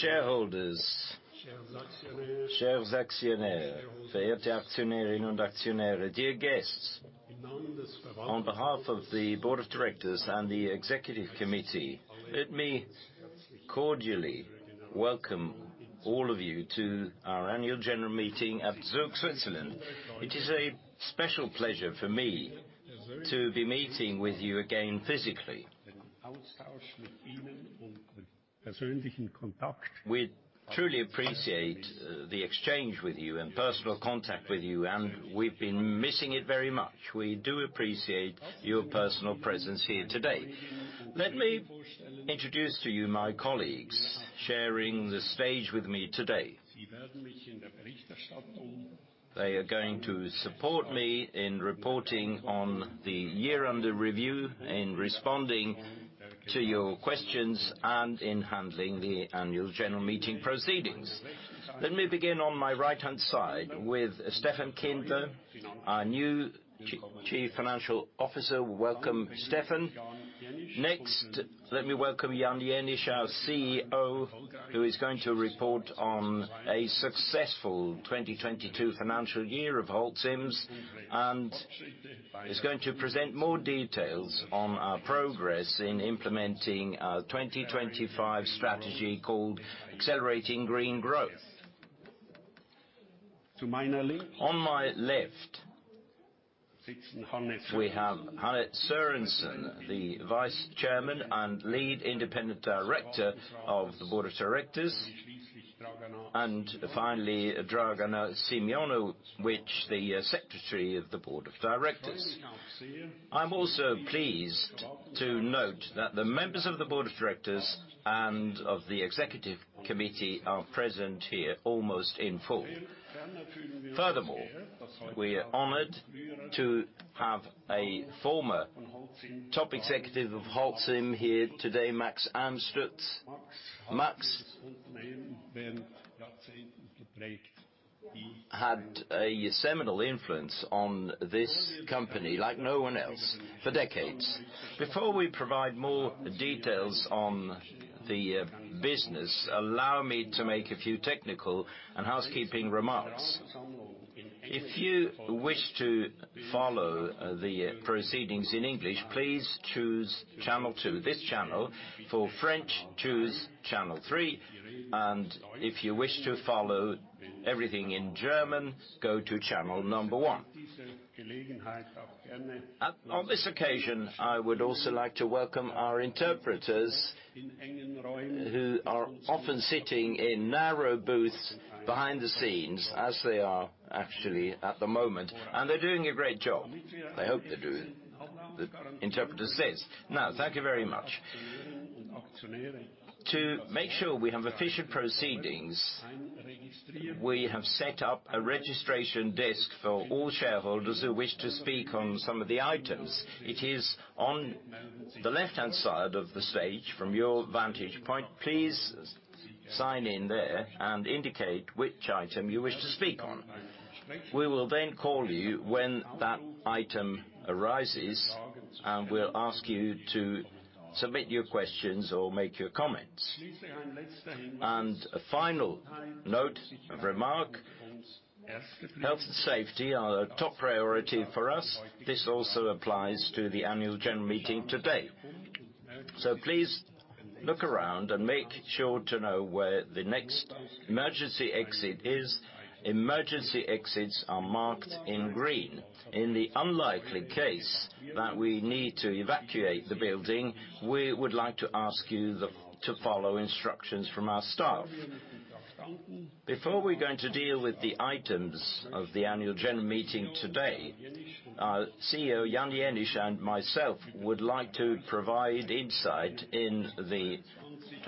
Shareholders. Dear guests, on behalf of the Board of Directors and the Executive Committee, let me cordially welcome all of you to our annual general meeting at Zurich, Switzerland. It is a special pleasure for me to be meeting with you again physically. We truly appreciate the exchange with you and personal contact with you. We've been missing it very much. We do appreciate your personal presence here today. Let me introduce to you my colleagues sharing the stage with me today. They are going to support me in reporting on the year under review, in responding to your questions, and in handling the annual general meeting proceedings. Let me begin on my right-hand side with Steffen Kindler, our new Chief Financial Officer. Welcome, Steffen. Next, let me welcome Jan Jenisch, our CEO, who is going to report on a successful 2022 financial year of Holcim's and is going to present more details on our progress in implementing our 2025 strategy called Accelerating Green Growth. On my left, we have Hanne Sørensen, the Vice-Chairwoman and Lead Independent Director of the Board of Directors. Finally, Dragana Simijonovic, the Secretary of the Board of Directors. I'm also pleased to note that the members of the Board of Directors and of the Executive Committee are present here almost in full. Furthermore, we are honored to have a former top executive of Holcim here today, Max Amstutz. Max had a seminal influence on this company like no one else for decades. Before we provide more details on the business, allow me to make a few technical and housekeeping remarks. If you wish to follow the proceedings in English, please choose channel two, this channel. For French, choose channel three. If you wish to follow everything in German, go to channel number one. On this occasion, I would also like to welcome our interpreters who are often sitting in narrow booths behind the scenes as they are actually at the moment. They're doing a great job. I hope they do, the interpreter says. Now, thank you very much. To make sure we have efficient proceedings, we have set up a registration desk for all shareholders who wish to speak on some of the items. It is on the left-hand side of the stage from your vantage point. Please sign in there and indicate which item you wish to speak on. We will then call you when that item arises, and we'll ask you to submit your questions or make your comments. A final note, remark, health and safety are a top priority for us. This also applies to the annual general meeting today. Please look around and make sure to know where the next emergency exit is. Emergency exits are marked in green. In the unlikely case that we need to evacuate the building, we would like to ask you to follow instructions from our staff. We're going to deal with the items of the annual general meeting today, our CEO, Jan Jenisch, and myself would like to provide insight in the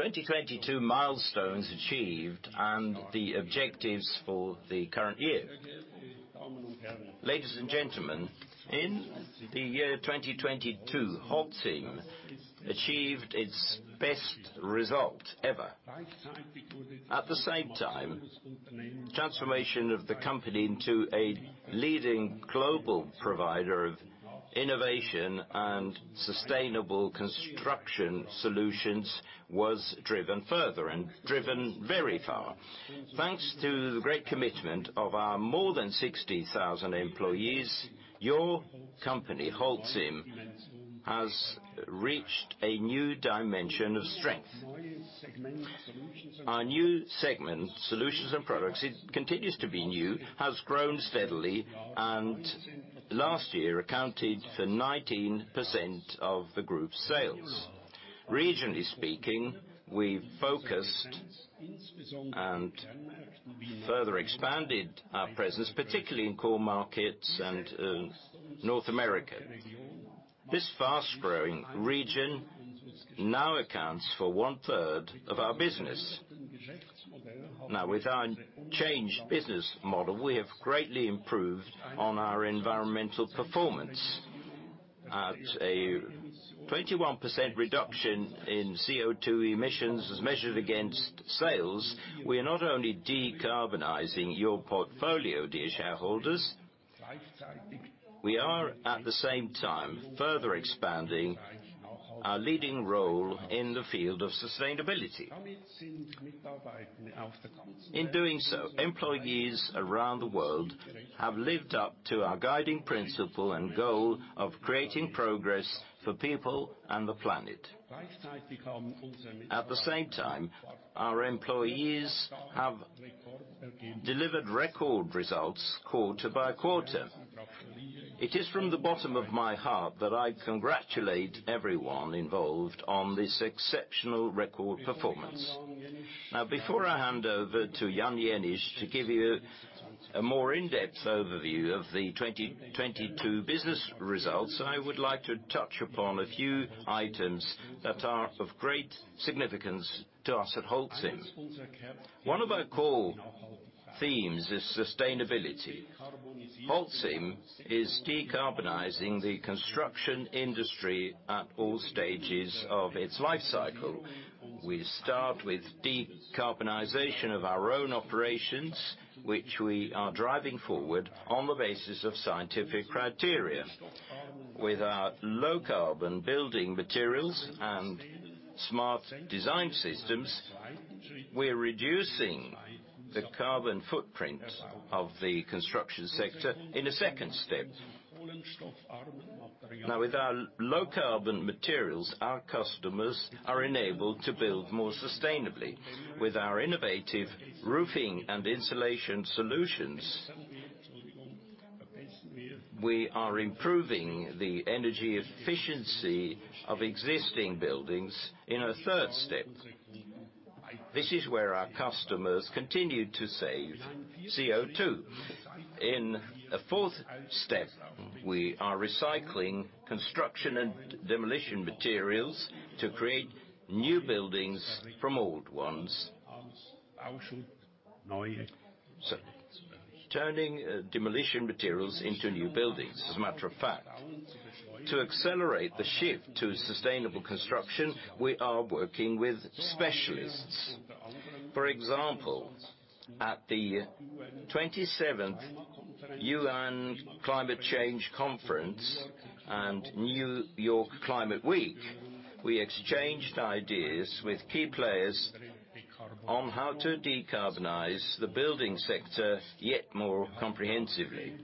2022 milestones achieved and the objectives for the current year. Ladies and gentlemen, in the year 2022, Holcim achieved its best result ever. At the same time, transformation of the company into a leading global provider of innovation and sustainable construction solutions was driven further and driven very far. Thanks to the great commitment of our more than 60,000 employees, your company, Holcim, has reached a new dimension of strength. Our new segment, Solutions & Products, it continues to be new, has grown steadily, and last year accounted for 19% of the group's sales. Regionally speaking, we focused and further expanded our presence, particularly in core markets and North America. This fast-growing region now accounts for 1/3 of our business. Now, with our changed business model, we have greatly improved on our environmental performance. At a 21% reduction in CO2 emissions as measured against sales, we are not only decarbonizing your portfolio, dear shareholders. We are at the same time further expanding our leading role in the field of sustainability. In doing so, employees around the world have lived up to our guiding principle and goal of creating progress for people and the planet. At the same time, our employees have delivered record results quarter by quarter. It is from the bottom of my heart that I congratulate everyone involved on this exceptional record performance. Before I hand over to Jan Jenisch to give you a more in-depth overview of the 2022 business results, I would like to touch upon a few items that are of great significance to us at Holcim. One of our core themes is sustainability. Holcim is decarbonizing the construction industry at all stages of its life cycle. We start with decarbonization of our own operations, which we are driving forward on the basis of scientific criteria. With our low-carbon building materials and smart design systems, we're reducing the carbon footprint of the construction sector in a second step. With our low-carbon materials, our customers are enabled to build more sustainably. With our innovative roofing and insulation solutions, we are improving the energy efficiency of existing buildings in a third step. This is where our customers continue to save CO2. In a fourth step, we are recycling construction and demolition materials to create new buildings from old ones. Turning demolition materials into new buildings, as a matter of fact. To accelerate the shift to sustainable construction, we are working with specialists. For example, at the twenty-seventh UN Climate Change Conference and New York Climate Week, we exchanged ideas with key players on how to decarbonize the building sector yet more comprehensively.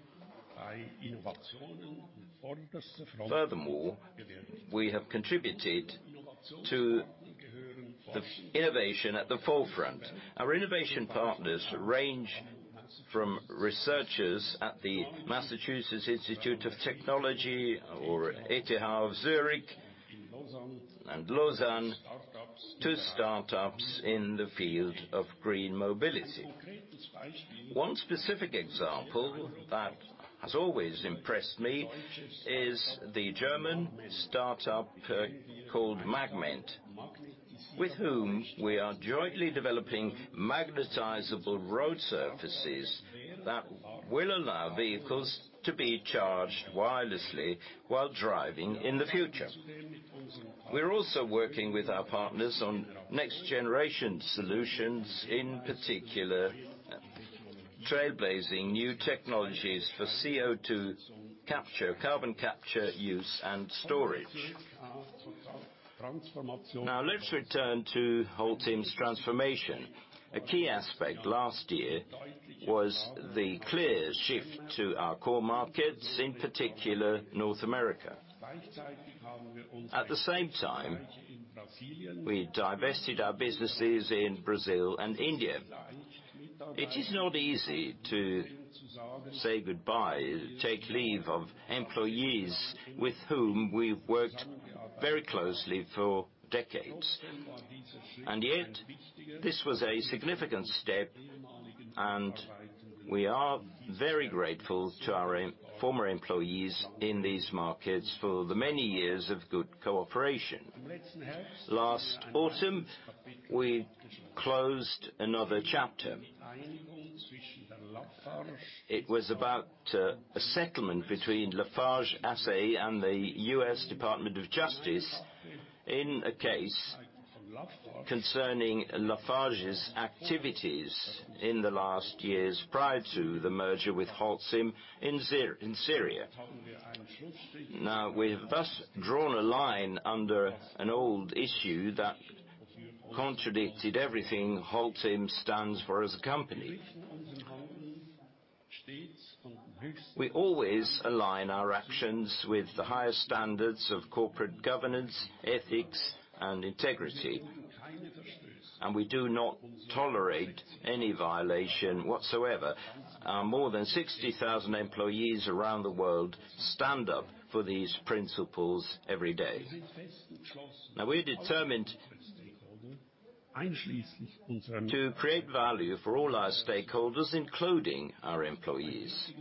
We have contributed to the innovation at the forefront. Our innovation partners range from researchers at the Massachusetts Institute of Technology or ETH Zurich and Lausanne to startups in the field of green mobility. One specific example that has always impressed me is the German startup called Magment, with whom we are jointly developing magnetizable road surfaces that will allow vehicles to be charged wirelessly while driving in the future. We're also working with our partners on next generation solutions, in particular trailblazing new technologies for CO2 capture, Carbon Capture, Use and Storage. Now, let's return to Holcim's transformation. A key aspect last year was the clear shift to our core markets, in particular North America. At the same time, we divested our businesses in Brazil and India. It is not easy to say goodbye, take leave of employees with whom we've worked very closely for decades. Yet this was a significant step, and we are very grateful to our former employees in these markets for the many years of good cooperation. Last autumn, we closed another chapter. It was about a settlement between Lafarge S.A. and the U.S. Department of Justice in a case concerning Lafarge's activities in the last years prior to the merger with Holcim in Syria. We've thus drawn a line under an old issue that contradicted everything Holcim stands for as a company. We always align our actions with the highest standards of corporate governance, ethics and integrity, and we do not tolerate any violation whatsoever. Our more than 60,000 employees around the world stand up for these principles every day. We're determined to create value for all our stakeholders, including our employees.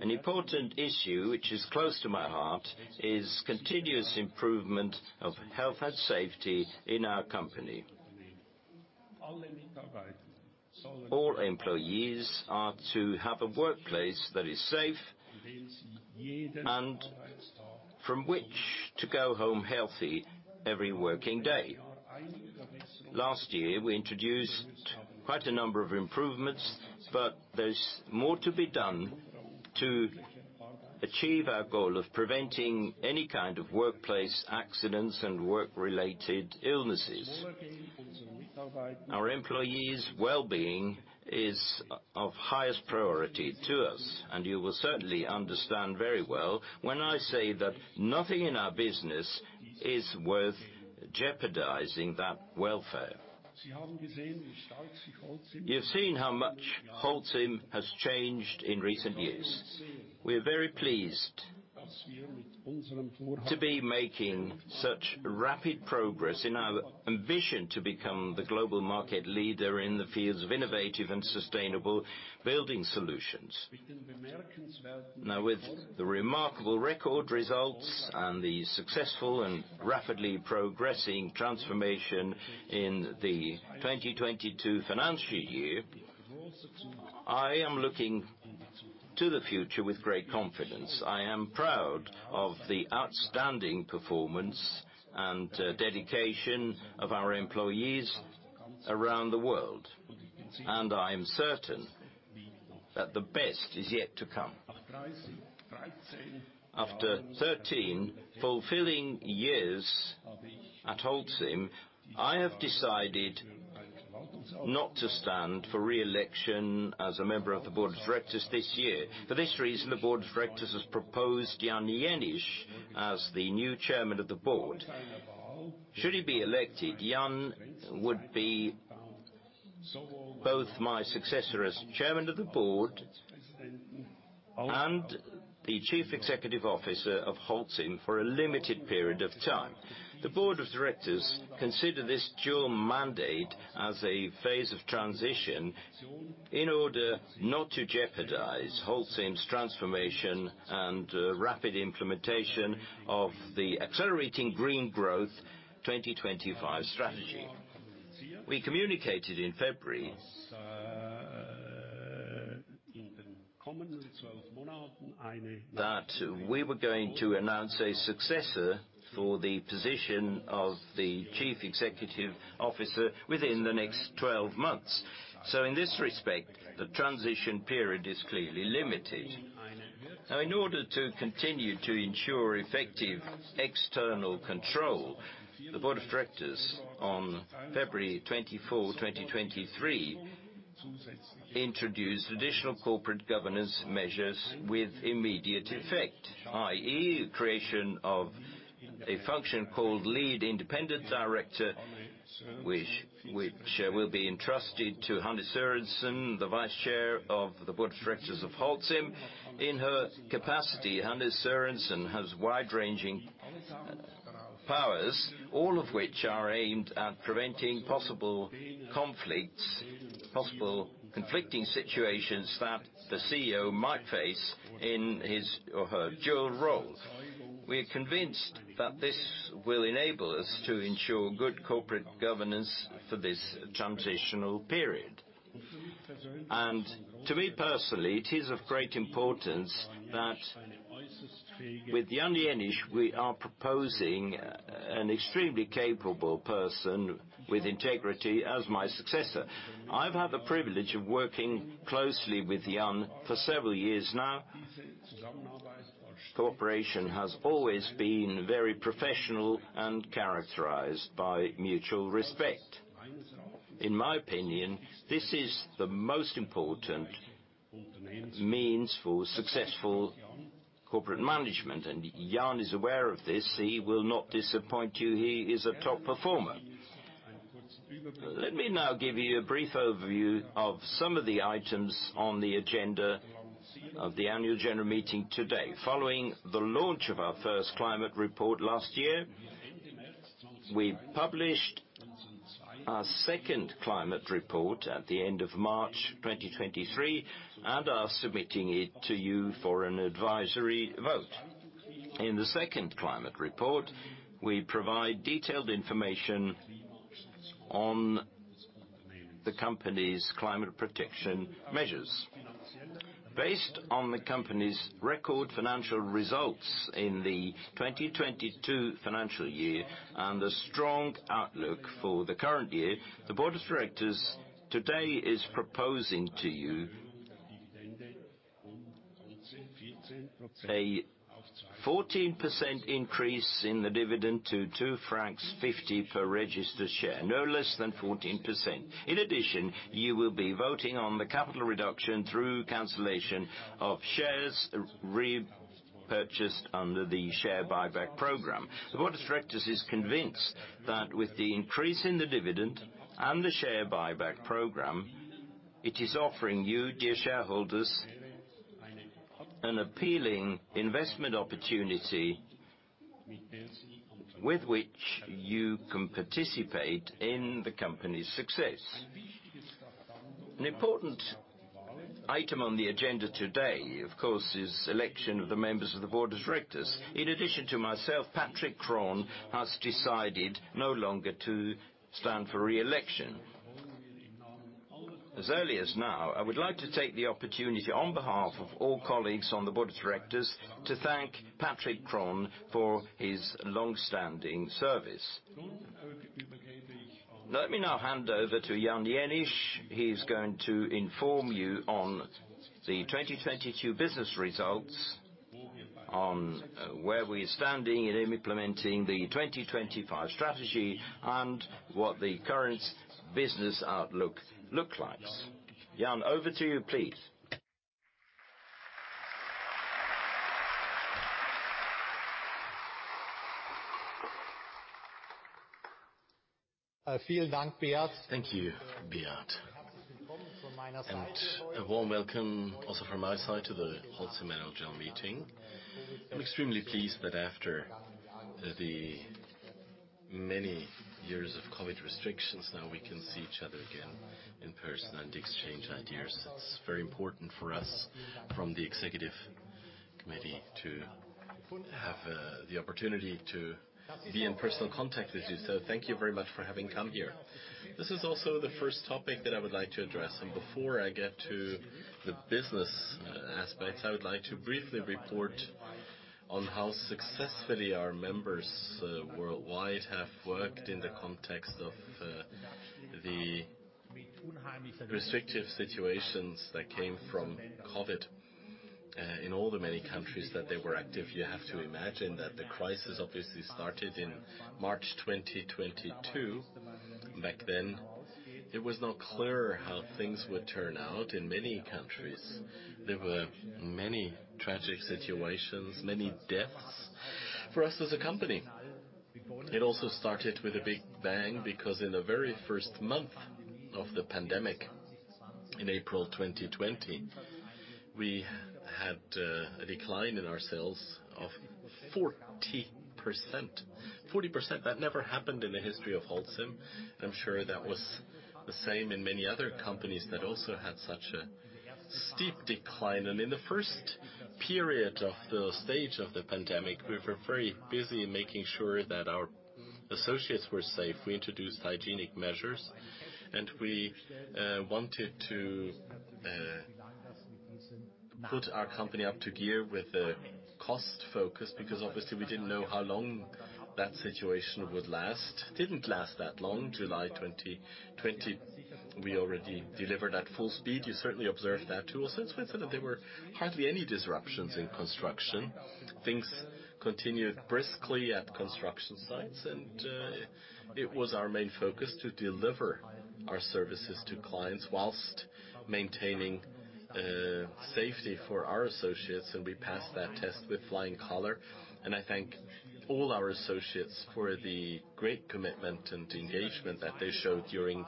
An important issue which is close to my heart is continuous improvement of health and safety in our company. All employees are to have a workplace that is safe and from which to go home healthy every working day. Last year, we introduced quite a number of improvements, but there's more to be done to achieve our goal of preventing any kind of workplace accidents and work-related illnesses. Our employees' well-being is of highest priority to us, and you will certainly understand very well when I say that nothing in our business is worth jeopardizing that welfare. You've seen how much Holcim has changed in recent years. We're very pleased to be making such rapid progress in our ambition to become the global market leader in the fields of innovative and sustainable building solutions. With the remarkable record results and the successful and rapidly progressing transformation in the 2022 financial year, I am looking to the future with great confidence. I am proud of the outstanding performance and dedication of our employees around the world, and I am certain that the best is yet to come. After 13 fulfilling years at Holcim, I have decided not to stand for re-election as a Member of the Board of Directors this year. For this reason, the Board of Directors has proposed Jan Jenisch as the new Chairman of the Board. Should he be elected, Jan would be both my successor as Chairman of the Board and the Chief Executive Officer of Holcim for a limited period of time. The Board of Directors consider this dual mandate as a phase of transition in order not to jeopardize Holcim's transformation and rapid implementation of the Accelerating Green Growth 2025 strategy. We communicated in February that we were going to announce a successor for the position of the Chief Executive Officer within the next 12 months. In this respect, the transition period is clearly limited. In order to continue to ensure effective external control, the Board of Directors on February 24, 2023, introduced additional corporate governance measures with immediate effect, i.e., creation of a function called Lead Independent Director, which will be entrusted to Hanne Sørensen, the Vice Chair of the Board of Directors of Holcim. In her capacity, Hanne Sørensen has wide-ranging powers, all of which are aimed at preventing possible conflicts, possible conflicting situations that the CEO might face in his or her dual role. We are convinced that this will enable us to ensure good corporate governance for this transitional period. To me personally, it is of great importance that with Jan Jenisch, we are proposing an extremely capable person with integrity as my successor. I've had the privilege of working closely with Jan for several years now. Cooperation has always been very professional and characterized by mutual respect. In my opinion, this is the most important means for successful corporate management, and Jan is aware of this. He will not disappoint you. He is a top performer. Let me now give you a brief overview of some of the items on the agenda of the annual general meeting today. Following the launch of our first climate report last year, we published our second climate report at the end of March 2023 and are submitting it to you for an advisory vote. In the second climate report, we provide detailed information on the company's climate protection measures. Based on the company's record financial results in the 2022 financial year and the strong outlook for the current year, the Board of Directors today is proposing to you a 14% increase in the dividend to 2.50 francs per registered share, no less than 14%. In addition, you will be voting on the capital reduction through cancellation of shares repurchased under the share buyback program. The Board of Directors is convinced that with the increase in the dividend and the share buyback program, it is offering you, dear shareholders, an appealing investment opportunity with which you can participate in the company's success. An important item on the agenda today, of course, is election of the members of the Board of Directors. In addition to myself, Patrick Kron has decided no longer to stand for re-election. As early as now, I would like to take the opportunity on behalf of all colleagues on the Board of Directors to thank Patrick Kron for his long-standing service. Let me now hand over to Jan Jenisch. He's going to inform you on the 2022 business results, on where we're standing in implementing the Strategy 2025, and what the current business outlook looks like. Jan, over to you, please. Thank you, Beat, a warm welcome also from my side to the Holcim Annual General Meeting. I'm extremely pleased that after the many years of COVID restrictions, now we can see each other again in person and exchange ideas. It's very important for us from the executive committee to have the opportunity to be in personal contact with you. Thank you very much for having come here. This is also the first topic that I would like to address. Before I get to the business aspects, I would like to briefly report on how successfully our members worldwide have worked in the context of the restrictive situations that came from COVID. In all the many countries that they were active, you have to imagine that the crisis obviously started in March 2022. Back then, it was not clear how things would turn out. In many countries, there were many tragic situations, many deaths. For us as a company, it also started with a big bang, because in the very first month of the pandemic, in April 2020, we had a decline in our sales of 40%. 40%, that never happened in the history of Holcim. I'm sure that was the same in many other companies that also had such a steep decline. In the first period of the stage of the pandemic, we were very busy making sure that our associates were safe. We introduced hygienic measures, and we wanted to put our company up to gear with a cost focus, because obviously we didn't know how long that situation would last. Didn't last that long. July 2020, we already delivered at full speed. You certainly observed that too. There were hardly any disruptions in construction. Things continued briskly at construction sites, and it was our main focus to deliver our services to clients whilst maintaining safety for our associates, and we passed that test with flying color. I thank all our associates for the great commitment and engagement that they showed during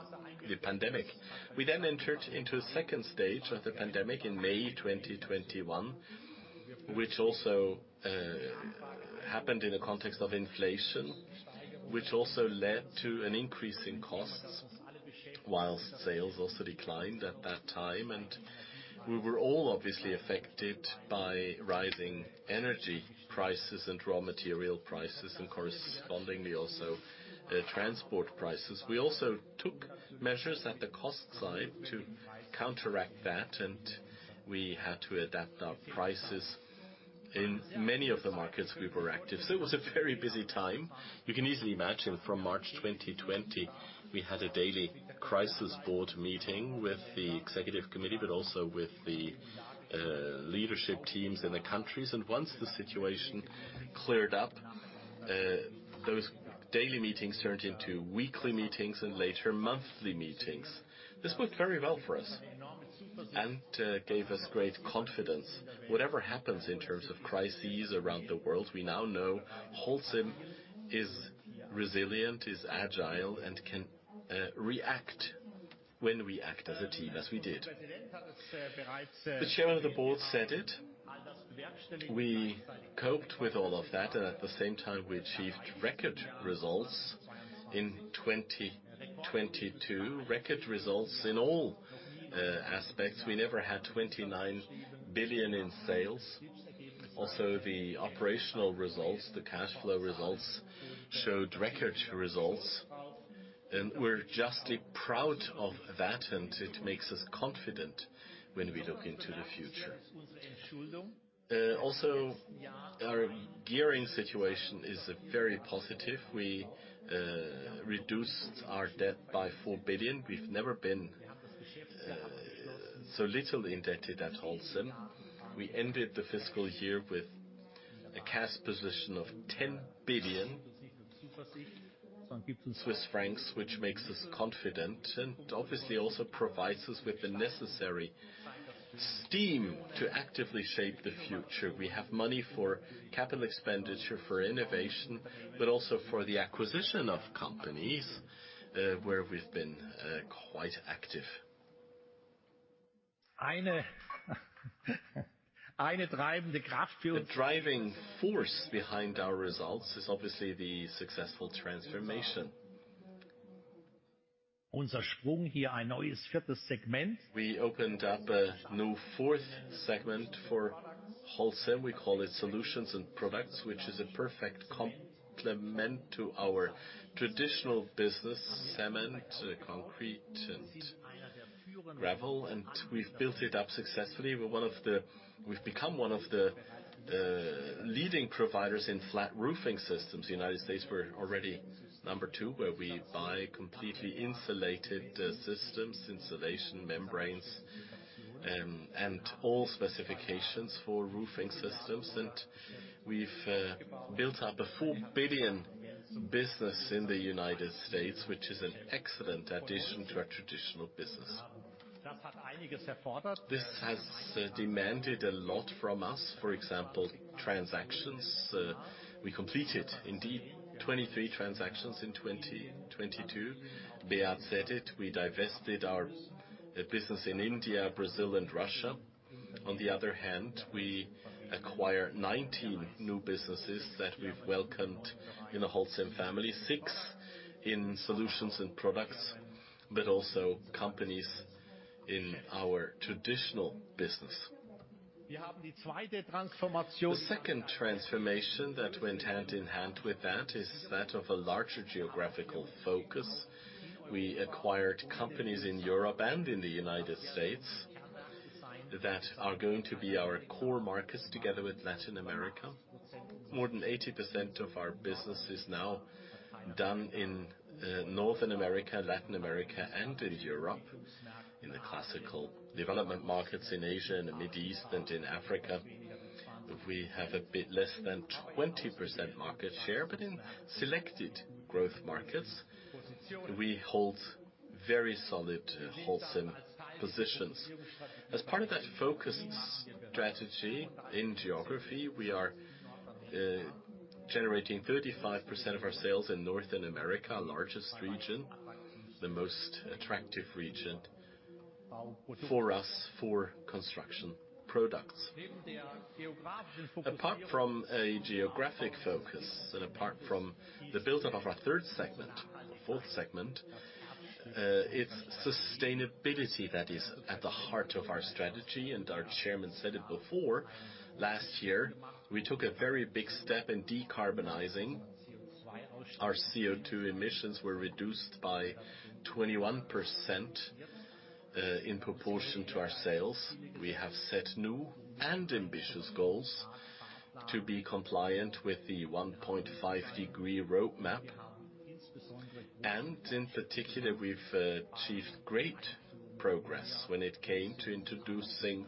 the pandemic. We entered into a second stage of the pandemic in May 2021, which also happened in a context of inflation, which also led to an increase in costs, whilst sales also declined at that time. We were all obviously affected by rising energy prices and raw material prices, and correspondingly also transport prices. We also took measures at the cost side to counteract that, and we had to adapt our prices in many of the markets we were active. It was a very busy time. You can easily imagine from March 2020, we had a daily crisis board meeting with the executive committee, but also with the leadership teams in the countries. Once the situation cleared up, those daily meetings turned into weekly meetings and later monthly meetings. This worked very well for us and gave us great confidence. Whatever happens in terms of crises around the world, we now know Holcim is resilient, is agile, and can react when we act as a team, as we did. The chairman of the board said it. We coped with all of that. At the same time, we achieved record results in 2022. Record results in all aspects. We never had 29 billion in sales. The operational results, the cash flow results, showed record results, and we're justly proud of that, and it makes us confident when we look into the future. Our gearing situation is very positive. We reduced our debt by 4 billion. We've never been so little indebted at Holcim. We ended the fiscal year with a cash position of 10 billion Swiss francs, which makes us confident and obviously also provides us with the necessary steam to actively shape the future. We have money for capital expenditure, for innovation, but also for the acquisition of companies, where we've been quite active. The driving force behind our results is obviously the successful transformation. We opened up a new fourth segment for Holcim. We call it Solutions & Products, which is a perfect complement to our traditional business, cement, concrete, and gravel. We've built it up successfully. We've become one of the leading providers in flat roofing systems. U.S., we're already number two, where we buy completely insulated systems, insulation membranes, and all specifications for roofing systems. We've built up a full $1 billion business in the U.S., which is an excellent addition to our traditional business. This has demanded a lot from us, for example, transactions. We completed indeed 23 transactions in 2022. Beat said it, we divested our business in India, Brazil, and Russia. On the other hand, we acquired 19 new businesses that we've welcomed in the Holcim family. Six in Solutions and Products, but also companies in our traditional business. The second transformation that went hand in hand with that is that of a larger geographical focus. We acquired companies in Europe and in the United States that are going to be our core markets together with Latin America. More than 80% of our business is now done in Northern America, Latin America, and in Europe. In the classical development markets in Asia and the Middle East and in Africa, we have a bit less than 20% market share, but in selected growth markets, we hold very solid Holcim positions. As part of that focused strategy in geography, we are generating 35% of our sales in Northern America, largest region, the most attractive region for us for construction products. Apart from a geographic focus and apart from the build-up of our third segment, fourth segment, it's sustainability that is at the heart of our strategy. Our Chairman said it before, last year, we took a very big step in decarbonizing. Our CO2 emissions were reduced by 21% in proportion to our sales. We have set new and ambitious goals to be compliant with the 1.5 degree roadmap. In particular, we've achieved great progress when it came to introducing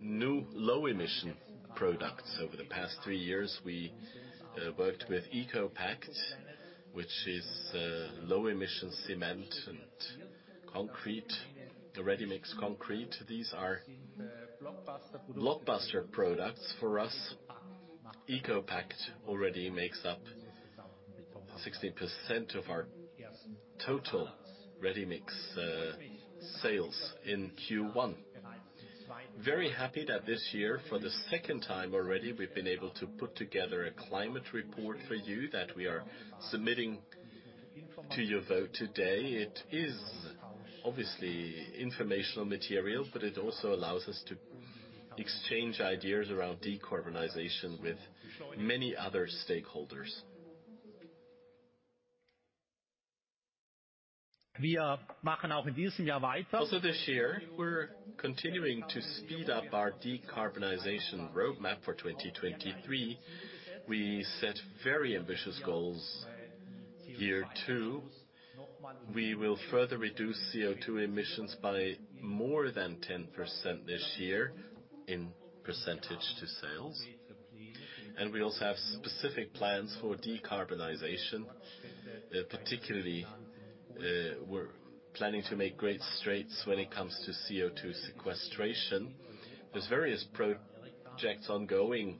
new low emission products. Over the past 3 years, we worked with ECOPact, which is a low emission cement and concrete, the ready-mix concrete. These are blockbuster products for us. ECOPact already makes up 16% of our total ready-mix sales in Q1. Very happy that this year, for the second time already, we've been able to put together a climate report for you that we are submitting to your vote today. It is obviously informational material, but it also allows us to exchange ideas around decarbonization with many other stakeholders. Also this year, we're continuing to speed up our decarbonization roadmap for 2023. We set very ambitious goals here too. We will further reduce CO2 emissions by more than 10% this year in percentage to sales. We also have specific plans for decarbonization. Particularly, we're planning to make great strides when it comes to CO2 sequestration. There's various projects ongoing in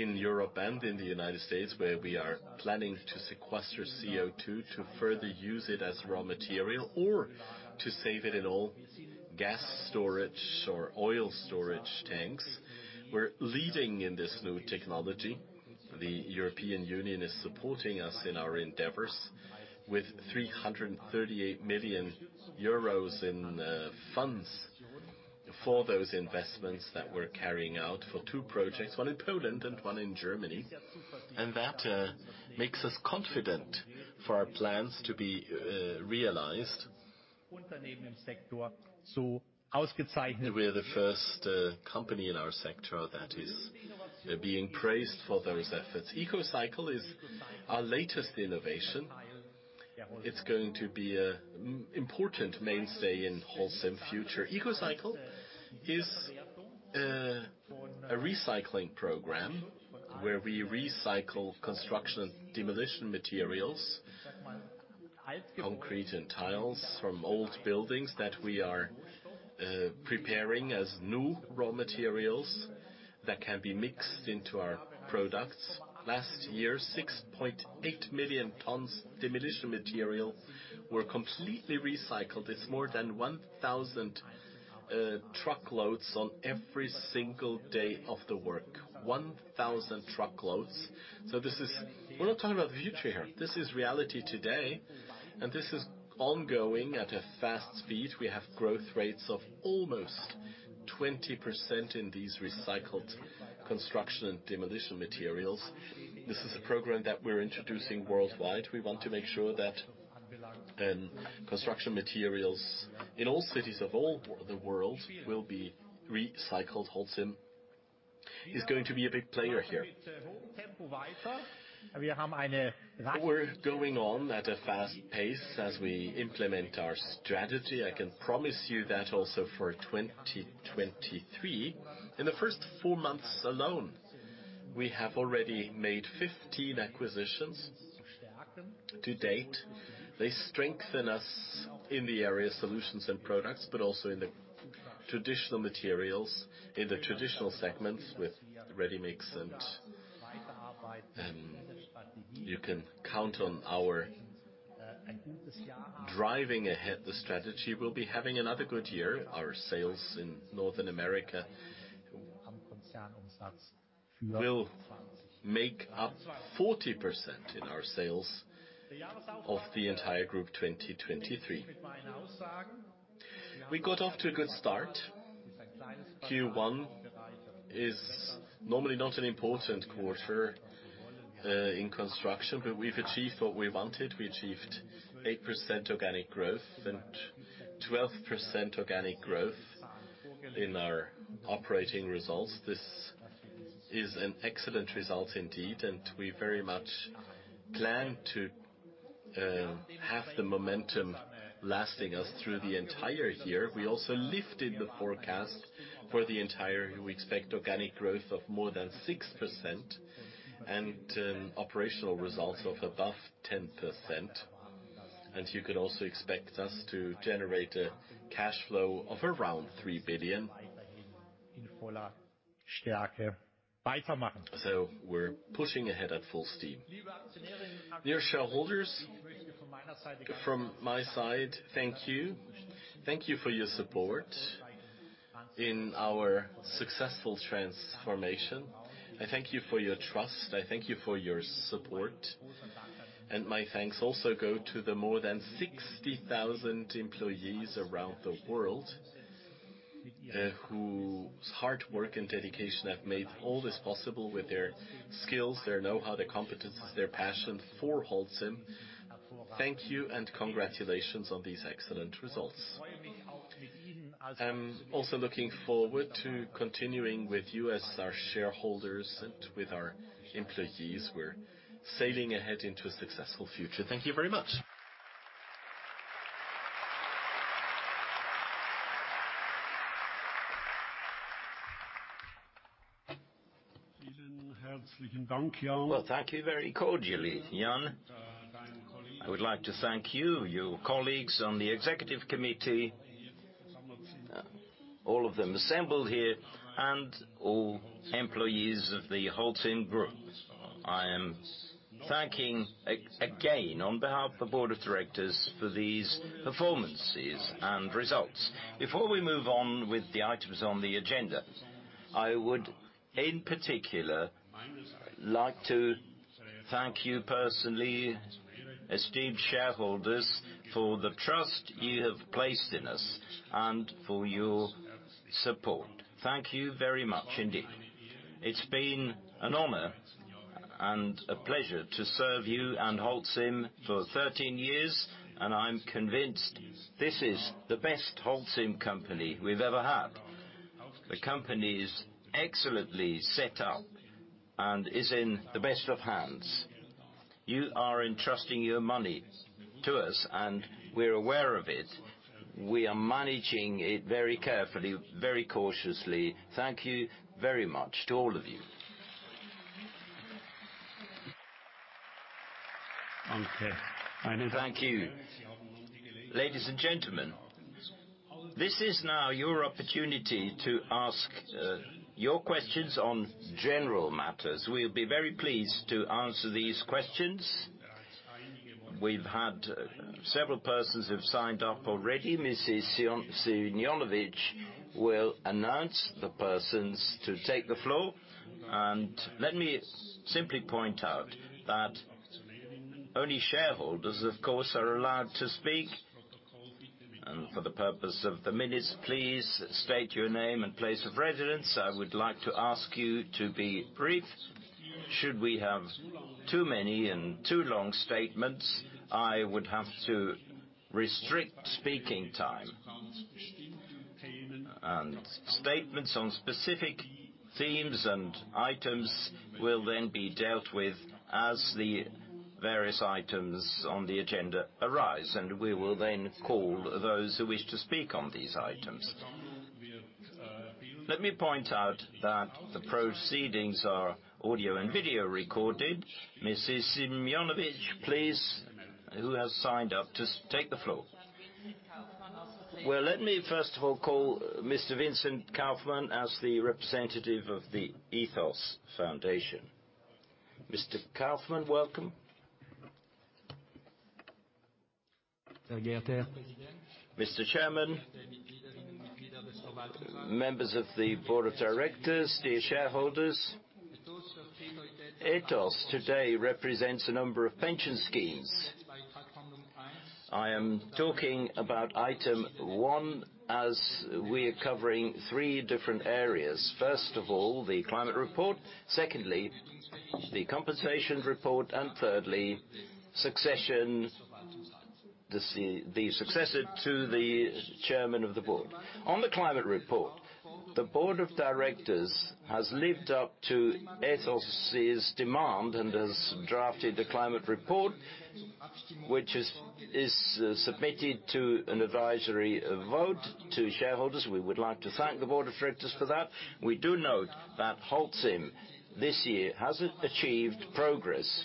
Europe and in the United States, where we are planning to sequester CO2 to further use it as raw material or to save it in old gas storage or oil storage tanks. We're leading in this new technology. The European Union is supporting us in our endeavors with 338 million euros in funds for those investments that we're carrying out for two projects, one in Poland and one in Germany. That makes us confident for our plans to be realized. We're the first company in our sector that is being praised for those efforts. ECOCycle is our latest innovation. It's going to be an important mainstay in Holcim future. ECOCycle is a recycling program where we recycle construction and demolition materials, concrete and tiles from old buildings that we are preparing as new raw materials that can be mixed into our products. Last year, 6.8 million tons demolition material were completely recycled. It's more than 1,000 truckloads on every single day of the work. 1,000 truckloads. We're not talking about the future here. This is reality today, and this is ongoing at a fast speed. We have growth rates of almost 20% in these recycled construction and demolition materials. This is a program that we're introducing worldwide. We want to make sure that construction materials in all cities of all the world will be recycled. Holcim is going to be a big player here. We're going on at a fast pace as we implement our strategy. I can promise you that also for 2023. In the first 4 months alone, we have already made 15 acquisitions to date. They strengthen us in the area Solutions & Products, but also in the traditional materials, in the traditional segments with ready-mix, you can count on our driving ahead the strategy. We'll be having another good year. Our sales in Northern America will make up 40% in our sales of the entire group, 2023. We got off to a good start. Q1 is normally not an important quarter in construction, but we've achieved what we wanted. We achieved 8% organic growth and 12% organic growth in our operating results. This is an excellent result indeed, we very much plan to have the momentum lasting us through the entire year. We also lifted the forecast for the entire year. We expect organic growth of more than 6% and operational results of above 10%. You can also expect us to generate a cash flow of around 3 billion. We're pushing ahead at full steam. Dear shareholders, from my side, thank you. Thank you for your support in our successful transformation. I thank you for your trust. I thank you for your support. My thanks also go to the more than 60,000 employees around the world, whose hard work and dedication have made all this possible with their skills, their know-how, their competencies, their passion for Holcim. Thank you, and congratulations on these excellent results. I'm also looking forward to continuing with you as our shareholders and with our employees. We're sailing ahead into a successful future. Thank you very much. Well, thank you very cordially, Jan. I would like to thank you, your colleagues on the executive committee, all of them assembled here, and all employees of the Holcim Group. I am thanking again on behalf of the board of directors for these performances and results. Before we move on with the items on the agenda, I would, in particular, like to thank you personally, esteemed shareholders, for the trust you have placed in us and for your support. Thank you very much indeed. It's been an honor and a pleasure to serve you and Holcim for 13 years, and I'm convinced this is the best Holcim company we've ever had. The company is excellently set up and is in the best of hands. You are entrusting your money to us, and we're aware of it. We are managing it very carefully, very cautiously. Thank you very much to all of you. Thank you. Ladies and gentlemen, this is now your opportunity to ask your questions on general matters. We'll be very pleased to answer these questions. We've had several persons who've signed up already. Mrs. Simijonovic will announce the persons to take the floor. Let me simply point out that only shareholders, of course, are allowed to speak. For the purpose of the minutes, please state your name and place of residence. I would like to ask you to be brief. Should we have too many and too long statements, I would have to restrict speaking time. Statements on specific themes and items will then be dealt with as the various items on the agenda arise, and we will then call those who wish to speak on these items. Let me point out that the proceedings are audio and video recorded. Mrs. Simijonovic, please, who has signed up to take the floor? Let me first of all call Mr. Vincent Kaufmann as the representative of the Ethos Foundation. Mr. Kaufmann, welcome. Mr. Chairman, members of the board of directors, dear shareholders, Ethos today represents a number of pension schemes. I am talking about item one as we're covering three different areas. First of all, the climate report. Secondly, the compensation report, and thirdly, succession, the successor to the chairman of the board. On the climate report, the board of directors has lived up to Ethos's demand and has drafted a climate report, which is submitted to an advisory vote to shareholders. We would like to thank the board of directors for that. We do note that Holcim this year hasn't achieved progress.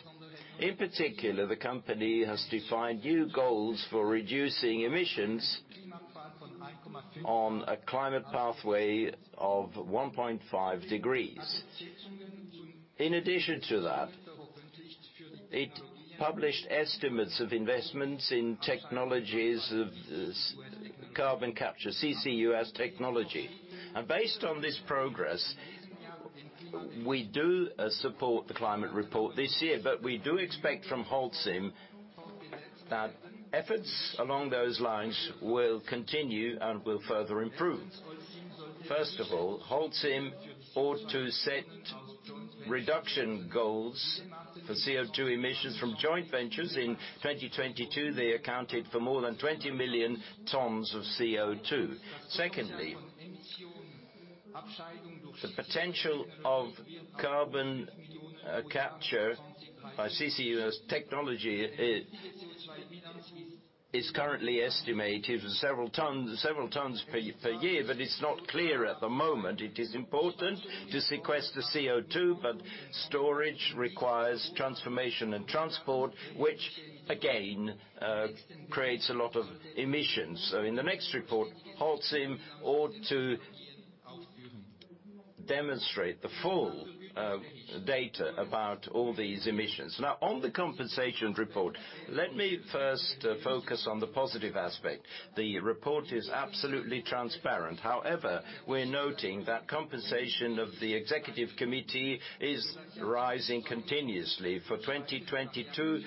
In particular, the company has defined new goals for reducing emissions on a climate pathway of 1.5 degrees. In addition to that, it published estimates of investments in technologies of Carbon Capture, CCUS technology. Based on this progress, we do support the climate report this year, but we do expect from Holcim that efforts along those lines will continue and will further improve. First of all, Holcim ought to set reduction goals for CO2 emissions from joint ventures. In 2022, they accounted for more than 20 million tons of CO2. Secondly, the potential of Carbon Capture by CCUS technology is currently estimated several tons per year, but it's not clear at the moment. It is important to sequester CO2, but storage requires transformation and transport, which again creates a lot of emissions. In the next report, Holcim ought to demonstrate the full data about all these emissions. On the compensation report, let me first focus on the positive aspect. The report is absolutely transparent. However, we're noting that compensation of the executive committee is rising continuously. For 2022,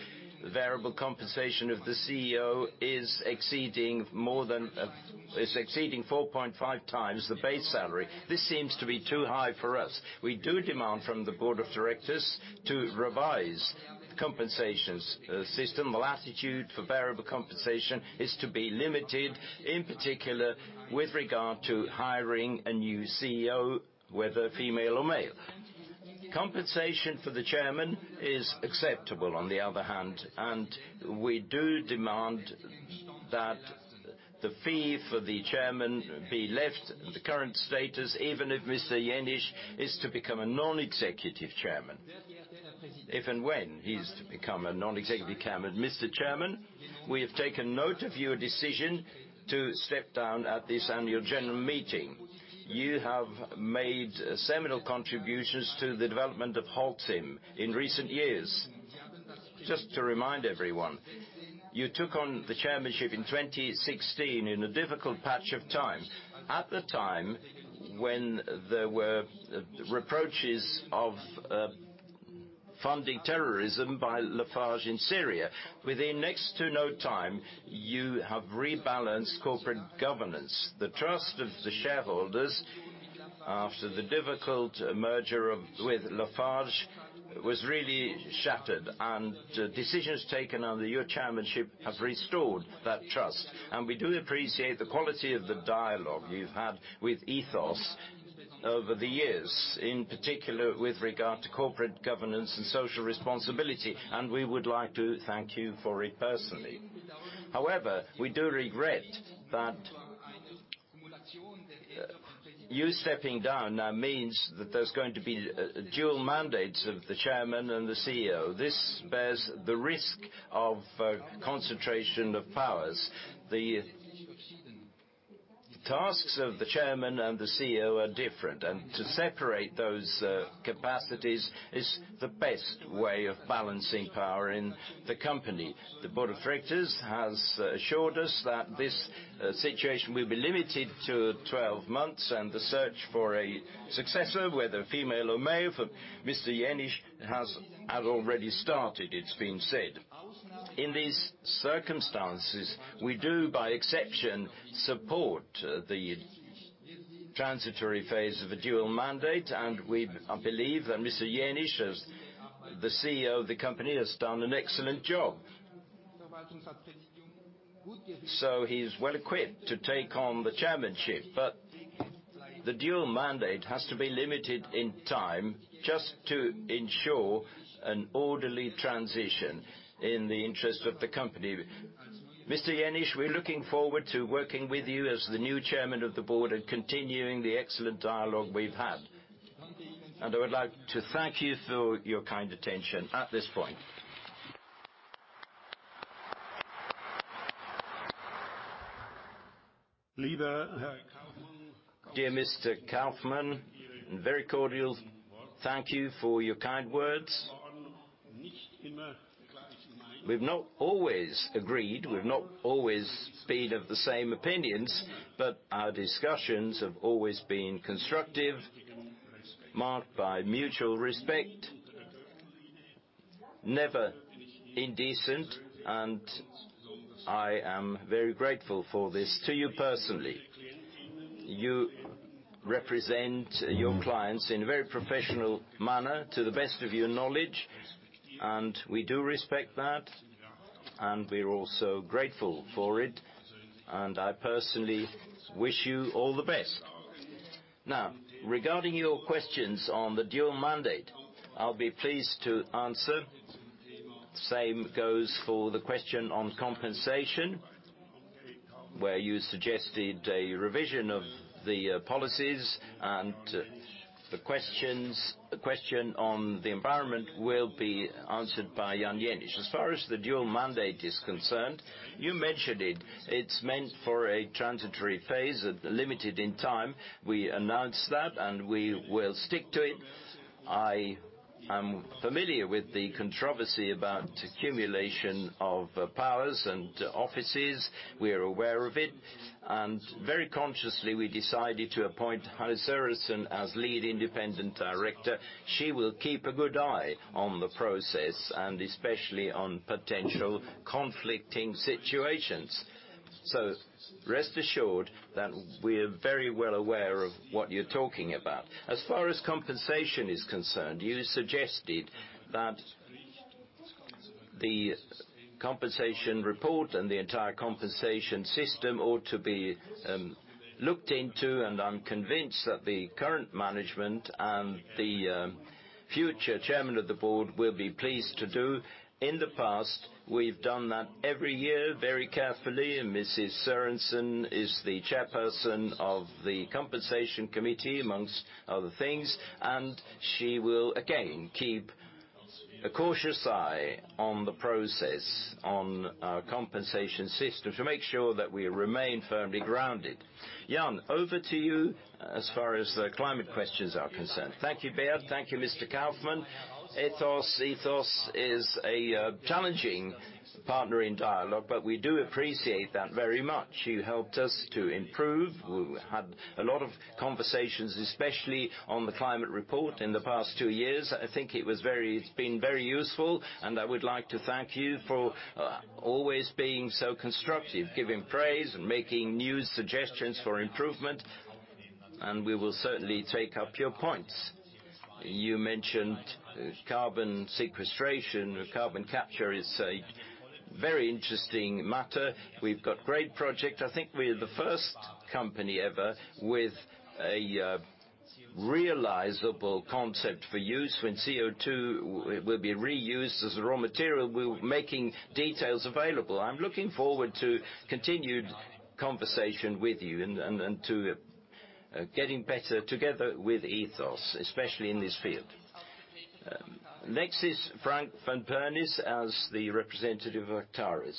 variable compensation of the CEO is exceeding 4.5 times the base salary. This seems to be too high for us. We do demand from the board of directors to revise the compensation system. The latitude for variable compensation is to be limited, in particular with regard to hiring a new CEO, whether female or male. Compensation for the chairman is acceptable on the other hand, and we do demand that the fee for the chairman be left the current status, even if Mr. Jenisch is to become a non-executive chairman. If and when he's to become a non-executive chairman. Mr. Chairman, we have taken note of your decision to step down at this annual general meeting. You have made seminal contributions to the development of Holcim in recent years. Just to remind everyone, you took on the chairmanship in 2016 in a difficult patch of time. At the time when there were reproaches of funding terrorism by Lafarge in Syria. Within next to no time, you have rebalanced corporate governance. The trust of the shareholders after the difficult merger of, with Lafarge was really shattered, and decisions taken under your chairmanship have restored that trust. We do appreciate the quality of the dialogue you've had with Ethos over the years, in particular with regard to corporate governance and social responsibility, and we would like to thank you for it personally. We do regret that you stepping down now means that there's going to be dual mandates of the Chairman and the CEO. This bears the risk of concentration of powers. The tasks of the Chairman and the CEO are different. To separate those capacities is the best way of balancing power in the company. The board of directors has assured us that this situation will be limited to 12 months, the search for a successor, whether female or male, for Mr. Jenisch has already started, it's been said. In these circumstances, we do by exception, support the transitory phase of a dual mandate, I believe that Mr. Jenisch, as the CEO of the company, has done an excellent job. He's well equipped to take on the chairmanship. The dual mandate has to be limited in time just to ensure an orderly transition in the interest of the company. Mr. Jenisch, we're looking forward to working with you as the new Chairman of the Board and continuing the excellent dialogue we've had. I would like to thank you for your kind attention at this point. Dear Mr. Kaufmann, very cordial thank you for your kind words. We've not always agreed. We've not always been of the same opinions, but our discussions have always been constructive, marked by mutual respect, never indecent, and I am very grateful for this to you personally. You represent your clients in a very professional manner to the best of your knowledge, and we do respect that, and we're also grateful for it. I personally wish you all the best. Now, regarding your questions on the dual mandate, I'll be pleased to answer. Same goes for the question on compensation, where you suggested a revision of the policies and the questions. The question on the environment will be answered by Jan Jenisch. As far as the dual mandate is concerned, you mentioned it. It's meant for a transitory phase, limited in time. We announced that, and we will stick to it. I am familiar with the controversy about accumulation of powers and offices. We are aware of it, and very consciously, we decided to appoint Hanne Sørensen as Lead Independent Director. She will keep a good eye on the process and especially on potential conflicting situations. Rest assured that we're very well aware of what you're talking about. As far as compensation is concerned, you suggested that the compensation report and the entire compensation system ought to be looked into. I'm convinced that the current management and the future Chairman of the Board will be pleased to do. In the past, we've done that every year very carefully. Mrs. Sørensen is the Chairperson of the Compensation Committee, amongst other things, and she will again keep a cautious eye on the process, on our compensation system to make sure that we remain firmly grounded. Jan, over to you as far as the climate questions are concerned. Thank you, Bert. Thank you, Mr. Kaufmann. Ethos is a challenging partner in dialogue. We do appreciate that very much. You helped us to improve. We had a lot of conversations, especially on the climate report in the past 2 years. I think it was very. It's been very useful. I would like to thank you for always being so constructive, giving praise and making new suggestions for improvement. We will certainly take up your points. You mentioned carbon sequestration. Carbon capture is a very interesting matter. We've got great project. I think we're the first company ever with a realizable concept for use when CO2 will be reused as a raw material. We're making details available. I'm looking forward to continued conversation with you and to getting better together with Ethos, especially in this field. Next is Frank van Pernis as the representative of Actares.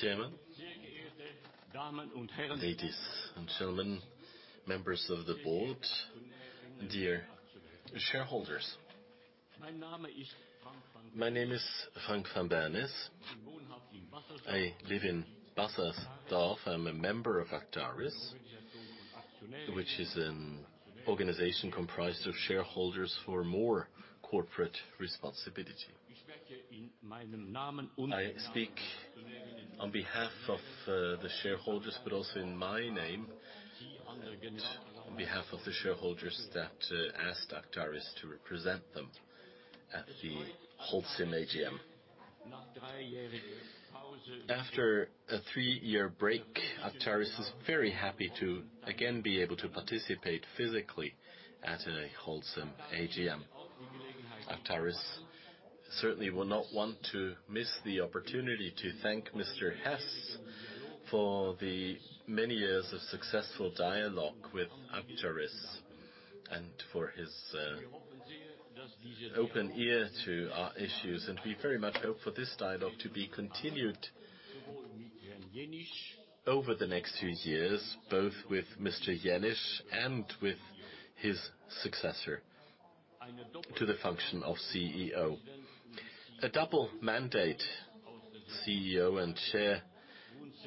Chairman, ladies and gentlemen, members of the board, dear shareholders, my name is Frank van Pernis. I live in Bassersdorf. I'm a member of Actares, which is an organization comprised of shareholders for more corporate responsibility. I speak on behalf of the shareholders, but also in my name on behalf of the shareholders that asked Actares to represent them at the Holcim AGM. After a three-year break, Actares is very happy to again be able to participate physically at a Holcim AGM. Actares certainly will not want to miss the opportunity to thank Mr. Hess for the many years of successful dialogue with Actares and for his open ear to our issues. We very much hope for this dialogue to be continued over the next few years, both with Mr. Jenisch and with his successor to the function of CEO. A double mandate CEO and chair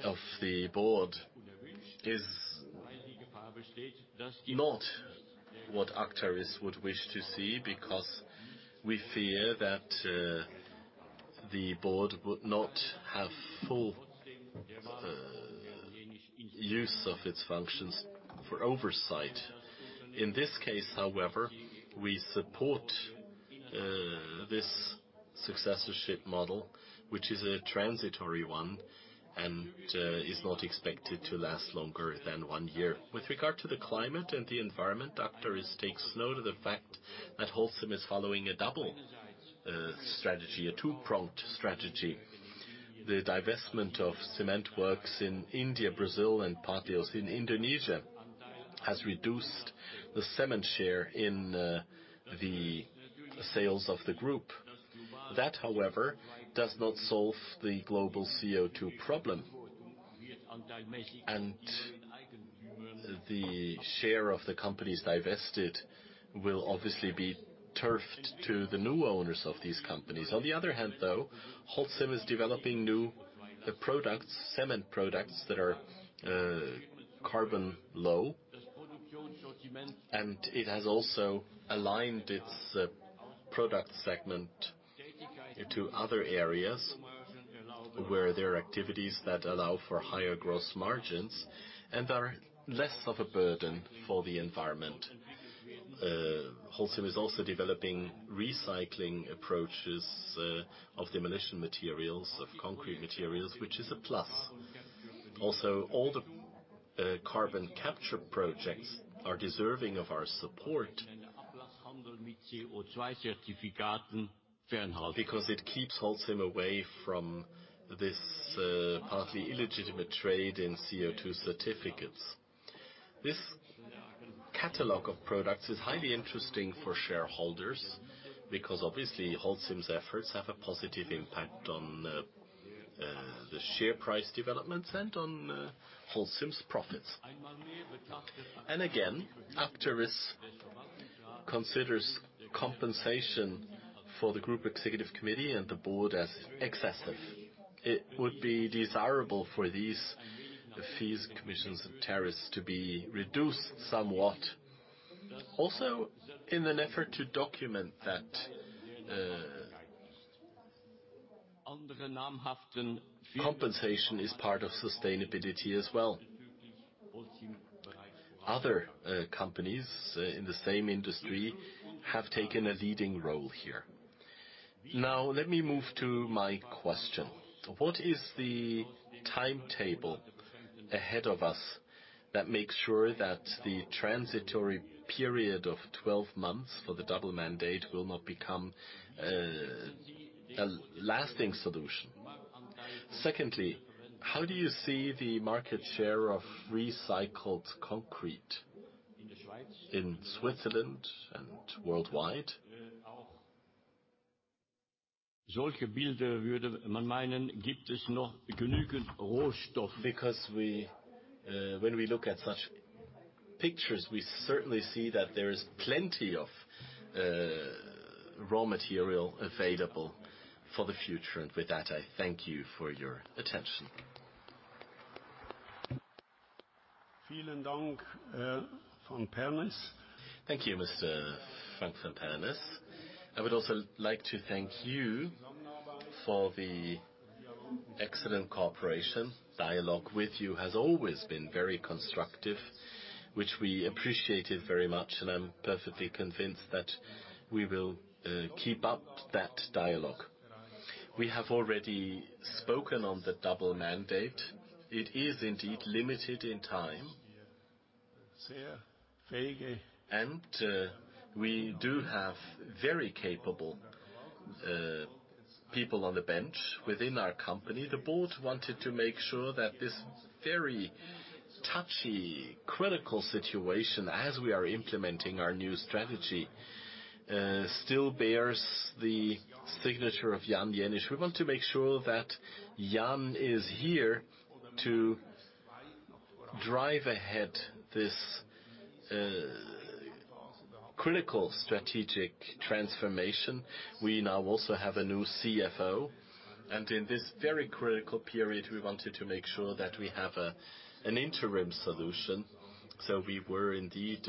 of the board is not what Actares would wish to see because we fear that the board would not have full use of its functions for oversight. In this case, however, we support this successorship model, which is a transitory one. Is not expected to last longer than one year. With regard to the climate and the environment, Actares takes note of the fact that Holcim is following a double strategy, a two-pronged strategy. The divestment of cement works in India, Brazil, and partly also in Indonesia, has reduced the cement share in the sales of the group. That, however, does not solve the global CO2 problem. The share of the companies divested will obviously be turfed to the new owners of these companies. On the other hand, though, Holcim is developing new products, cement products, that are carbon low. It has also aligned its product segment into other areas, where there are activities that allow for higher gross margins and are less of a burden for the environment. Holcim is also developing recycling approaches of demolition materials, of concrete materials, which is a plus. Also, all the carbon capture projects are deserving of our support because it keeps Holcim away from this partly illegitimate trade in CO2 certificates. This catalog of products is highly interesting for shareholders, because obviously, Holcim's efforts have a positive impact on the share price developments and on Holcim's profits. Again, Actares considers compensation for the group executive committee and the board as excessive. It would be desirable for these fees, commissions, and tariffs to be reduced somewhat. In an effort to document that compensation is part of sustainability as well. Other companies in the same industry have taken a leading role here. Now let me move to my question. What is the timetable ahead of us that makes sure that the transitory period of 12 months for the double mandate will not become a lasting solution? Secondly, how do you see the market share of recycled concrete in Switzerland and worldwide? Because we when we look at such pictures, we certainly see that there is plenty of raw material available for the future. With that, I thank you for your attention. Thank you, Mr. Frank van Paemele. I would also like to thank you for the excellent cooperation. Dialogue with you has always been very constructive, which we appreciated very much, and I'm perfectly convinced that we will keep up that dialogue. We have already spoken on the double mandate. It is indeed limited in time. We do have very capable people on the bench within our company. The board wanted to make sure that this very touchy, critical situation, as we are implementing our new strategy, still bears the signature of Jan Jenisch. We want to make sure that Jan is here to drive ahead this critical strategic transformation. We now also have a new CFO, and in this very critical period, we wanted to sure that we have an interim solution. We were indeed,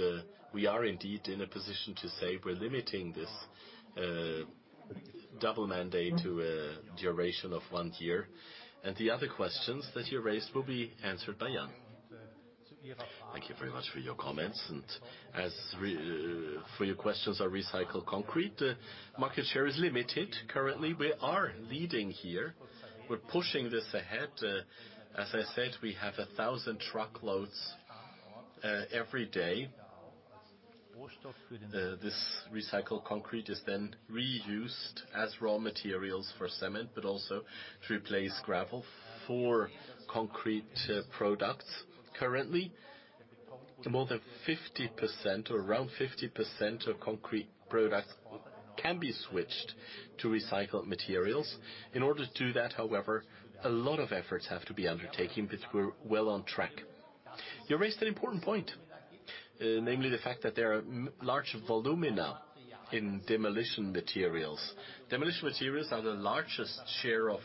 we are indeed in a position to say we're limiting this double mandate to a duration of one year. The other questions that you raised will be answered by Jan. Thank you very much for your comments. For your questions on recycled concrete, market share is limited. Currently, we are leading here. We're pushing this ahead. As I said, we have 1,000 truckloads every day. This recycled concrete is then reused as raw materials for cement, but also to replace gravel for concrete products. Currently, more than 50% or around 50% of concrete products can be switched to recycled materials. In order to do that, however, a lot of efforts have to be undertaken, but we're well on track. You raised an important point, namely the fact that there are large volumina in demolition materials. Demolition materials are the largest share of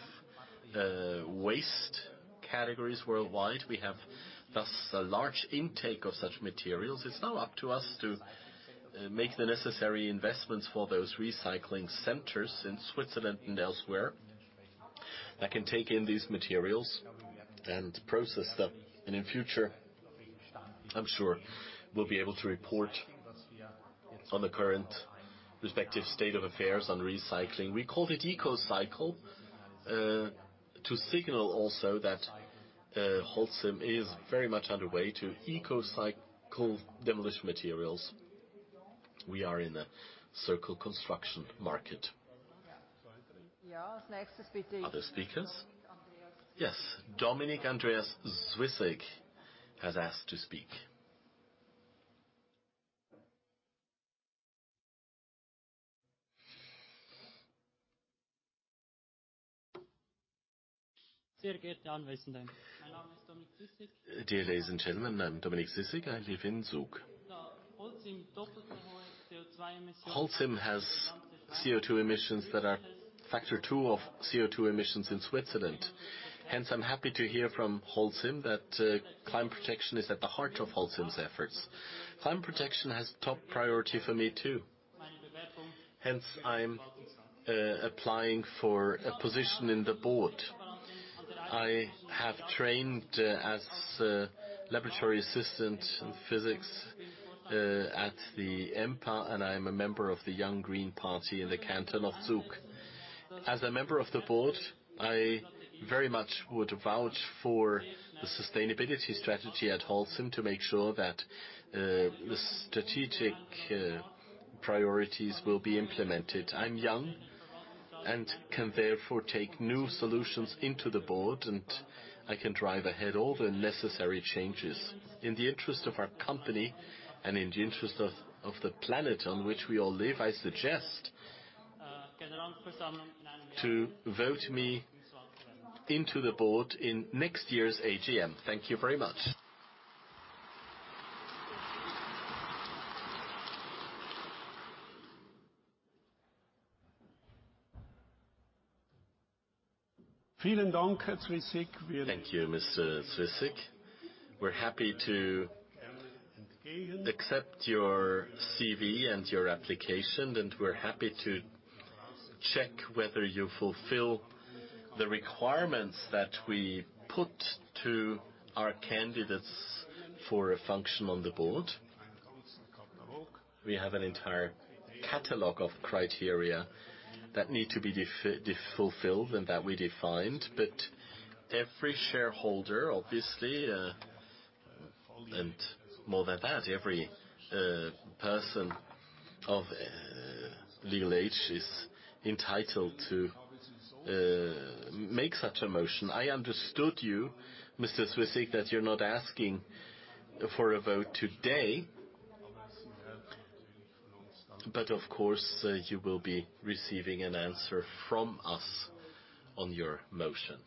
waste categories worldwide. We have, thus, a large intake of such materials. It's now up to us to make the necessary investments for those recycling centers in Switzerland and elsewhere that can take in these materials and process them. In future, I'm sure we'll be able to report. On the current respective state of affairs on recycling. We called it ECOCycle, to signal also that Holcim is very much underway to ECOCycle demolition materials. We are in the circle construction market. Yeah. Other speakers? Yes. Dominic Andreas Zwyssig has asked to speak. Dear ladies and gentlemen, I'm Dominic Zwyssig. I live in Zug. Holcim has CO2 emissions that are factor 2 of CO2 emissions in Switzerland. I'm happy to hear from Holcim that climate protection is at the heart of Holcim's efforts. Climate protection has top priority for me, too. I'm applying for a position in the board. I have trained as a laboratory assistant in physics at the Empa, and I am a member of the Young Green Party in the canton of Zug. As a member of the board, I very much would vouch for the sustainability strategy at Holcim to make sure that the strategic priorities will be implemented. I'm young and can therefore take new solutions into the board, and I can drive ahead all the necessary changes. In the interest of our company and in the interest of the planet on which we all live, I suggest to vote me into the board in next year's AGM. Thank you very much. Thank you, Mr. Zwyssig. We're happy to accept your CV and your application, and we're happy to check whether you fulfill the requirements that we put to our candidates for a function on the board. We have an entire catalog of criteria that need to be fulfilled and that we defined. Every shareholder, obviously, and more than that, every person of legal age is entitled to make such a motion. I understood you, Mr. Zwyssig, that you're not asking for a vote today. Of course, you will be receiving an answer from us on your motion.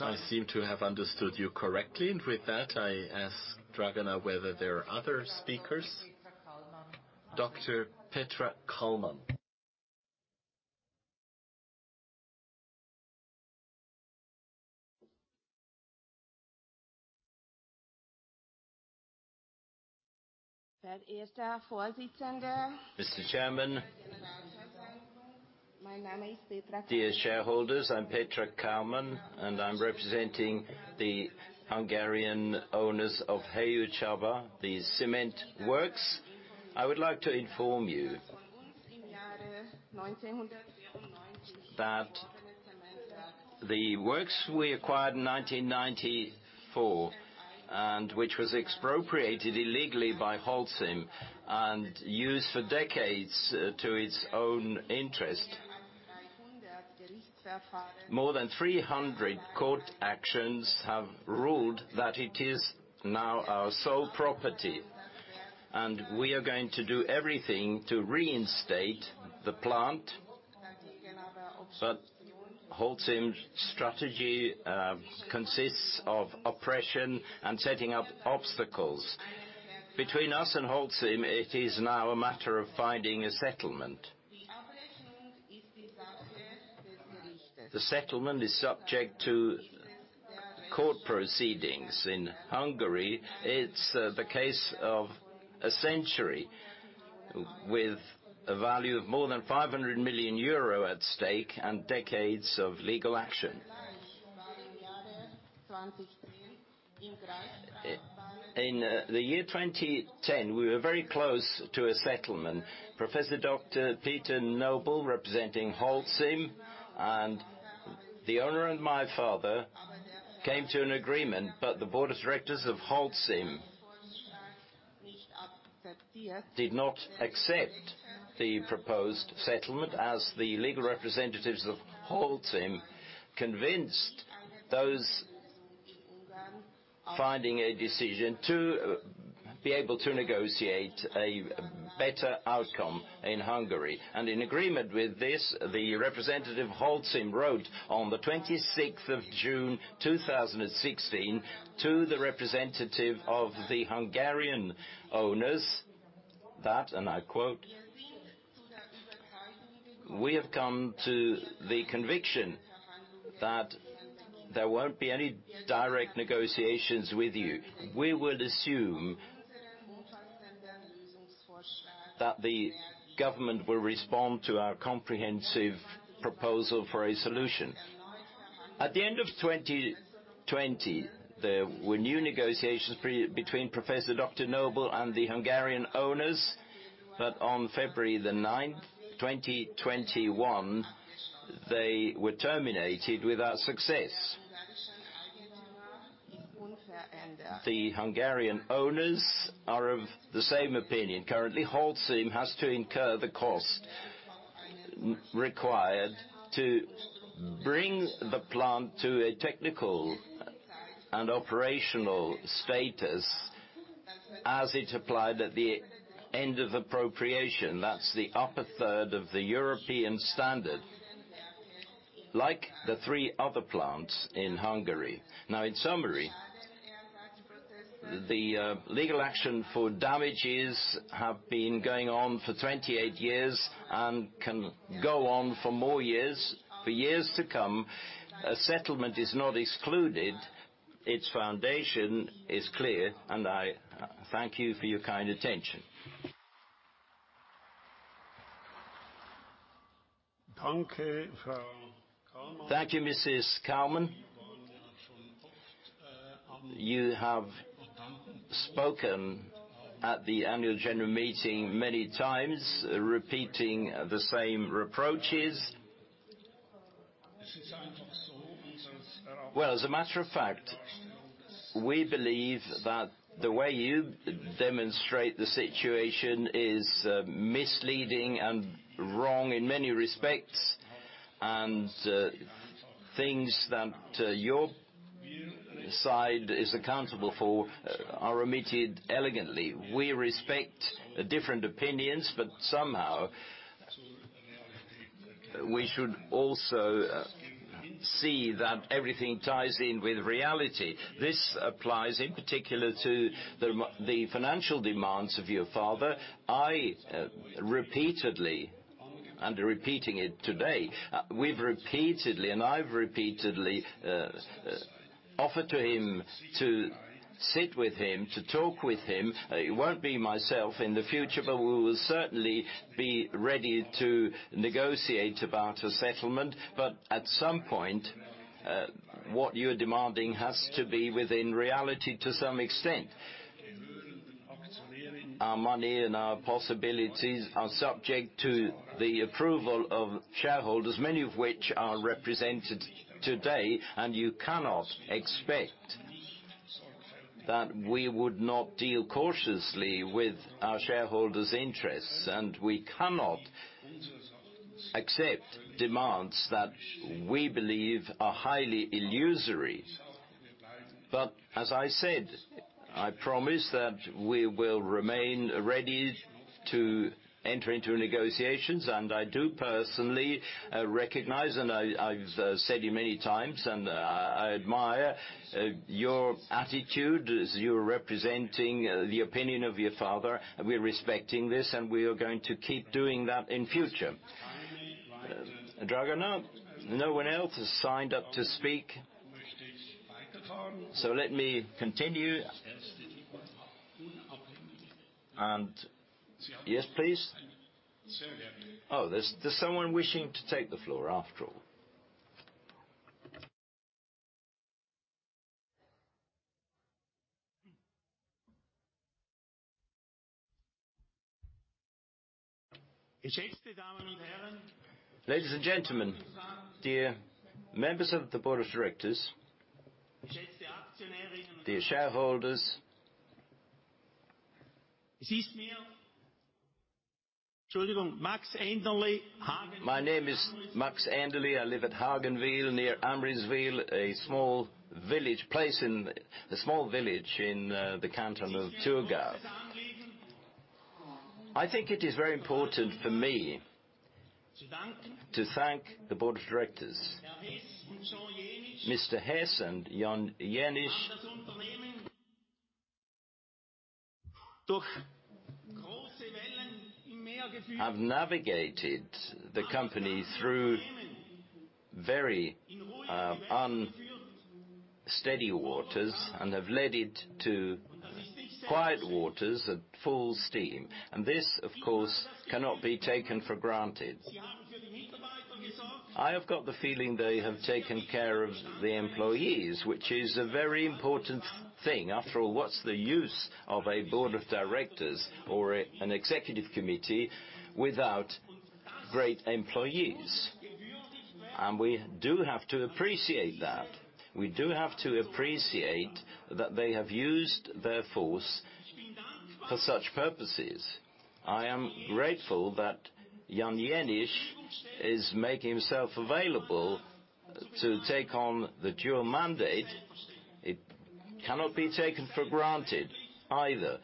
I seem to have understood you correctly. With that, I ask Dragana whether there are other speakers. Dr. Petra Kalmár. Dr. Petra Kalmár. Mr. Chairman. My name is Petra Kalmár. Dear shareholders, I'm Petra Kalmár, and I'm representing the Hungarian owners of Hejőcsaba, the cement works. I would like to inform you that the works we acquired in 1994 and which was expropriated illegally by Holcim and used for decades to its own interest. More than 300 court actions have ruled that it is now our sole property, and we are going to do everything to reinstate the plant. Holcim's strategy consists of oppression and setting up obstacles. Between us and Holcim, it is now a matter of finding a settlement. The settlement is subject to court proceedings in Hungary. It's the case of a century with a value of more than 500 million euro at stake and decades of legal action. In the year 2010, we were very close to a settlement. Professor Dr. Peter Noble, representing Holcim, and the owner and my father came to an agreement, but the board of directors of Holcim did not accept the proposed settlement as the legal representatives of Holcim convinced those finding a decision to be able to negotiate a better outcome in Hungary. In agreement with this, the representative Holcim wrote on the 26th of June, 2016 to the representative of the Hungarian owners that, and I quote, "We have come to the conviction that there won't be any direct negotiations with you. We would assume- That the government will respond to our comprehensive proposal for a solution. At the end of 2020, there were new negotiations between Professor Dr. Noble and the Hungarian owners. On February the ninth, 2021, they were terminated without success. The Hungarian owners are of the same opinion. Currently, Holcim has to incur the cost required to bring the plant to a technical and operational status as it applied at the end of appropriation. That's the upper third of the European standard, like the three other plants in Hungary. In summary, the legal action for damages have been going on for 28 years and can go on for more years, for years to come. A settlement is not excluded. Its foundation is clear, and I thank you for your kind attention. Thank you, Mrs. Kalman. As a matter of fact, we believe that the way you demonstrate the situation is misleading and wrong in many respects, and things that your side is accountable for are omitted elegantly. We respect different opinions, but somehow we should also see that everything ties in with reality. This applies in particular to the financial demands of your father. I repeatedly, and repeating it today, we've repeatedly, and I've repeatedly offered to him to sit with him, to talk with him. It won't be myself in the future, but we will certainly be ready to negotiate about a settlement. At some point, what you're demanding has to be within reality to some extent. Our money and our possibilities are subject to the approval of shareholders, many of which are represented today, you cannot expect that we would not deal cautiously with our shareholders' interests, we cannot accept demands that we believe are highly illusory. As I said, I promise that we will remain ready to enter into negotiations, I do personally recognize, I've said it many times, I admire your attitude as you're representing the opinion of your father. We're respecting this, we are going to keep doing that in future. Dragona, no one else has signed up to speak. Let me continue. Yes, please. There's someone wishing to take the floor after all. Ladies and gentlemen, dear members of the board of directors, dear shareholders. My name is Max Enderli. I live at Hagenwil, near Amriswil, a small village in the canton of Thurgau. I think it is very important for me to thank the board of directors. Mr. Hess and Jan Jenisch have navigated the company through very unsteady waters and have led it to quiet waters at full steam. This, of course, cannot be taken for granted. I have got the feeling they have taken care of the employees, which is a very important thing. After all, what's the use of a board of directors or an executive committee without great employees? We do have to appreciate that. We do have to appreciate that they have used their force for such purposes. I am grateful that Jan Jenisch is making himself available to take on the dual mandate. It cannot be taken for granted either.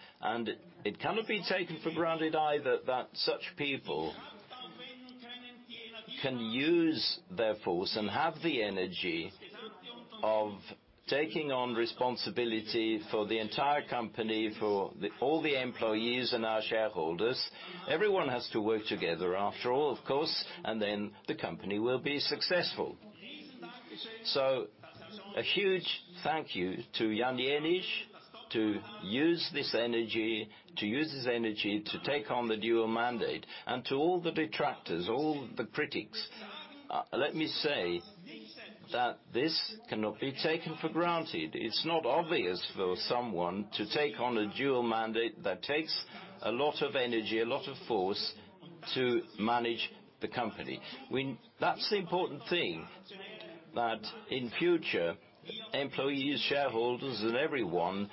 It cannot be taken for granted either that such people can use their force and have the energy of taking on responsibility for the entire company, for all the employees and our shareholders. Everyone has to work together after all, of course, and then the company will be successful. A huge thank you to Jan Jenisch to use this energy, to use his energy to take on the dual mandate. To all the detractors, all the critics, let me say that this cannot be taken for granted. It's not obvious for someone to take on a dual mandate that takes a lot of energy, a lot of force to manage the company. That's the important thing, that in future, employees, shareholders, and everyone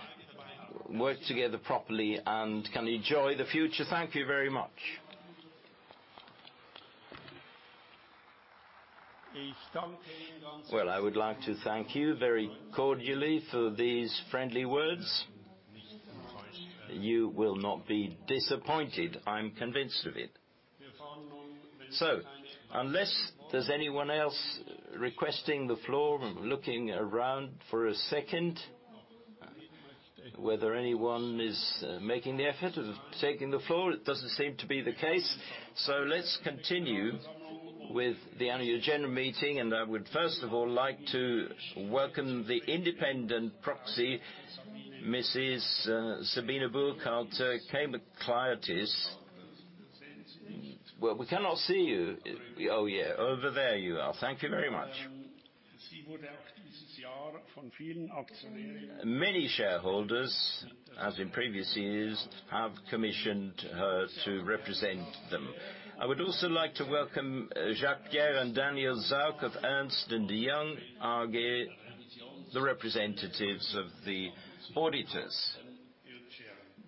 work together properly and can enjoy the future. Thank you very much. I would like to thank you very cordially for these friendly words. You will not be disappointed, I'm convinced of it. Unless there's anyone else requesting the floor, I'm looking around for a second whether anyone is making the effort of taking the floor. It doesn't seem to be the case. Let's continue with the annual general meeting, and I would first of all like to welcome the independent proxy, Mrs. Sabine Burkhalter Kaimakliotis. We cannot see you. Oh, yeah, over there you are. Thank you very much. Many shareholders, as in previous years, have commissioned her to represent them. I would also like to welcome Jacques Pierre and Daniel Zark of Ernst & Young AG, the representatives of the auditors.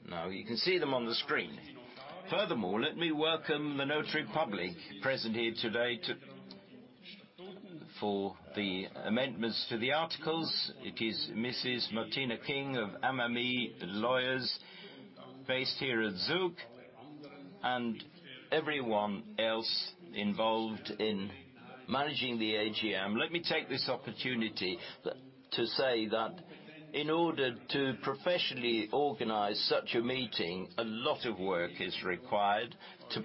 Now you can see them on the screen. Furthermore, let me welcome the notary public present here today for the amendments to the articles. It is Mrs. Martina Kim of MME Lawyers based here at Zug, and everyone else involved in managing the AGM. Let me take this opportunity to say that in order to professionally organize such a meeting, a lot of work is required to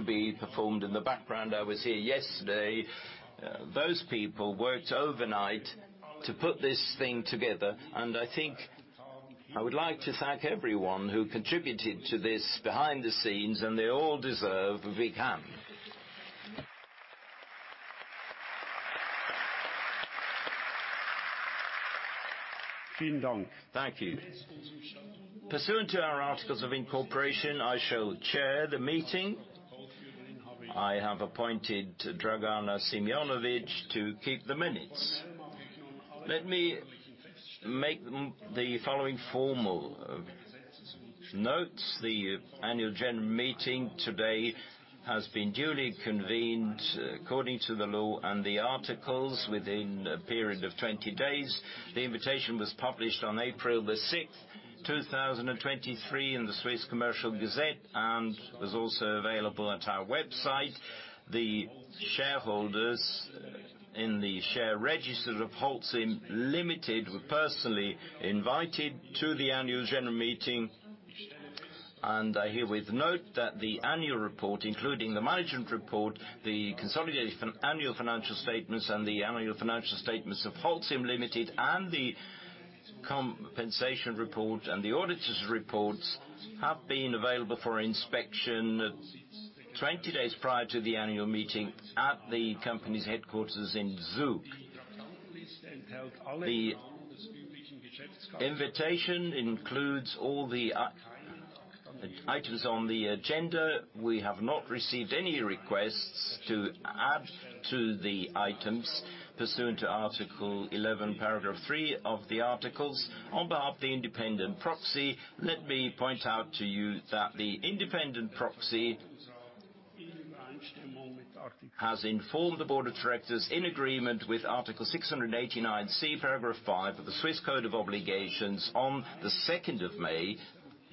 be performed in the background. I was here yesterday. Those people worked overnight to put this thing together, and I think I would like to thank everyone who contributed to this behind the scenes, and they all deserve a big hand. Thank you. Pursuant to our articles of incorporation, I shall chair the meeting. I have appointed Dragana Simijonovic to keep the minutes. Let me make the following formal notes. The annual general meeting today has been duly convened according to the law and the articles within a period of 20 days. The invitation was published on April 6, 2023 in the Swiss Official Gazette of Commerce and is also available at our website. The shareholders in the share register of Holcim Ltd were personally invited to the annual general meeting. I herewith note that the annual report, including the management report, the consolidated annual financial statements, and the annual financial statements of Holcim Ltd, and the compensation report, and the auditor's reports have been available for inspection 20 days prior to the annual meeting at the company's headquarters in Zug. The invitation includes all the items on the agenda. We have not received any requests to add to the items pursuant to Article 11, Paragraph 3 of the articles. On behalf of the independent proxy, let me point out to you that the independent proxy has informed the board of directors in agreement with Article 689 C, Paragraph 5 of the Swiss Code of Obligations on the 2nd of May,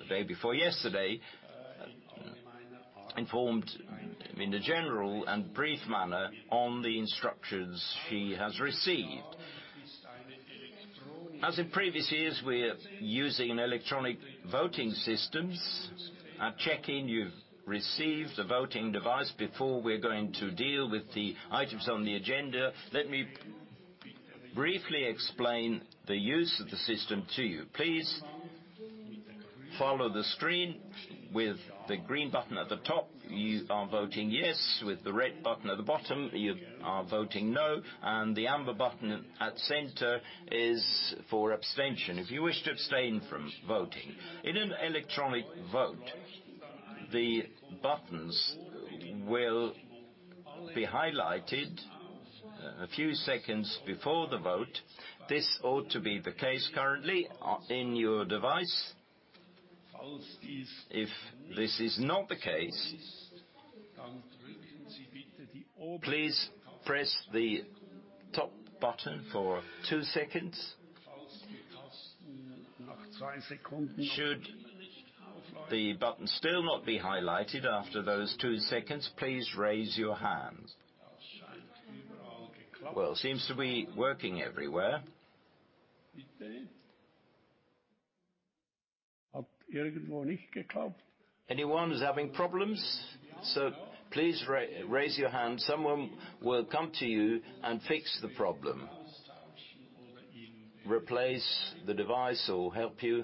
the day before yesterday, informed in a general and brief manner on the instructions she has received. As in previous years, we're using electronic voting systems. I'm checking you've received the voting device. Before we're going to deal with the items on the agenda, let me briefly explain the use of the system to you. Please follow the screen. With the green button at the top, you are voting yes. With the red button at the bottom, you are voting no. The amber button at center is for abstention, if you wish to abstain from voting. In an electronic vote, the buttons will be highlighted a few seconds before the vote. This ought to be the case currently in your device. If this is not the case, please press the top button for two seconds. Should the button still not be highlighted after those two seconds, please raise your hand. Well, it seems to be working everywhere. Anyone is having problems? Please raise your hand. Someone will come to you and fix the problem. Replace the device or help you.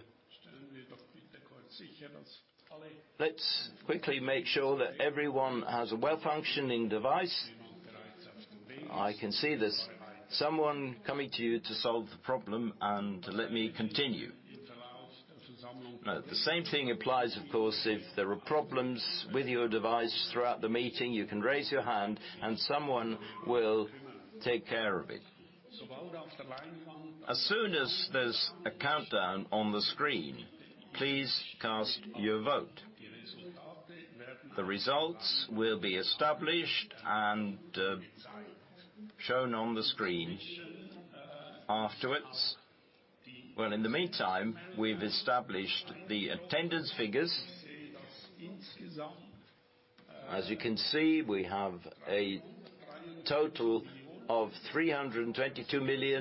Let's quickly make sure that everyone has a well-functioning device. I can see there's someone coming to you to solve the problem, and let me continue. The same thing applies, of course, if there are problems with your device throughout the meeting, you can raise your hand and someone will take care of it. As soon as there's a countdown on the screen, please cast your vote. The results will be established and shown on the screen afterwards. Well, in the meantime, we've established the attendance figures. As you can see, we have a total of CHF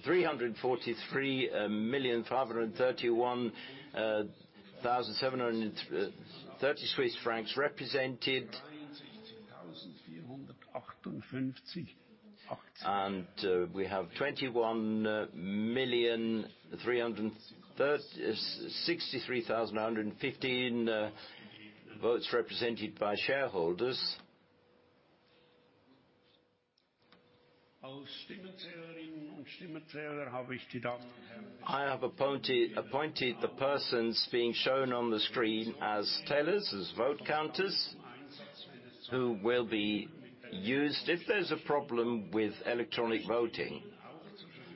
343,531,730 represented. We have 21,363,115 votes represented by shareholders. I have appointed the persons being shown on the screen as tellers, as vote counters, who will be used if there's a problem with electronic voting.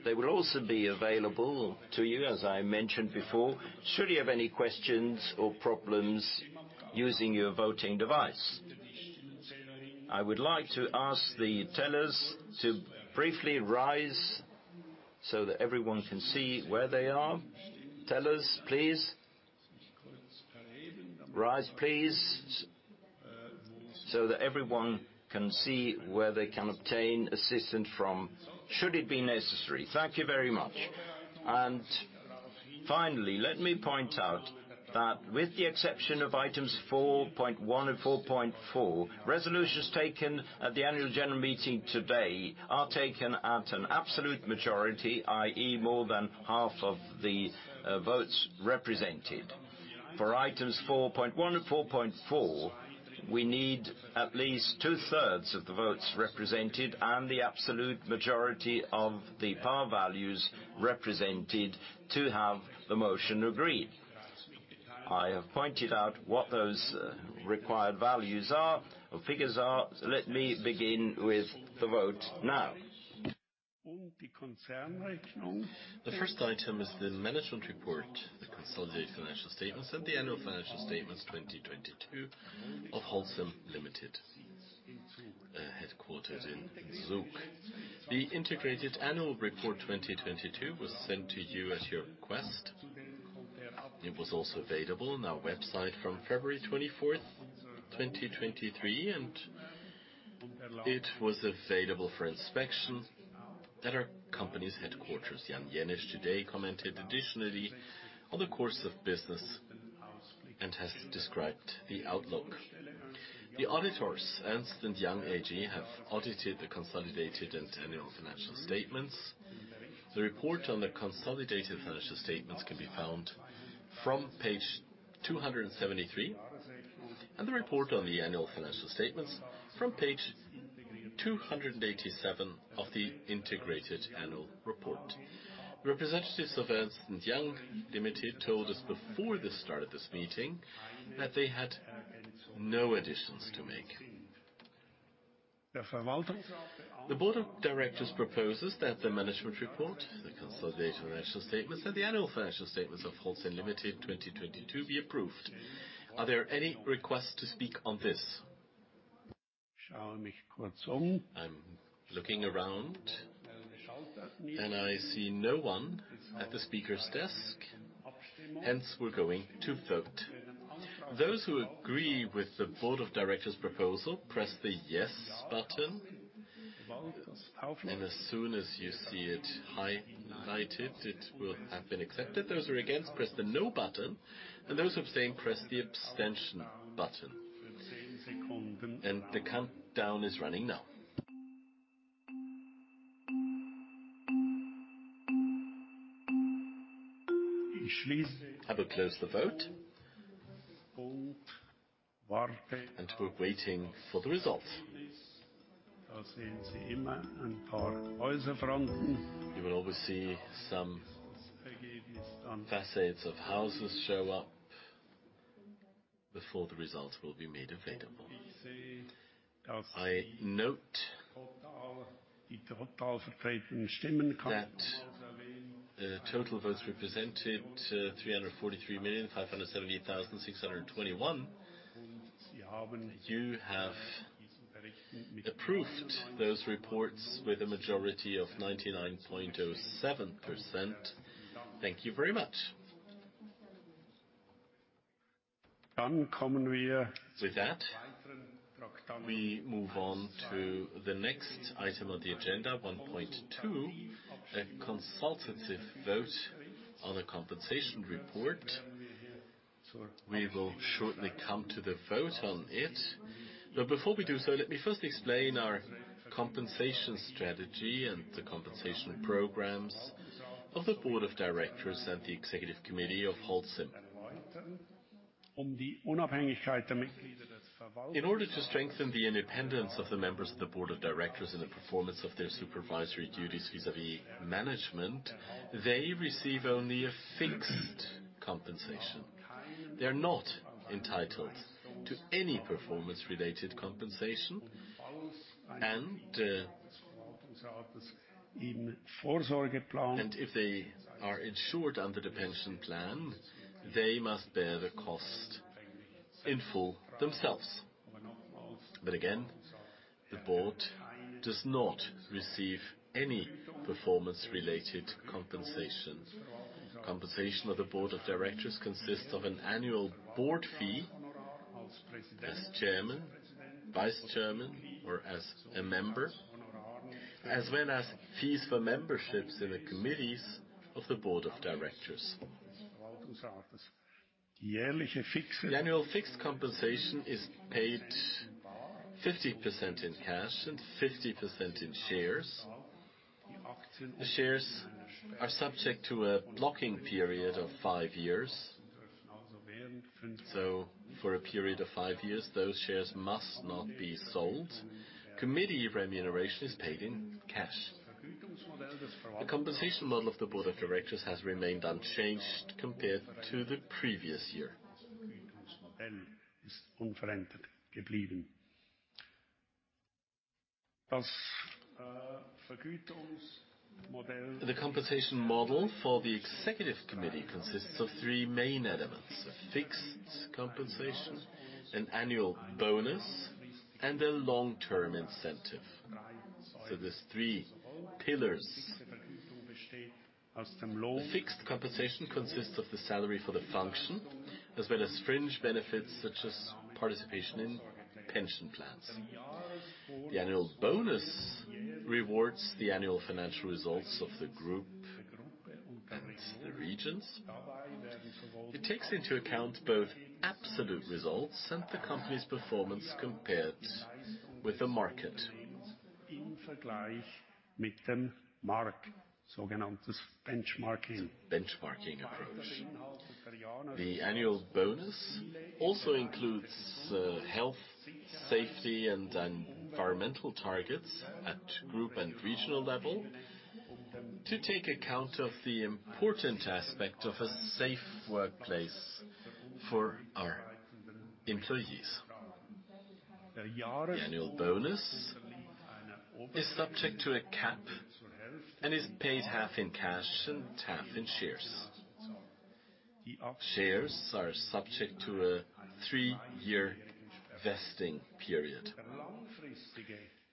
They will also be available to you, as I mentioned before, should you have any questions or problems using your voting device. I would like to ask the tellers to briefly rise so that everyone can see where they are. Tellers, please. Rise, please, so that everyone can see where they can obtain assistance from, should it be necessary. Thank you very much. Finally, let me point out that with the exception of items 4.1 and 4.4, resolutions taken at the annual general meeting today are taken at an absolute majority, i.e., more than half of the votes represented. For items 4.1 and 4.4, we need at least 2/3 of the votes represented and the absolute majority of the par values represented to have the motion agreed. I have pointed out what those required values are or figures are. Let me begin with the vote now. The first item is the management report, the consolidated financial statements, and the annual financial statements 2022 of Holcim Ltd, headquartered in Zug. The integrated annual report 2022 was sent to you at your request. It was also available on our website from February 24th, 2023, and it was available for inspection at our company's headquarters. Jan Jenisch today commented additionally on the course of business and has described the outlook. The auditors, Ernst & Young AG, have audited the consolidated and annual financial statements. The report on the consolidated financial statements can be found from page 273, and the report on the annual financial statements from page 287 of the integrated annual report. Representatives of Ernst & Young AG told us before the start of this meeting that they had no additions to make. The board of directors proposes that the management report, the consolidated financial statements, and the annual financial statements of Holcim Ltd 2022 be approved. Are there any requests to speak on this? I'm looking around, I see no one at the speaker's desk, hence we're going to vote. Those who agree with the board of directors proposal, press the yes button. As soon as you see it highlighted, it will have been accepted. Those who are against, press the no button. Those abstain, press the abstention button. The countdown is running now. I will close the vote. We're waiting for the results. You will always see some facades of houses show up before the results will be made available. I note that the total votes represented 343,578,621. You have approved those reports with a majority of 99.07%. Thank you very much. Then kommen wir- With that, we move on to the next item on the agenda, 1.2, a consultative vote on the compensation report. We will shortly come to the vote on it. Before we do so, let me first explain our compensation strategy and the compensation programs of the Board of Directors and the Executive Committee of Holcim. In order to strengthen the independence of the members of the Board of Directors and the performance of their supervisory duties vis-à-vis management, they receive only a fixed compensation. They are not entitled to any performance-related compensation and if they are insured under the pension plan, they must bear the cost in full themselves. Again, the Board does not receive any performance-related compensation. Compensation of the board of directors consists of an annual board fee as chairman, vice chairman, or as a member, as well as fees for memberships in the committees of the board of directors. The annual fixed compensation is paid 50% in cash and 50% in shares. The shares are subject to a blocking period of five years. For a period of five years, those shares must not be sold. Committee remuneration is paid in cash. The compensation model of the board of directors has remained unchanged compared to the previous year. The compensation model for the executive committee consists of three main elements: a fixed compensation, an annual bonus, and a long-term incentive. There's three pillars. The fixed compensation consists of the salary for the function, as well as fringe benefits such as participation in pension plans. The annual bonus rewards the annual financial results of the group and the regions. It takes into account both absolute results and the company's performance compared with the market. Benchmarking approach. The annual bonus also includes health, safety, and environmental targets at group and regional level to take account of the important aspect of a safe workplace for our employees. The annual bonus is subject to a cap and is paid half in cash and half in shares. Shares are subject to a three-year vesting period.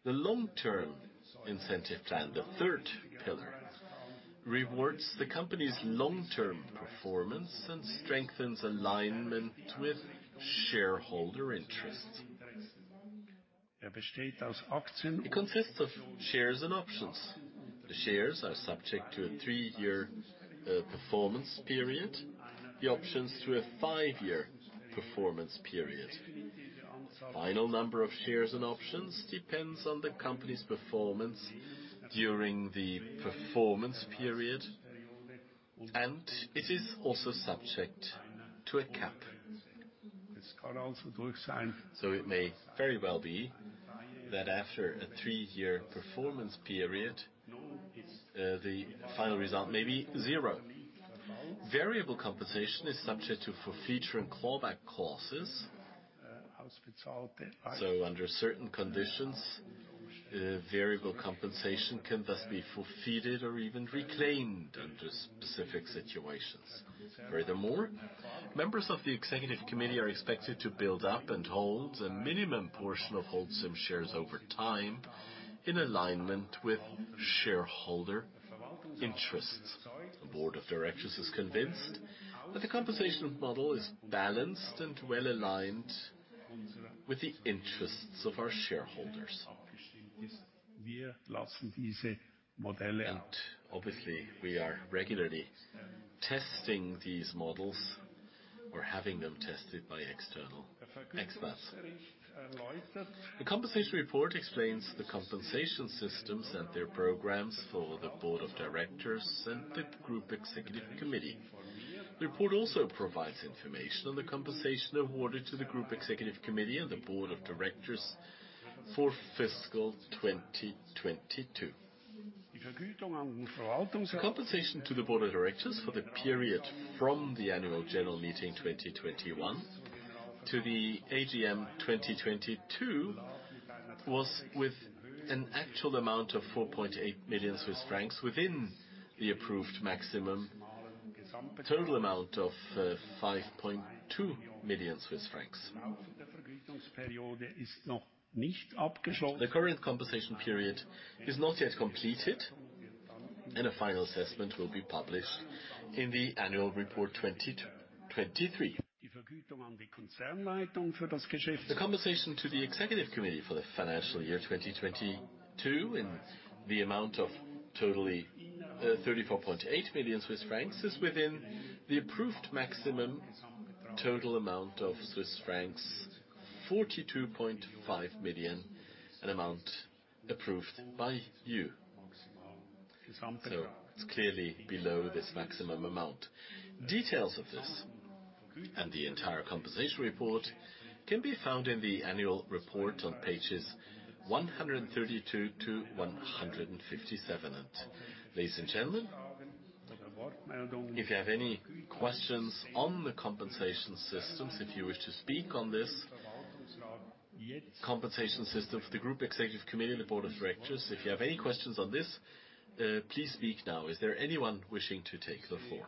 The long-term incentive plan, the third pillar, rewards the company's long-term performance and strengthens alignment with shareholder interest. It consists of shares and options. The shares are subject to a three-year performance period, the options to a five-year performance period. Final number of shares and options depends on the company's performance during the performance period, and it is also subject to a cap. It may very well be that after a 3-year performance period, the final result may be 0. Variable compensation is subject to forfeiture and callback clauses. Under certain conditions, variable compensation can thus be forfeited or even reclaimed under specific situations. Furthermore, members of the executive committee are expected to build up and hold a minimum portion of Holcim shares over time in alignment with shareholder interests. The board of directors is convinced that the compensation model is balanced and well-aligned with the interests of our shareholders. Obviously, we are regularly testing these models or having them tested by external experts. The compensation report explains the compensation systems and their programs for the board of directors and the group executive committee. The report also provides information on the compensation awarded to the group executive committee and the board of directors for fiscal 2022. The compensation to the board of directors for the period from the Annual General Meeting 2021 to the AGM 2022 was with an actual amount of 4.8 million Swiss francs within the approved maximum total amount of 5.2 million Swiss francs. The current compensation period is not yet completed. A final assessment will be published in the annual report 2023. The compensation to the executive committee for the financial year 2022, in the amount of totally 34.8 million Swiss francs, is within the approved maximum total amount of Swiss francs 42.5 million, an amount approved by you. It's clearly below this maximum amount. Details of this and the entire compensation report can be found in the annual report on pages 132 to 157. Ladies and gentlemen, if you have any questions on the compensation systems, if you wish to speak on this compensation system for the group executive committee and the board of directors. If you have any questions on this, please speak now. Is there anyone wishing to take the floor?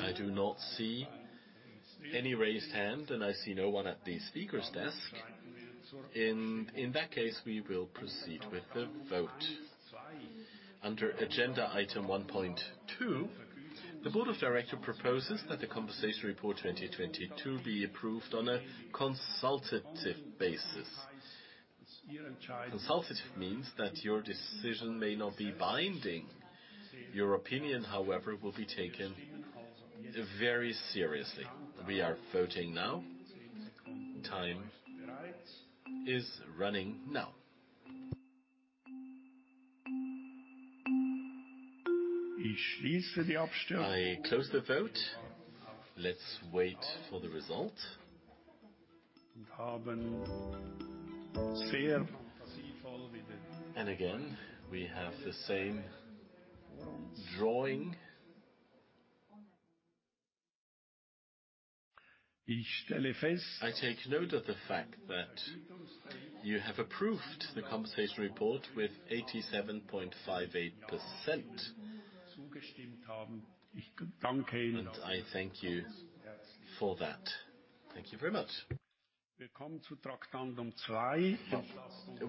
I do not see any raised hand, and I see no one at the speaker's desk. In that case, we will proceed with the vote. Under agenda item 1.2, the board of directors proposes that the Compensation Report 2022 be approved on a consultative basis. Consultative means that your decision may not be binding. Your opinion, however, will be taken very seriously. We are voting now. Time is running now. I close the vote. Let's wait for the result. Again, we have the same drawing. I take note of the fact that you have approved the compensation report with 87.58%. I thank you for that. Thank you very much.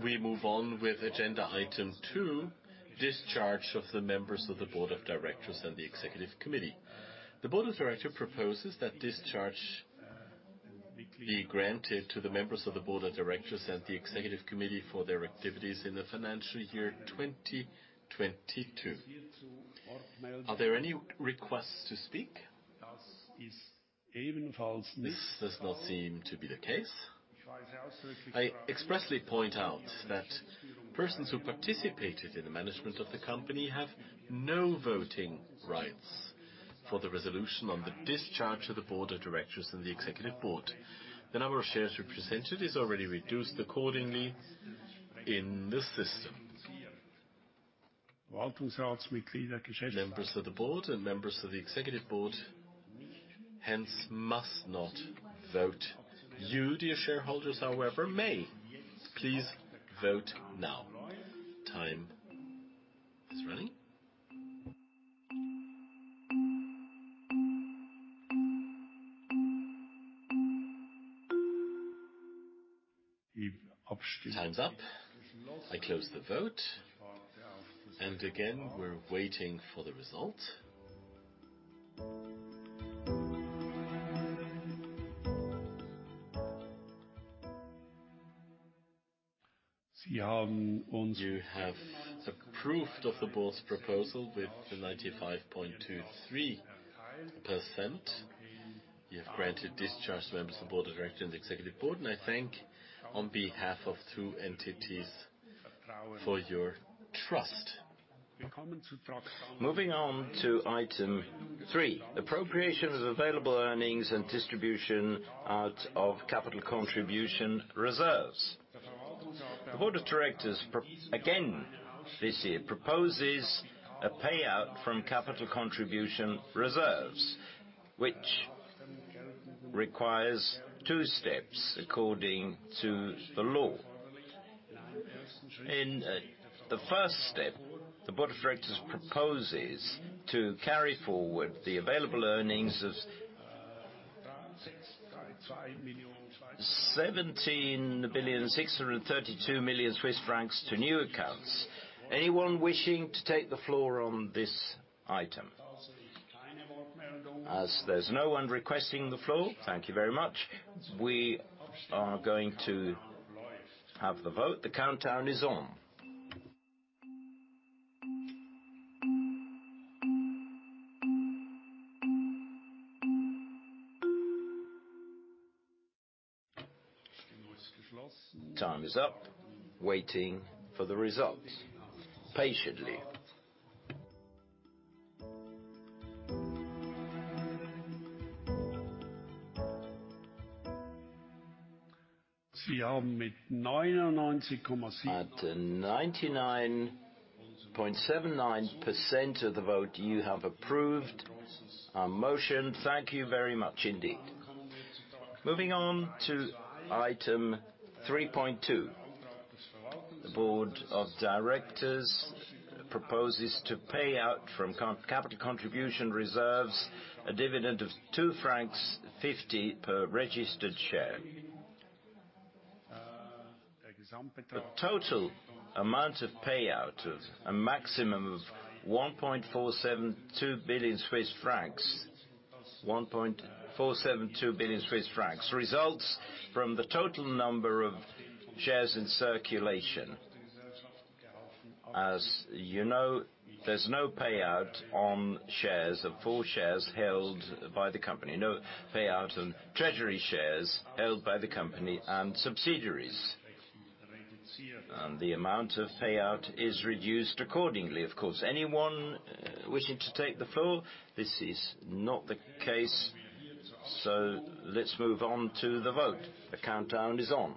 We move on with agenda item 2, discharge of the members of the Board of Directors and the Executive Committee. The Board of Directors proposes that discharge be granted to the members of the Board of Directors and the Executive Committee for their activities in the financial year 2022. Are there any requests to speak? This does not seem to be the case. I expressly point out that persons who participated in the management of the company have no voting rights for the resolution on the discharge of the Board of Directors and the Executive Board. The number of shares represented is already reduced accordingly in the system. Members of the Board and members of the Executive Board, hence, must not vote. You, dear shareholders, however, may. Please vote now. Time is running. Time's up. I close the vote. Again, we're waiting for the result. You have approved of the Board's proposal with 95.23%. You have granted discharge to members of the Board of Directors and the Executive Board, and I thank, on behalf of two entities, for your trust. Moving on to item 3, appropriation of available earnings and distribution out of capital contribution reserves. The Board of Directors again this year proposes a payout from capital contribution reserves, which requires 2 steps according to the law. In the first step, the Board of Directors proposes to carry forward the available earnings of 17.632 billion to new accounts. Anyone wishing to take the floor on this item? There's no one requesting the floor, thank you very much. We are going to have the vote. The countdown is on. Time is up. Waiting for the results patiently. At 99.79% of the vote, you have approved our motion. Thank you very much indeed. Moving on to item 3.2. The Board of Directors proposes to pay out from capital contribution reserves a dividend of 2.50 francs per registered share. The total amount of payout of a maximum of 1.472 billion Swiss francs results from the total number of shares in circulation. As you know, there's no payout on shares, of full shares held by the company, no payout on treasury shares held by the company and subsidiaries. The amount of payout is reduced accordingly, of course. Anyone wishing to take the floor? This is not the case. Let's move on to the vote. The countdown is on.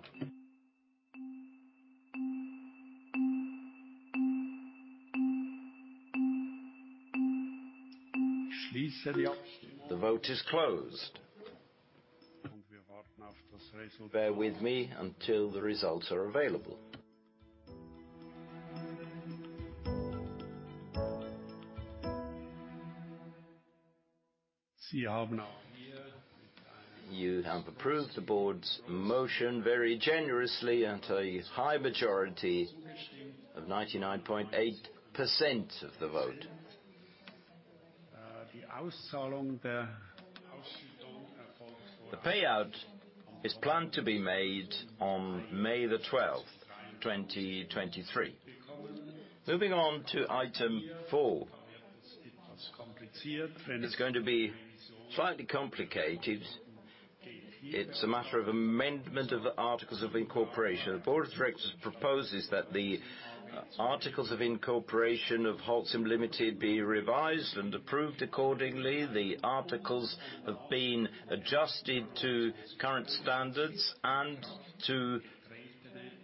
The vote is closed. Bear with me until the results are available. You have approved the board's motion very generously at a high majority of 99.8% of the vote. The payout is planned to be made on May 12th, 2023. Moving on to item four. It's going to be slightly complicated. It's a matter of amendment of the articles of incorporation. The board of directors proposes that the articles of incorporation of Holcim Ltd be revised and approved accordingly. The articles have been adjusted to current standards and to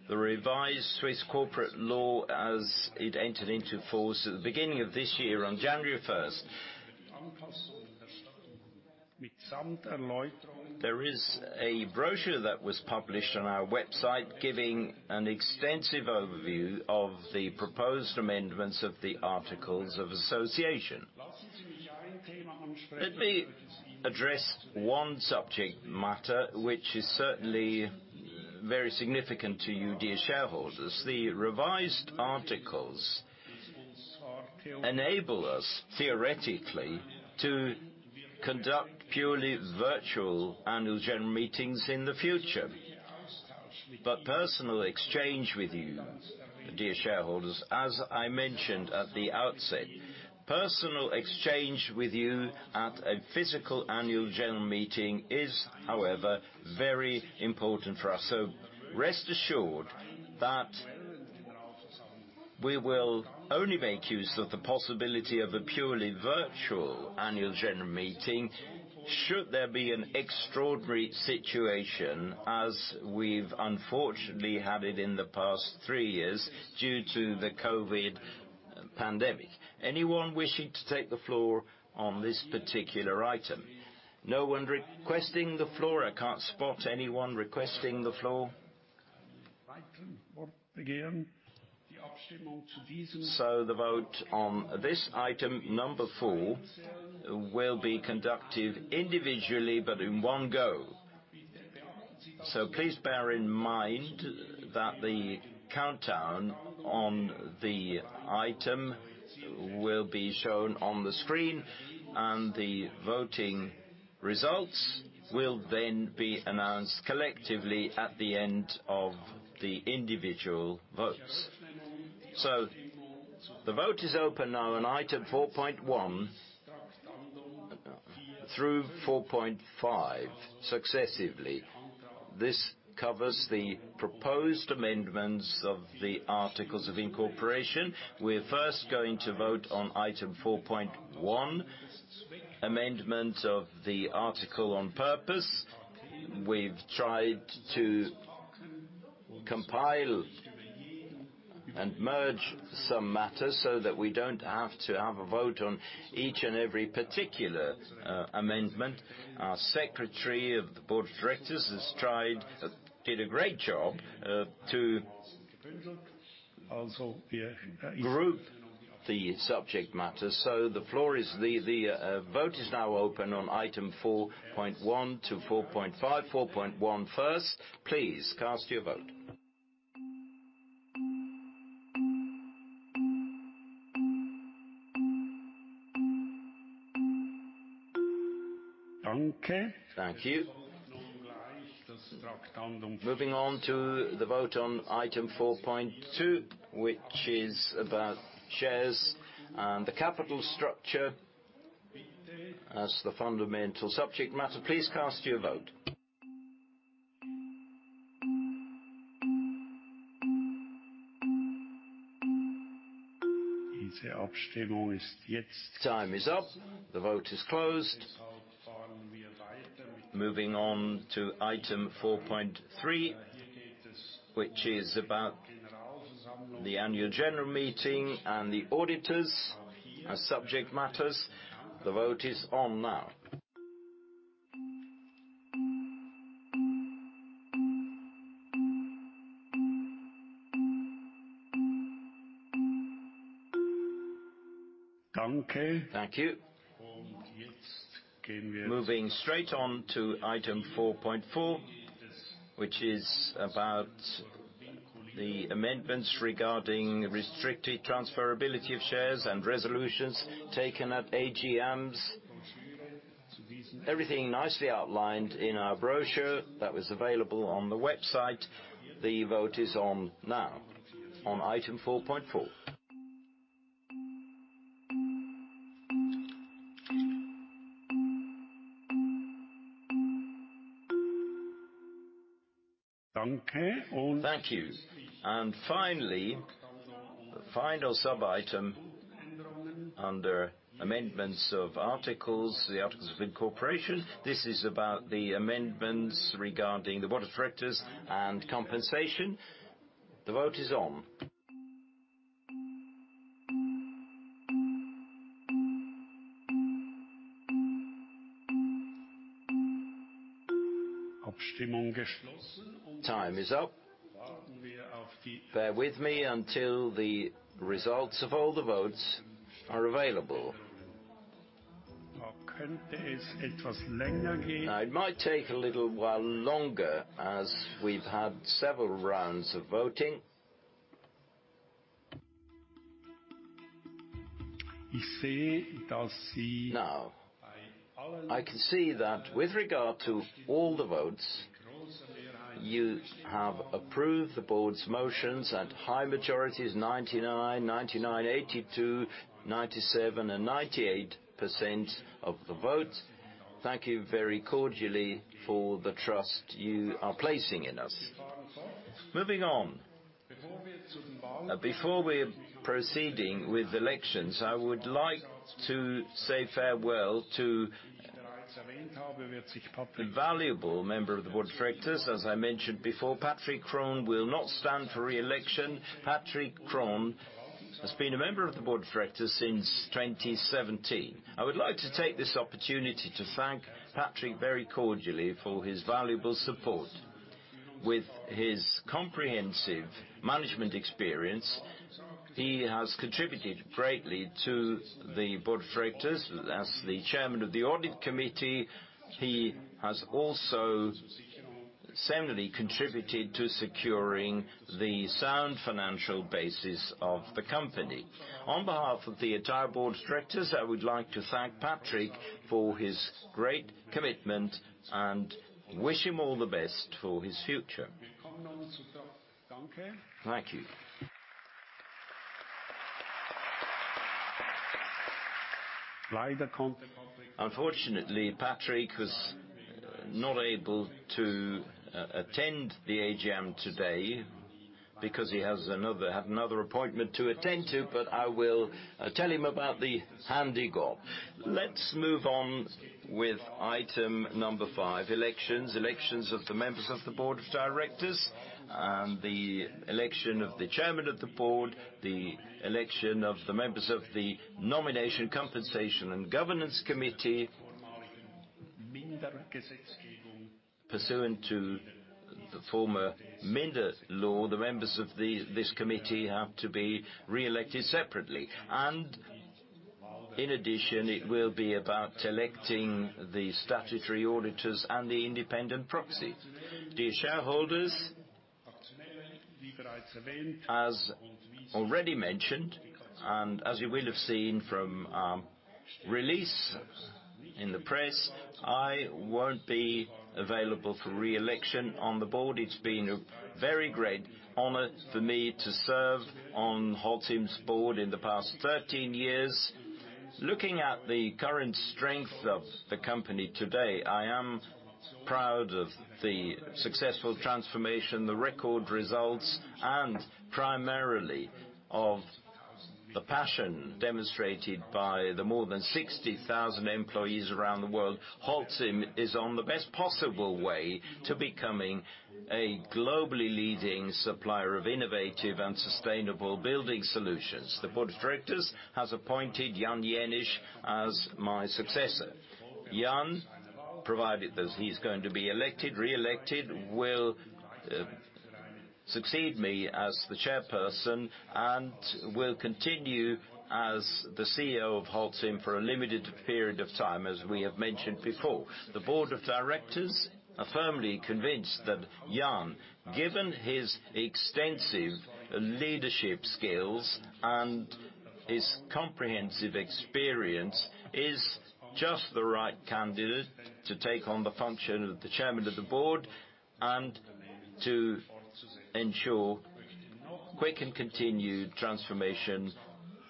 the revised Swiss corporate law as it entered into force at the beginning of this year on January first. There is a brochure that was published on our website giving an extensive overview of the proposed amendments of the articles of association. Let me address one subject matter, which is certainly very significant to you, dear shareholders. The revised articles enable us, theoretically, to conduct purely virtual annual general meetings in the future. Personal exchange with you, dear shareholders, as I mentioned at the outset, personal exchange with you at a physical annual general meeting is, however, very important for us. Rest assured that we will only make use of the possibility of a purely virtual annual general meeting should there be an extraordinary situation as we've unfortunately had it in the past three years due to the COVID pandemic. Anyone wishing to take the floor on this particular item? No one requesting the floor. I can't spot anyone requesting the floor. The vote on this item number four will be conducted individually, but in one go. Please bear in mind that the countdown on the item will be shown on the screen, and the voting results will then be announced collectively at the end of the individual votes. The vote is open now on item 4.1 through 4.5 successively. This covers the proposed amendments of the articles of incorporation. We're first going to vote on item 4.1, amendment of the article on purpose. We've tried to compile and merge some matters so that we don't have to have a vote on each and every particular amendment. Our Secretary of the Board of Directors did a great job to group the subject matter. The floor is the vote is now open on item 4.1 to 4.5. 4.1 first. Please cast your vote. Thank you. Moving on to the vote on item 4.2, which is about shares and the capital structure as the fundamental subject matter. Please cast your vote. Time is up. The vote is closed. Moving on to item 4.3, which is about the annual general meeting and the auditors as subject matters. The vote is on now. Thank you. Moving straight on to item 4.4, which is about the amendments regarding restricted transferability of shares and resolutions taken at AGMs. Everything nicely outlined in our brochure that was available on the website. The vote is on now on item 4.4. Thank you. Finally, the final sub-item under amendments of articles, the articles of incorporation. This is about the amendments regarding the Board of Directors and compensation. The vote is on. Time is up. Bear with me until the results of all the votes are available. It might take a little while longer as we've had several rounds of voting. I can see that with regard to all the votes, you have approved the board's motions at high majorities 99%, 99%, 82%, 97%, and 98% of the votes. Thank you very cordially for the trust you are placing in us. Moving on. Before we're proceeding with elections, I would like to say farewell to the valuable member of the Board of Directors. As I mentioned before, Patrick Kron will not stand for re-election. Patrick Kron has been a member of the Board of Directors since 2017. I would like to take this opportunity to thank Patrick very cordially for his valuable support. With his comprehensive management experience, he has contributed greatly to the Board of Directors. As the Chairman of the Audit Committee, he has also similarly contributed to securing the sound financial basis of the company. On behalf of the entire Board of Directors, I would like to thank Patrick for his great commitment and wish him all the best for his future. Thank you. Unfortunately, Patrick was not able to attend the AGM today because he had another appointment to attend to. I will tell him about the handy go. Let's move on with item number five, elections. Elections of the members of the Board of Directors and the election of the Chairman of the Board, the election of the members of the Nomination, Compensation & Governance Committee. Pursuant to the former Minder Initiative, the members of this committee have to be re-elected separately. In addition, it will be about electing the statutory auditors and the Independent Proxy. Dear shareholders, as already mentioned, as you will have seen from our release in the press, I won't be available for re-election on the board. It's been a very great honor for me to serve on Holcim's board in the past 13 years. Looking at the current strength of the company today, I am proud of the successful transformation, the record results, and primarily of the passion demonstrated by the more than 60,000 employees around the world. Holcim is on the best possible way to becoming a globally leading supplier of innovative and sustainable building solutions. The Board of Directors has appointed Jan Jenisch as my successor. Jan, provided that he's going to be elected, re-elected, will succeed me as the chairperson and will continue as the CEO of Holcim for a limited period of time, as we have mentioned before. The Board of Directors are firmly convinced that Jan, given his extensive leadership skills and his comprehensive experience, is just the right candidate to take on the function of the Chairman of the Board and to ensure quick and continued transformation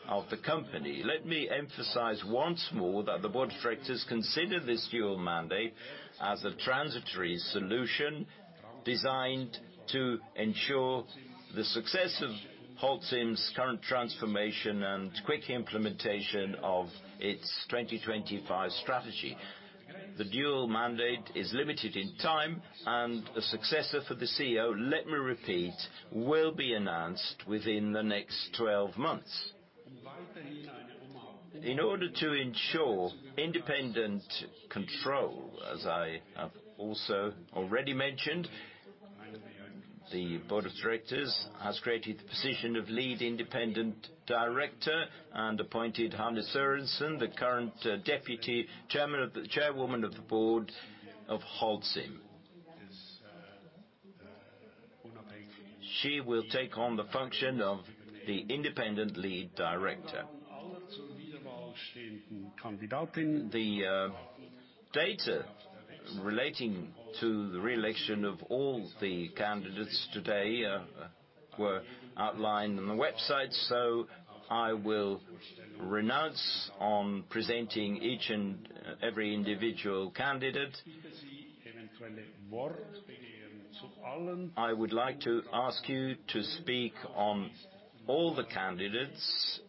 of the company. Let me emphasize once more that the Board of Directors consider this dual mandate as a transitory solution designed to ensure the success of Holcim's current transformation and quick implementation of its 2025 strategy. The dual mandate is limited in time and a successor for the CEO, let me repeat, will be announced within the next 12 months. In order to ensure independent control, as I have also already mentioned. The Board of Directors has created the position of Lead Independent Director and appointed Hanne Sørensen, the current Deputy Chairman of the Chairwoman of the Board of Holcim. She will take on the function of the Lead Independent Director. The data relating to the reelection of all the candidates today were outlined on the website, so I will renounce on presenting each and every individual candidate. I would like to ask you to speak on all the candidates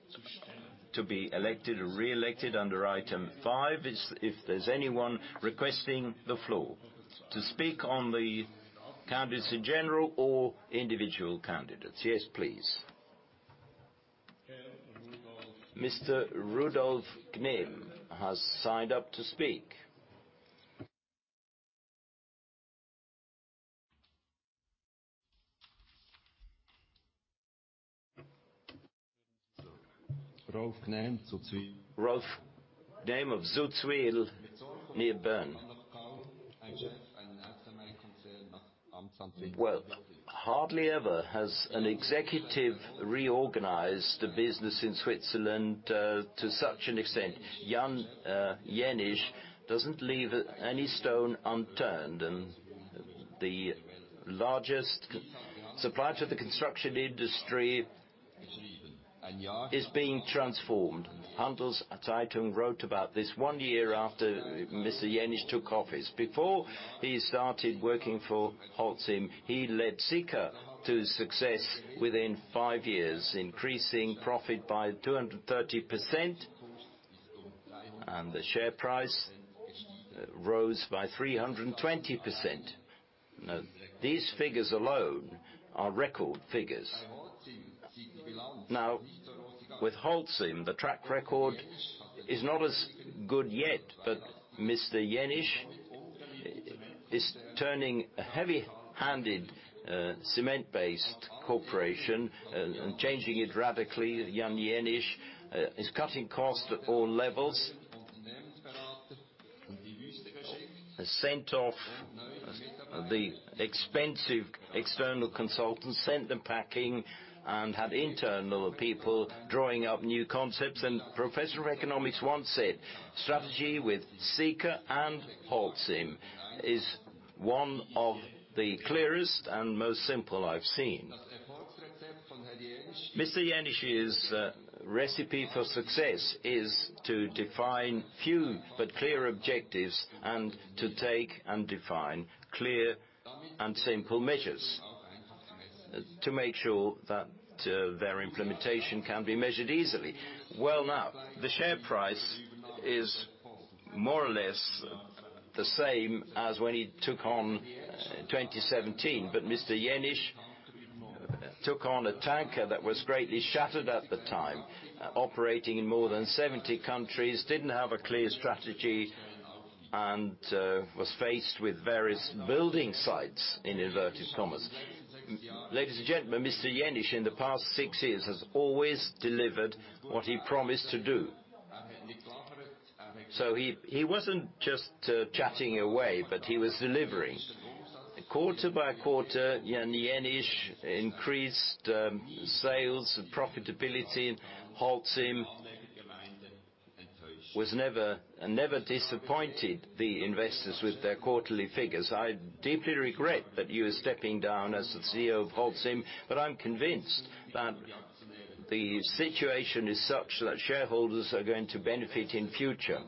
to be elected or reelected under item five. If there's anyone requesting the floor to speak on the candidates in general or individual candidates. Yes, please. Mr. Rolf Gnemme has signed up to speak. Rolf Gnemme of Zuchwil near Bern. Well, hardly ever has an executive reorganized a business in Switzerland to such an extent. Jan Jenisch doesn't leave any stone unturned, and the largest supplier to the construction industry is being transformed. Handelszeitung wrote about this one year after Mr. Jenisch took office. Before he started working for Holcim, he led Sika to success within five years, increasing profit by 230%, and the share price rose by 320%. These figures alone are record figures. With Holcim, the track record is not as good yet. Mr. Jenisch is turning a heavy-handed, cement-based corporation and changing it radically. Jan Jenisch is cutting costs at all levels. Has sent off the expensive external consultants, sent them packing, and had internal people drawing up new concepts. Professor of economics once said, "Strategy with Sika and Holcim is one of the clearest and most simple I've seen." Mr. Jenisch's recipe for success is to define few but clear objectives and to define clear and simple measures to make sure that their implementation can be measured easily. Now, the share price is more or less the same as when he took on 2017. Mr. Jenisch took on a tanker that was greatly shattered at the time, operating in more than 70 countries, didn't have a clear strategy and was faced with various building sites in inverted commas. Ladies and gentlemen, Mr. Jenisch, in the past 6 years, has always delivered what he promised to do. He wasn't just chatting away, but he was delivering. Quarter by quarter, Jan Jenisch increased sales and profitability. Holcim was never... never disappointed the investors with their quarterly figures. I deeply regret that you are stepping down as the CEO of Holcim, but I'm convinced that the situation is such that shareholders are going to benefit in future.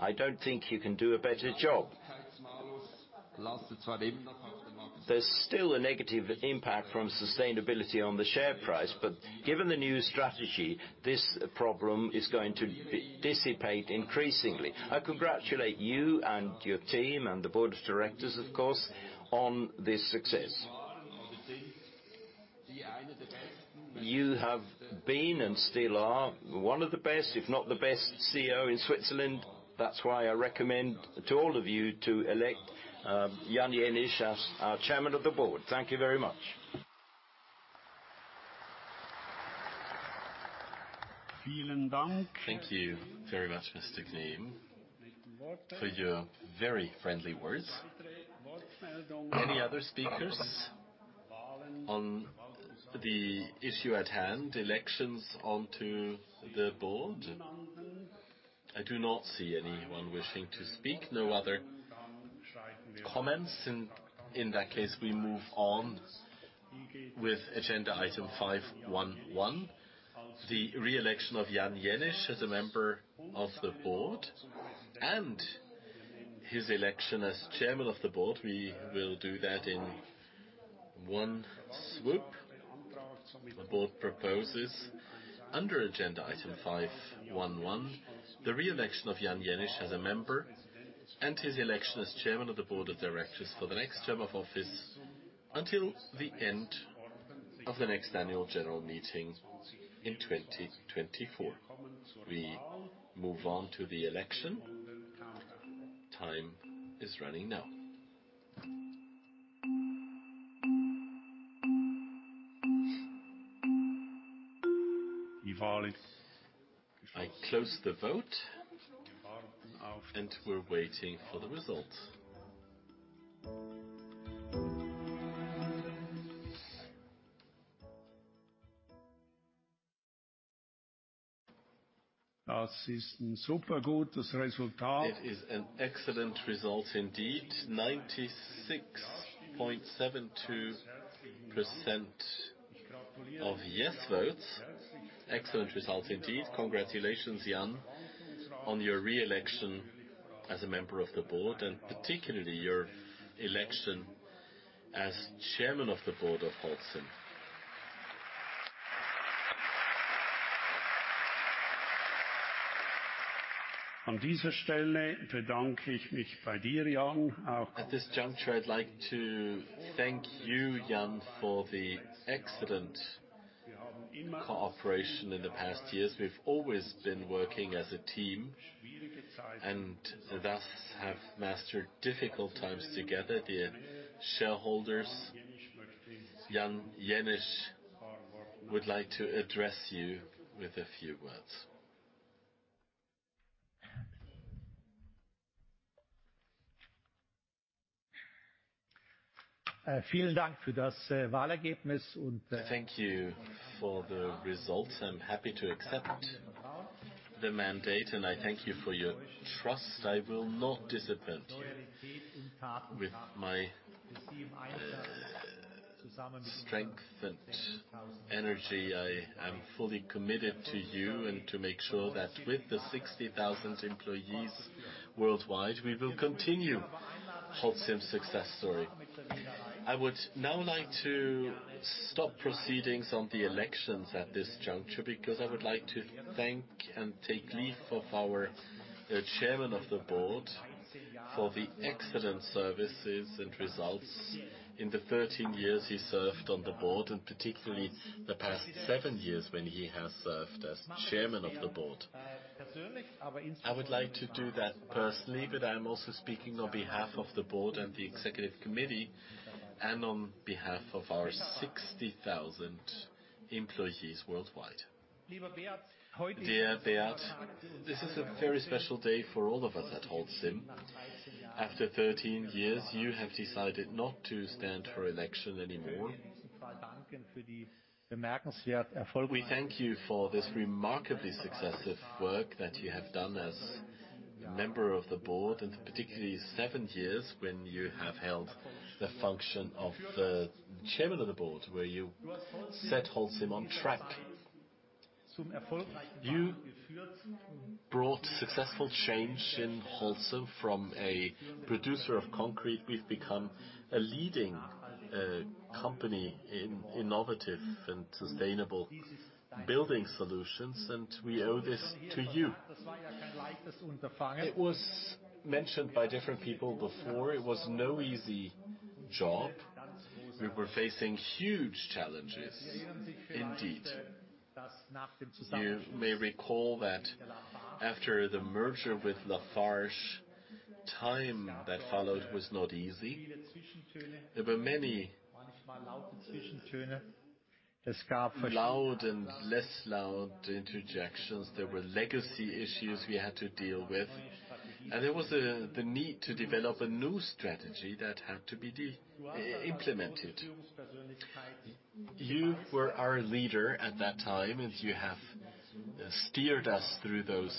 I don't think you can do a better job. There's still a negative impact from sustainability on the share price, but given the new strategy, this problem is going to dissipate increasingly. I congratulate you and your team and the board of directors, of course, on this success. You have been and still are one of the best, if not the best CEO in Switzerland. That's why I recommend to all of you to elect Jan Jenisch as our chairman of the board. Thank you very much. Thank you very much, Mr. Gnemme, for your very friendly words. Any other speakers on the issue at hand, elections onto the Board? I do not see anyone wishing to speak. No other comments. In that case, we move on with agenda item 511, the reelection of Jan Jenisch as a member of the Board and his election as Chairman of the Board. We will do that in one swoop. The Board proposes under agenda item 511, the reelection of Jan Jenisch as a member and his election as Chairman of the Board of Directors for the next term of office. Until the end of the next annual general meeting in 2024. We move on to the election. Time is running now. I close the vote, and we're waiting for the results. It is an excellent result indeed. 96.72% of yes votes. Excellent results indeed. Congratulations, Jan, on your re-election as a member of the Board, and particularly your election as Chairman of the Board of Holcim. At this juncture, I'd like to thank you, Jan, for the excellent cooperation in the past years. We've always been working as a team, and thus have mastered difficult times together. Dear shareholders, Jan Jenisch would like to address you with a few words. Thank you for the results. I'm happy to accept the mandate, and I thank you for your trust. I will not disappoint you. With my strength and energy, I am fully committed to you and to make sure that with the 60,000 employees worldwide, we will continue Holcim success story. I would now like to stop proceedings on the elections at this juncture, because I would like to thank and take leave of our Chairman of the Board for the excellent services and results in the 13 years he served on the board, and particularly the past seven years when he has served as Chairman of the Board. I would like to do that personally, but I'm also speaking on behalf of the board and the executive committee, and on behalf of our 60,000 employees worldwide. Dear Beat, this is a very special day for all of us at Holcim. After 13 years, you have decided not to stand for election anymore. We thank you for this remarkably successive work that you have done as a member of the board, particularly seven years when you have held the function of the Chairman of the Board, where you set Holcim on track. You brought successful change in Holcim. From a producer of concrete, we've become a leading company in innovative and sustainable building solutions, and we owe this to you. It was mentioned by different people before, it was no easy job. We were facing huge challenges, indeed. You may recall that after the merger with Lafarge, time that followed was not easy. There were many loud and less loud interjections. There were legacy issues we had to deal with, and there was the need to develop a new strategy that had to be implemented. You were our leader at that time, and you have steered us through those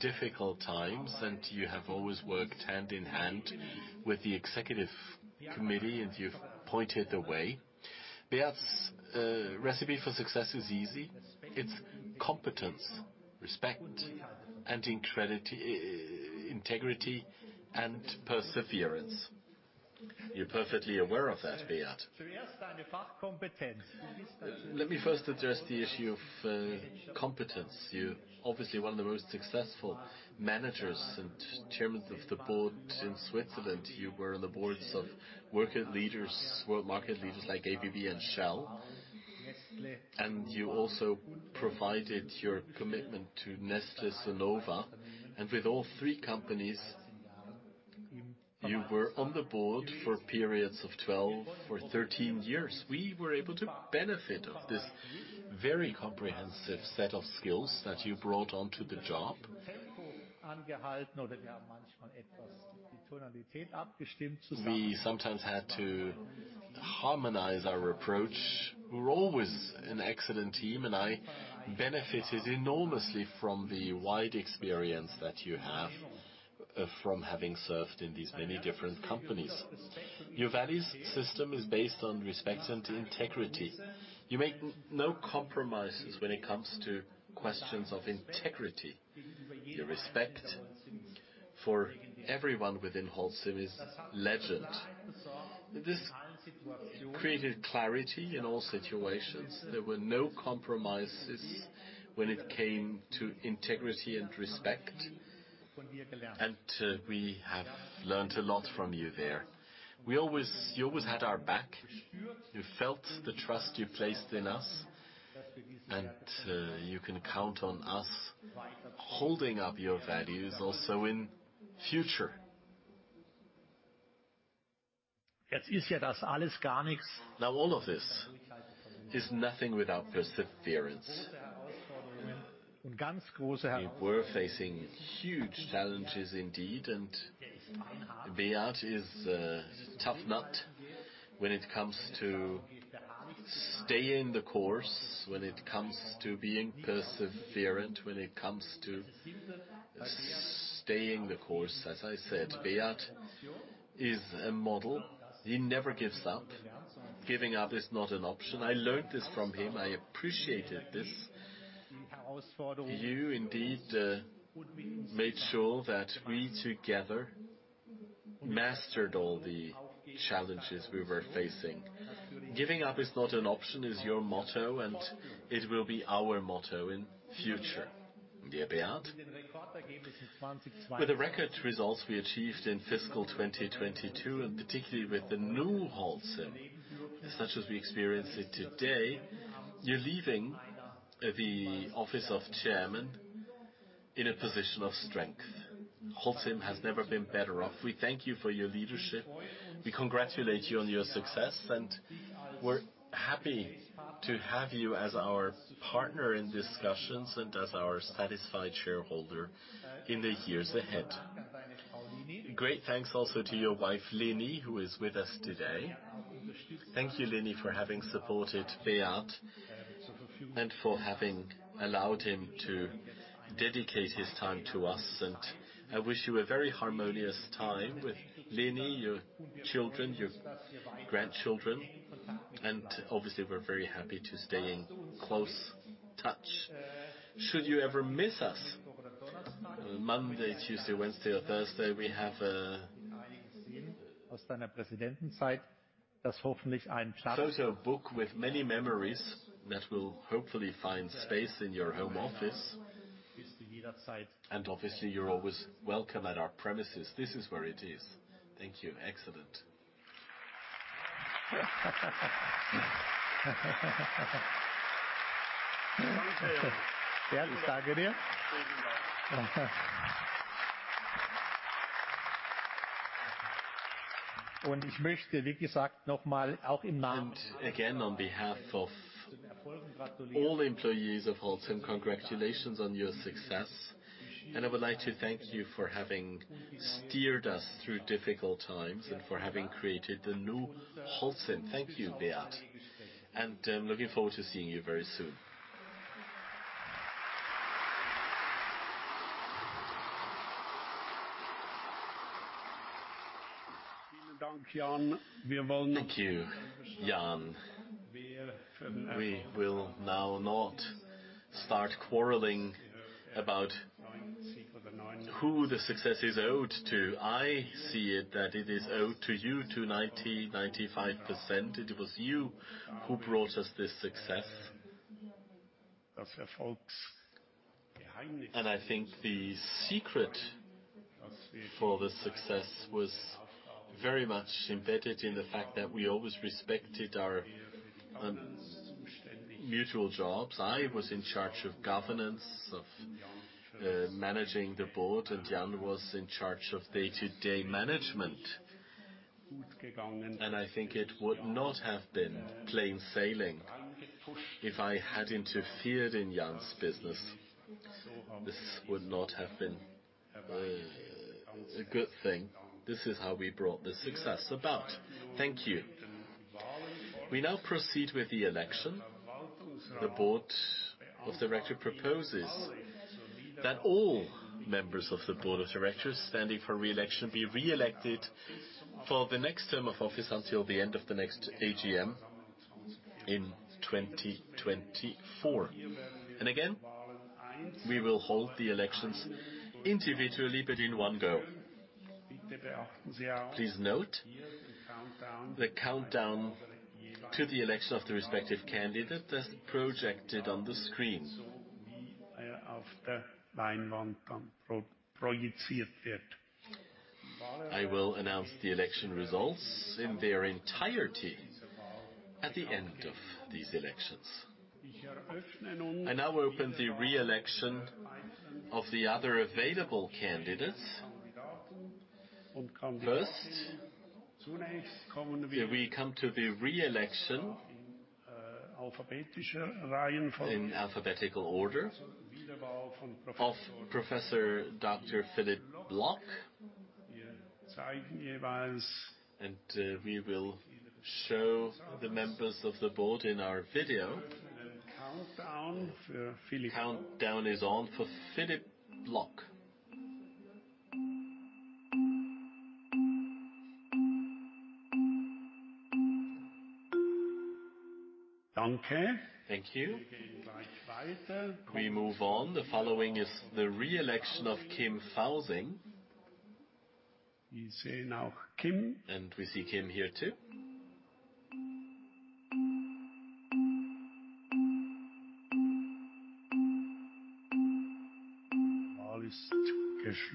difficult times, and you have always worked hand in hand with the executive committee, and you've pointed the way. Beat's recipe for success is easy. It's competence, respect and integrity and perseverance. You're perfectly aware of that, Beat. Let me first address the issue of competence. You're obviously one of the most successful managers and Chairman of the Board in Switzerland. You were on the boards of market leaders, world market leaders like ABB and Shell. You also provided your commitment to Nestlé Sinova. With all three companies, you were on the board for periods of 12 or 13 years. We were able to benefit of this very comprehensive set of skills that you brought onto the job. We sometimes had to harmonize our approach. We were always an excellent team. I benefited enormously from the wide experience that you have from having served in these many different companies. Your values system is based on respect and integrity. You make no compromises when it comes to questions of integrity. Your respect for everyone within Holcim is legend. This created clarity in all situations. There were no compromises when it came to integrity and respect. We have learned a lot from you there. You always had our back. You felt the trust you placed in us. You can count on us holding up your values also in future. All of this is nothing without perseverance. We're facing huge challenges indeed. Beat is a tough nut when it comes to staying the course, when it comes to being perseverant. As I said, Beat is a model. He never gives up. Giving up is not an option. I learned this from him. I appreciated this. You indeed made sure that we together mastered all the challenges we were facing. Giving up is not an option is your motto. It will be our motto in future. Dear Beat, with the record results we achieved in fiscal 2022, and particularly with the new Holcim, such as we experience it today, you're leaving the office of chairman in a position of strength. Holcim has never been better off. We thank you for your leadership. We congratulate you on your success, and we're happy to have you as our partner in discussions and as our satisfied shareholder in the years ahead. Great thanks also to your wife, Linny, who is with us today. Thank you, Linny, for having supported Beat and for having allowed him to dedicate his time to us. I wish you a very harmonious time with Linny, your children, your grandchildren. Obviously, we're very happy to stay in close touch. Should you ever miss us, Monday, Tuesday, Wednesday or Thursday, we have a book with many memories that will hopefully find space in your home office. Obviously, you're always welcome at our premises. This is where it is. Thank you. Excellent. Again, on behalf of all employees of Holcim, congratulations on your success. I would like to thank you for having steered us through difficult times and for having created the new Holcim. Thank you, Beat. I'm looking forward to seeing you very soon. Thank you, Jan. We will now not start quarreling about who the success is owed to. I see it that it is owed to you to 90-95%. It was you who brought us this success. I think the secret for the success was very much embedded in the fact that we always respected our mutual jobs. I was in charge of governance, of managing the board, and Jan was in charge of day-to-day management. I think it would not have been plain sailing if I had interfered in Jan's business. This would not have been a good thing. This is how we brought the success about. Thank you. We now proceed with the election. The board of director proposes that all members of the Board of Directors standing for reelection be reelected for the next term of office until the end of the next AGM in 2024. Again, we will hold the elections individually, but in one go. Please note the countdown to the election of the respective candidate that's projected on the screen. I will announce the election results in their entirety at the end of these elections. I now open the reelection of the other available candidates. First, we come to the reelection in alphabetical order of Professor Doctor Philippe Block. We will show the members of the board in our video. Countdown is on for Philippe Block. Thank you. We move on. The following is the reelection of Kim Fausing. We see Kim here too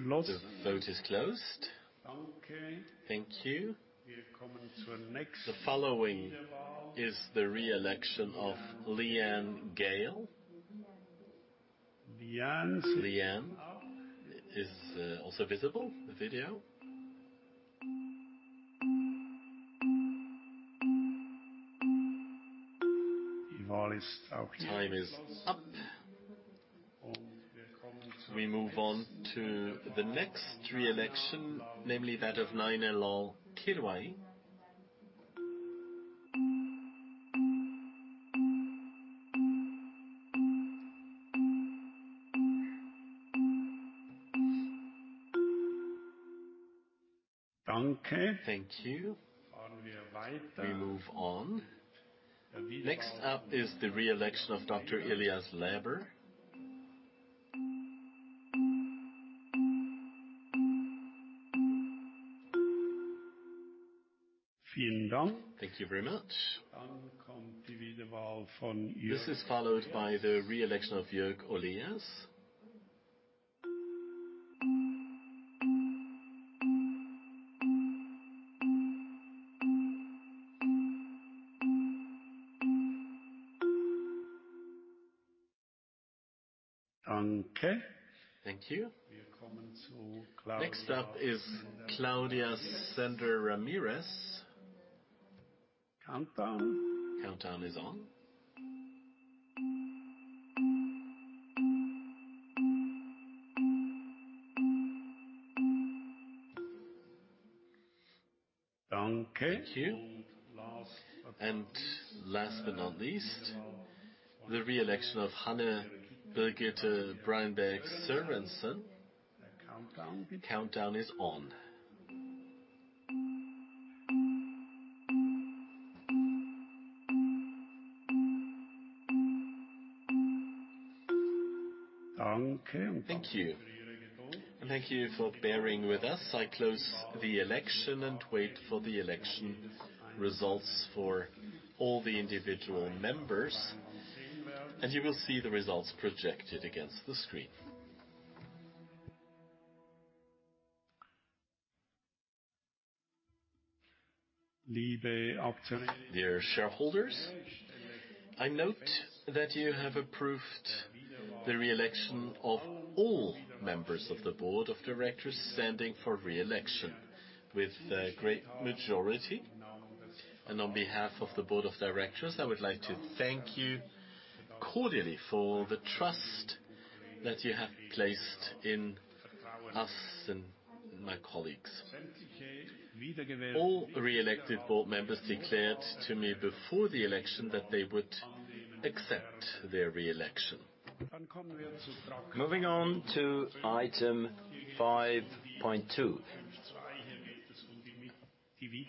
The vote is closed. Thank you. The following is the re-election of Leanne Geale. Leanne is also visible, the video. Time is up. We move on to the next re-election, namely that of Naina Lal Kidwai. Thank you. We move on. Next up is the re-election of Dr. Ilias Läber. Thank you very much. This is followed by the re-election of Jürg Oleas. Thank you. Next up is Claudia Sender Ramirez. Countdown is on. Thank you. Last but not least, the re-election of Hanne Birgitte Breinbjerg Sørensen. Countdown is on. Thank you. Thank you for bearing with us. I close the election and wait for the election results for all the individual members, and you will see the results projected against the screen. Dear shareholders, I note that you have approved the re-election of all members of the Board of Directors standing for re-election with a great majority. On behalf of the Board of Directors, I would like to thank you cordially for the trust that you have placed in us and my colleagues. All re-elected Board members declared to me before the election that they would accept their re-election. Moving on to item 5.2,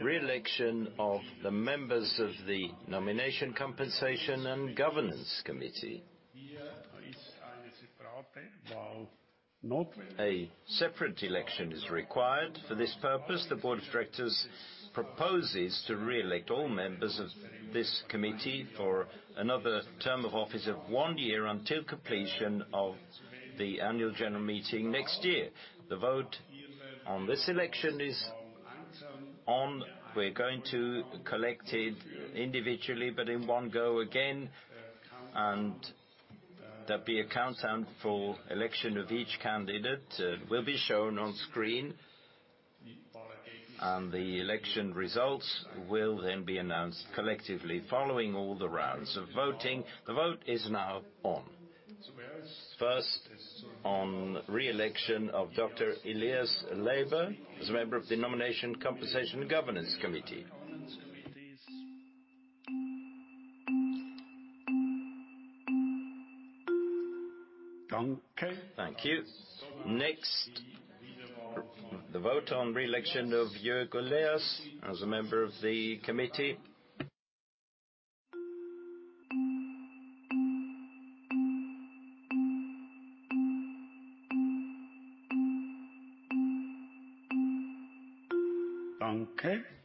re-election of the members of the Nomination, Compensation & Governance Committee. A separate election is required. For this purpose, the Board of Directors proposes to re-elect all members of this committee for another term of office of 1 year until completion of the Annual General Meeting next year. The vote on this election is on. We're going to collect it individually, but in one go again, and there'll be a countdown for election of each candidate will be shown on screen. The election results will then be announced collectively following all the rounds of voting. The vote is now on. First, on re-election of Dr Ilias Läber as a member of the Nomination, Compensation & Governance Committee. Thank you. Next, the vote on re-election of Jürg Oleas as a member of the committee.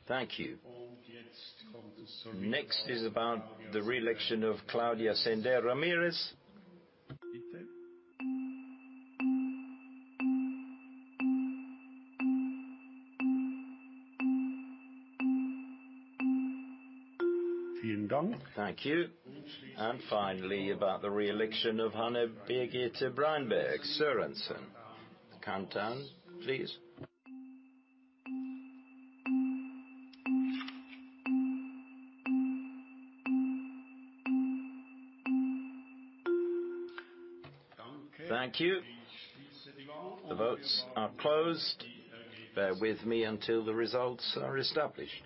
Thank you. Next is about the re-election of Claudia Sender Ramirez. Thank you. Finally, about the re-election of Hanne Birgitte Breinbjerg Sørensen. Countdown, please. Thank you. The votes are closed. Bear with me until the results are established.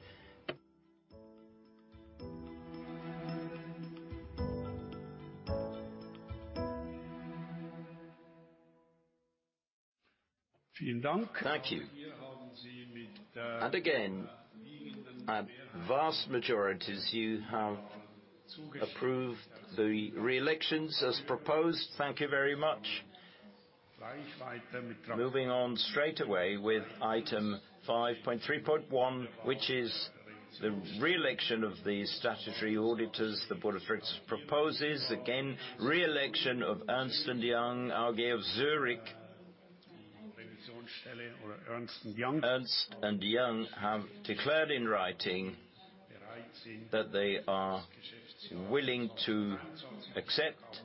Thank you. Again, at vast majorities, you have approved the re-elections as proposed. Thank you very much. Moving on straight away with item 5.3.1, which is the re-election of the statutory auditors. The Board of Directors proposes, again, re-election of Ernst & Young AG of Zurich. Ernst & Young have declared in writing that they are willing to accept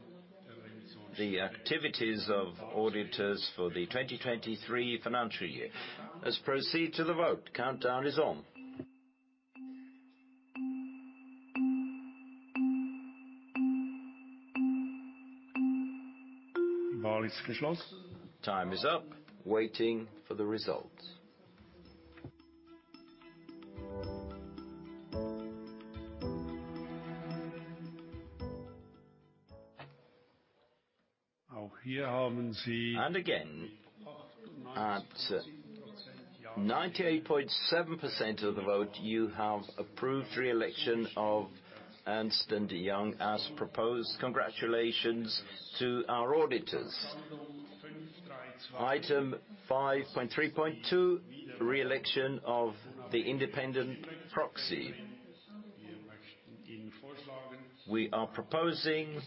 the activities of auditors for the 2023 financial year. Let's proceed to the vote. Countdown is on. Time is up. Waiting for the results. Again, at 98.7% of the vote, you have approved re-election of Ernst & Young as proposed. Congratulations to our auditors. Item 5.3.2, re-election of the Independent Proxy. We are proposing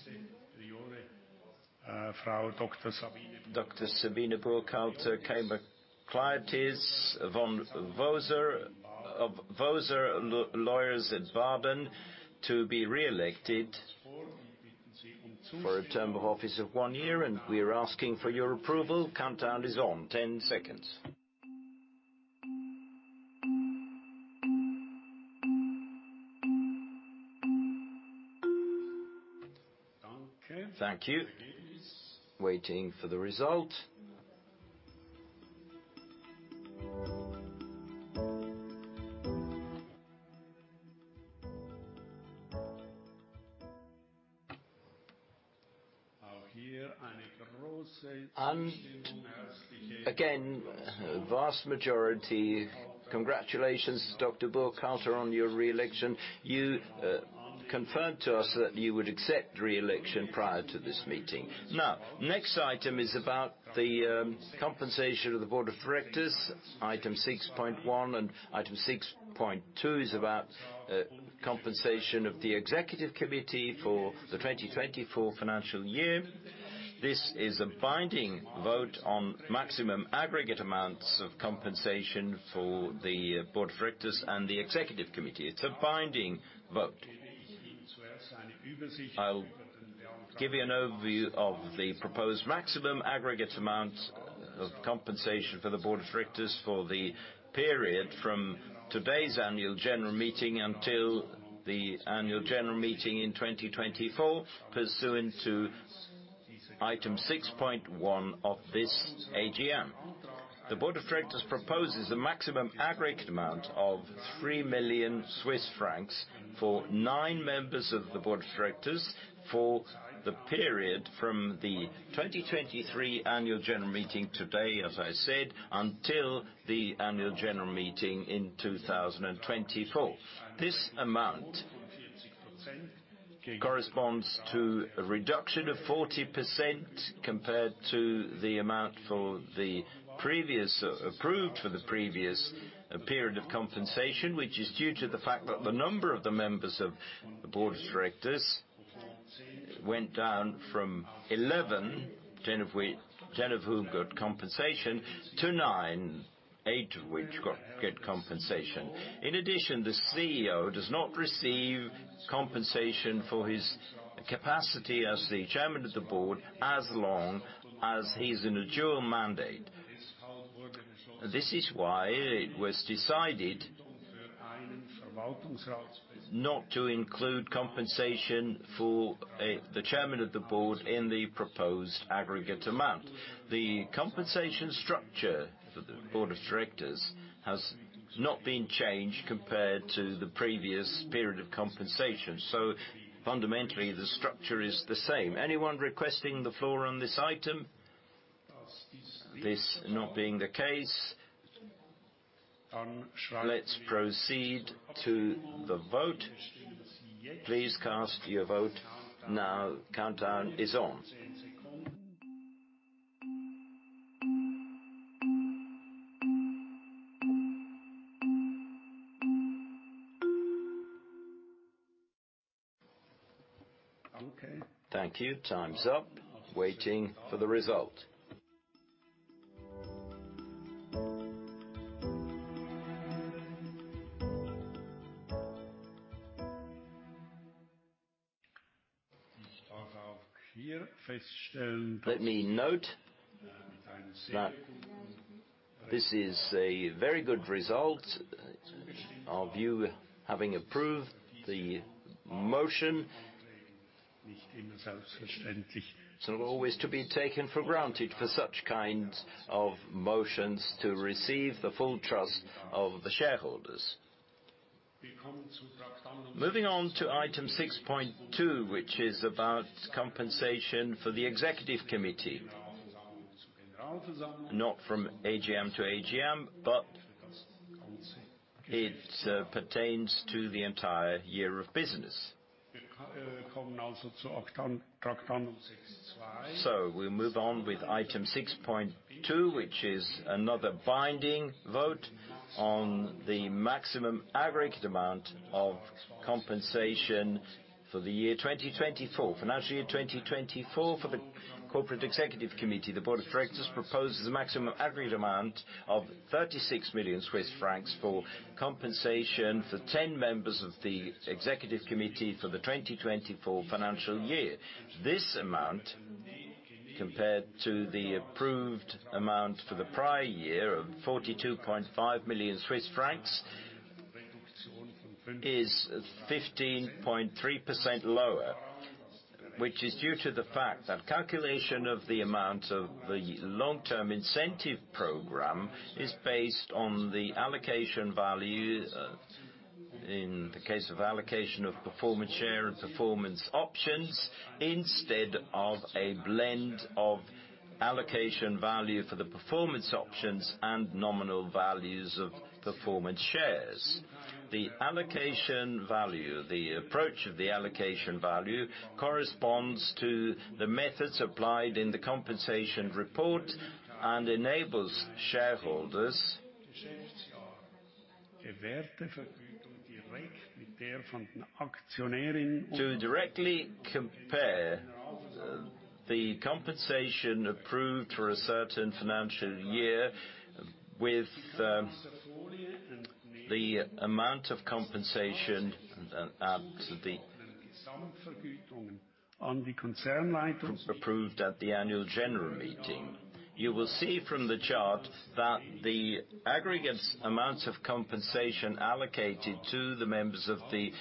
Dr. Sabine Burkhalter Kaimakliotis of Voser Attorneys at Law at Baden to be re-elected for a term of office of 1 year, we are asking for your approval. Countdown is on. 10 seconds. Thank you. Waiting for the result. Again, vast majority. Congratulations, Dr. Burkhalter, on your re-election. You confirmed to us that you would accept re-election prior to this meeting. Now, next item is about the compensation of the Board of Directors. Item 6.1 and item 6.2 is about compensation of the Executive Committee for the 2024 financial year. This is a binding vote on maximum aggregate amounts of compensation for the Board of Directors and the Executive Committee. It's a binding vote. I'll give you an overview of the proposed maximum aggregate amount of compensation for the Board of Directors for the period from today's Annual General Meeting until the Annual General Meeting in 2024, pursuant to item 6.1 of this AGM. The Board of Directors proposes a maximum aggregate amount of 3 million Swiss francs for nine members of the Board of Directors for the period from the 2023 annual general meeting today, as I said, until the annual general meeting in 2024. This amount corresponds to a reduction of 40% compared to the amount for the previous, approved for the previous period of compensation, which is due to the fact that the number of the members of the Board of Directors went down from 11, 10 of whom got compensation, to nine, eight of which get compensation. In addition, the CEO does not receive compensation for his capacity as the Chairman of the Board as long as he's in a dual mandate. This is why it was decided not to include compensation for the chairman of the board in the proposed aggregate amount. The compensation structure for the Board of Directors has not been changed compared to the previous period of compensation. Fundamentally, the structure is the same. Anyone requesting the floor on this item? This not being the case, let's proceed to the vote. Please cast your vote now. Countdown is on. Thank you. Time's up. Waiting for the result. Let me note that this is a very good result. All of you having approved the motion. It's not always to be taken for granted for such kinds of motions to receive the full trust of the shareholders. Moving on to item 6.2, which is about compensation for the Executive Committee, not from AGM to AGM, but It pertains to the entire year of business. We move on with item 6.2, which is another binding vote on the maximum aggregate amount of compensation for the year 2024. Financial year 2024 for the Corporate Executive Committee. The Board of Directors proposes a maximum aggregate amount of 36 million Swiss francs for compensation for 10 members of the Executive Committee for the 2024 financial year. This amount, compared to the approved amount for the prior year of 42.5 million Swiss francs, is 15.3% lower. It is due to the fact that calculation of the amount of the long-term incentive program is based on the allocation value, in the case of allocation of performance share and performance options, instead of a blend of allocation value for the performance options and nominal values of performance shares. The allocation value, the approach of the allocation value corresponds to the methods applied in the compensation report and enables shareholders to directly compare the compensation approved for a certain financial year with the amount of compensation and the approved at the annual general meeting. You will see from the chart that the aggregate amounts of compensation allocated to the members of the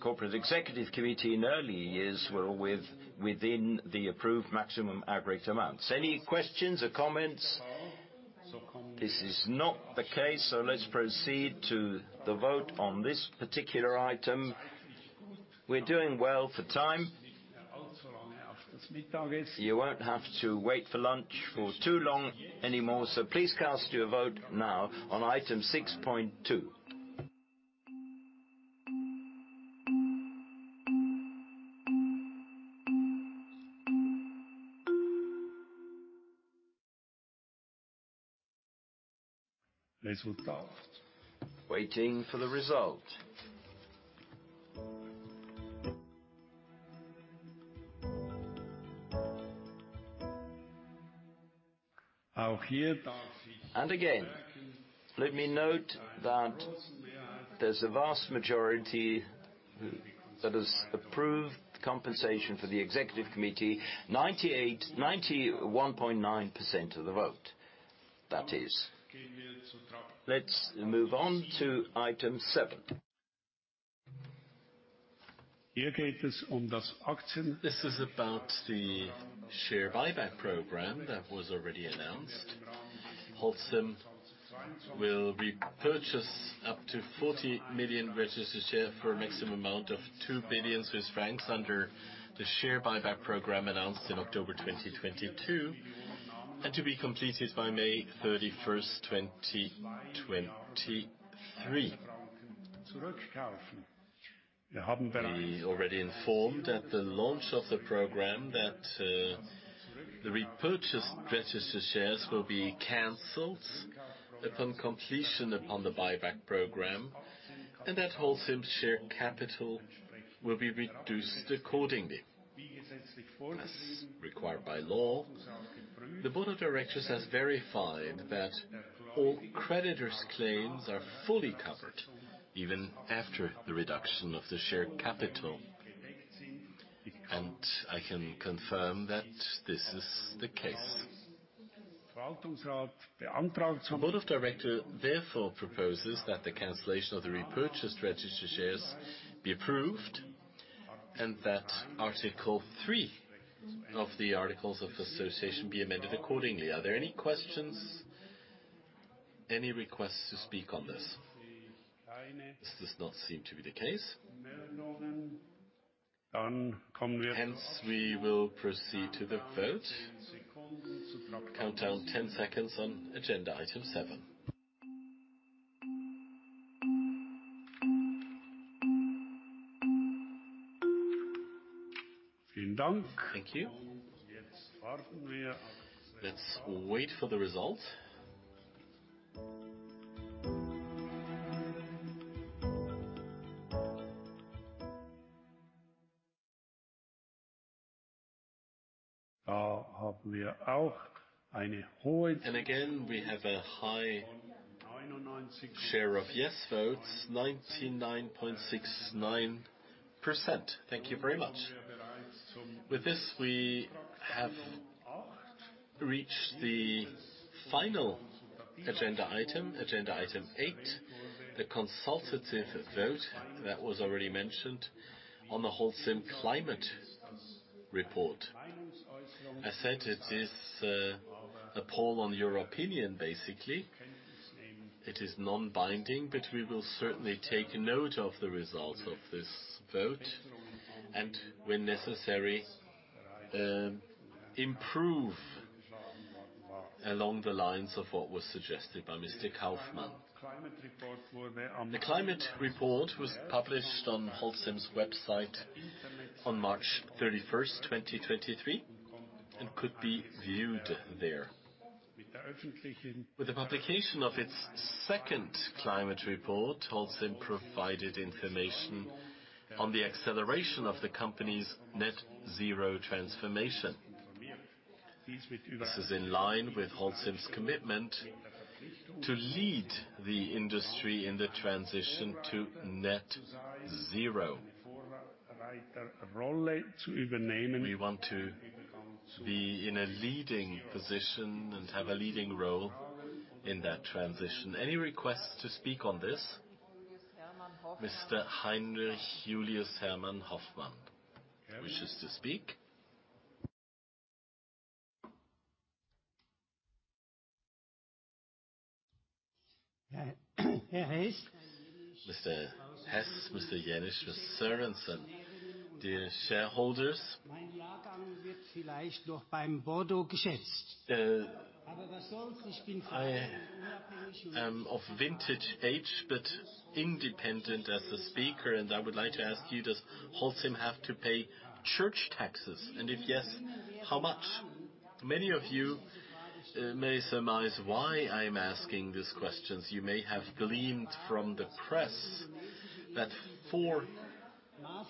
corporate executive committee in early years were within the approved maximum aggregate amounts. Any questions or comments? This is not the case, let's proceed to the vote on this particular item. We're doing well for time. You won't have to wait for lunch for too long anymore, please cast your vote now on item 6.2. Waiting for the result. Again, let me note that there's a vast majority that has approved compensation for the executive committee. 98... 91.9% of the vote, that is. Let's move on to item 7. This is about the share buyback program that was already announced. Holcim will repurchase up to 40 million registered share for a maximum amount of 2 billion Swiss francs under the share buyback program announced in October 2022, and to be completed by May 31, 2023. We already informed at the launch of the program that the repurchased registered shares will be canceled upon completion upon the buyback program, and that Holcim share capital will be reduced accordingly. As required by law, the board of directors has verified that all creditors' claims are fully covered even after the reduction of the share capital, and I can confirm that this is the case. The Board of Directors therefore proposes that the cancellation of the repurchased registered shares be approved, and that Article 3 of the Articles of Association be amended accordingly. Are there any questions? Any requests to speak on this? This does not seem to be the case. We will proceed to the vote. Countdown 10 seconds on Agenda Item 7. Thank you. Let's wait for the result. Again, we have a high share of yes votes, 99.69%. Thank you very much. With this, we have reached the final Agenda Item, Agenda Item 8, the consultative vote that was already mentioned on the Holcim Climate Report. I said it is a poll on your opinion, basically. It is non-binding, but we will certainly take note of the result of this vote and when necessary, improve Along the lines of what was suggested by Mr. Kaufmann. The climate report was published on Holcim's website on March 31, 2023, and could be viewed there. With the publication of its second climate report, Holcim provided information on the acceleration of the company's net zero transformation. This is in line with Holcim's commitment to lead the industry in the transition to net zero. We want to be in a leading position and have a leading role in that transition. Any requests to speak on this? Mr. Heinrich Julius Hermann Hoffmann wishes to speak. Mr. Hess, Mr. Jenisch, Mr. Sørensen, dear shareholders. I am of vintage age, but independent as a speaker, and I would like to ask you, does Holcim have to pay church taxes? If yes, how much? Many of you may surmise why I'm asking these questions. You may have gleaned from the press that 4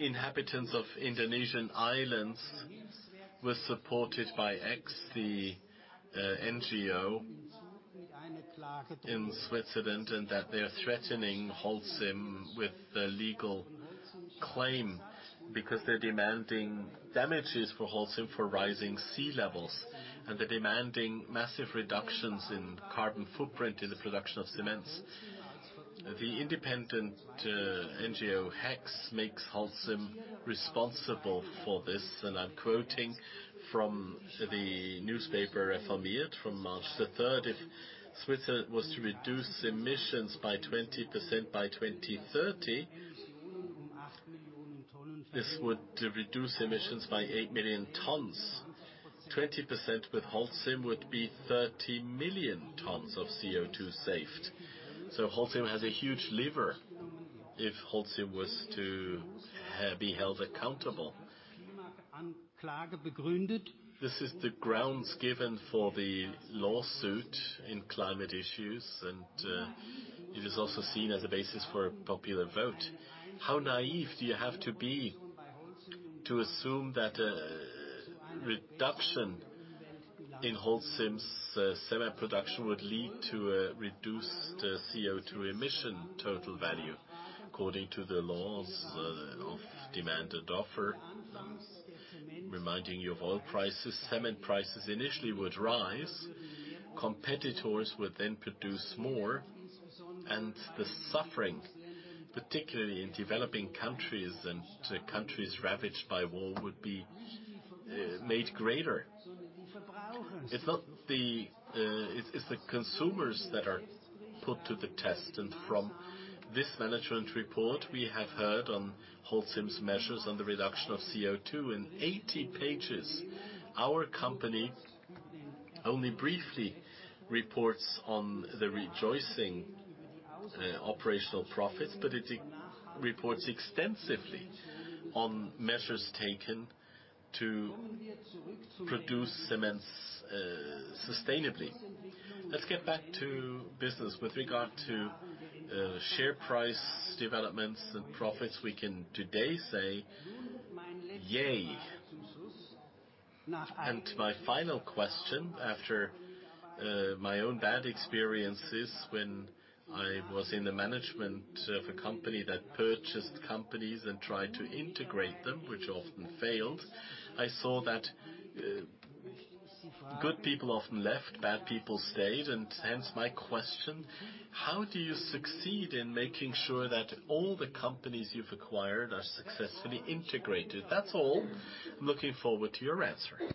inhabitants of Indonesian islands were supported by HEKS, the NGO in Switzerland, and that they are threatening Holcim with a legal claim because they're demanding damages for Holcim for rising sea levels. They're demanding massive reductions in carbon footprint in the production of cements. The independent NGO, HEKS, makes Holcim responsible for this. I'm quoting from the newspaper, reformiert., from March the third. If Switzerland was to reduce emissions by 20% by 2030, this would reduce emissions by 8 million tons. 20% with Holcim would be 30 million tons of CO2 saved. Holcim has a huge lever if Holcim was to be held accountable. This is the grounds given for the lawsuit in climate issues, and it is also seen as a basis for a popular vote. How naive do you have to be to assume that a reduction in Holcim's cement production would lead to a reduced CO2 emission total value? According to the laws of demand and offer, reminding you of oil prices, cement prices initially would rise. Competitors would then produce more, and the suffering, particularly in developing countries and countries ravaged by war, would be made greater. It's the consumers that are put to the test. From this management report, we have heard on Holcim's measures on the reduction of CO2. In 80 pages, our company only briefly reports on the rejoicing operational profits, but it reports extensively on measures taken to produce cements sustainably. Let's get back to business. With regard to share price developments and profits, we can today say, "Yay." My final question, after my own bad experiences when I was in the management of a company that purchased companies and tried to integrate them, which often failed, I saw that good people often left, bad people stayed. Hence my question, how do you succeed in making sure that all the companies you've acquired are successfully integrated? That's all. I'm looking forward to your answer.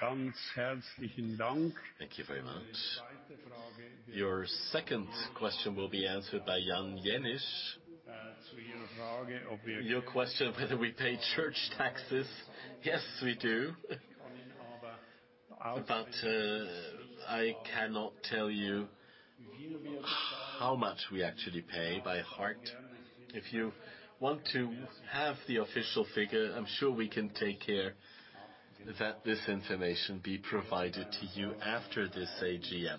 Thank you very much. Your second question will be answered by Jan Jenisch. Your question whether we pay church taxes, yes, we do. I cannot tell you how much we actually pay by heart. If you want to have the official figure, I'm sure we can take care that this information be provided to you after this AGM.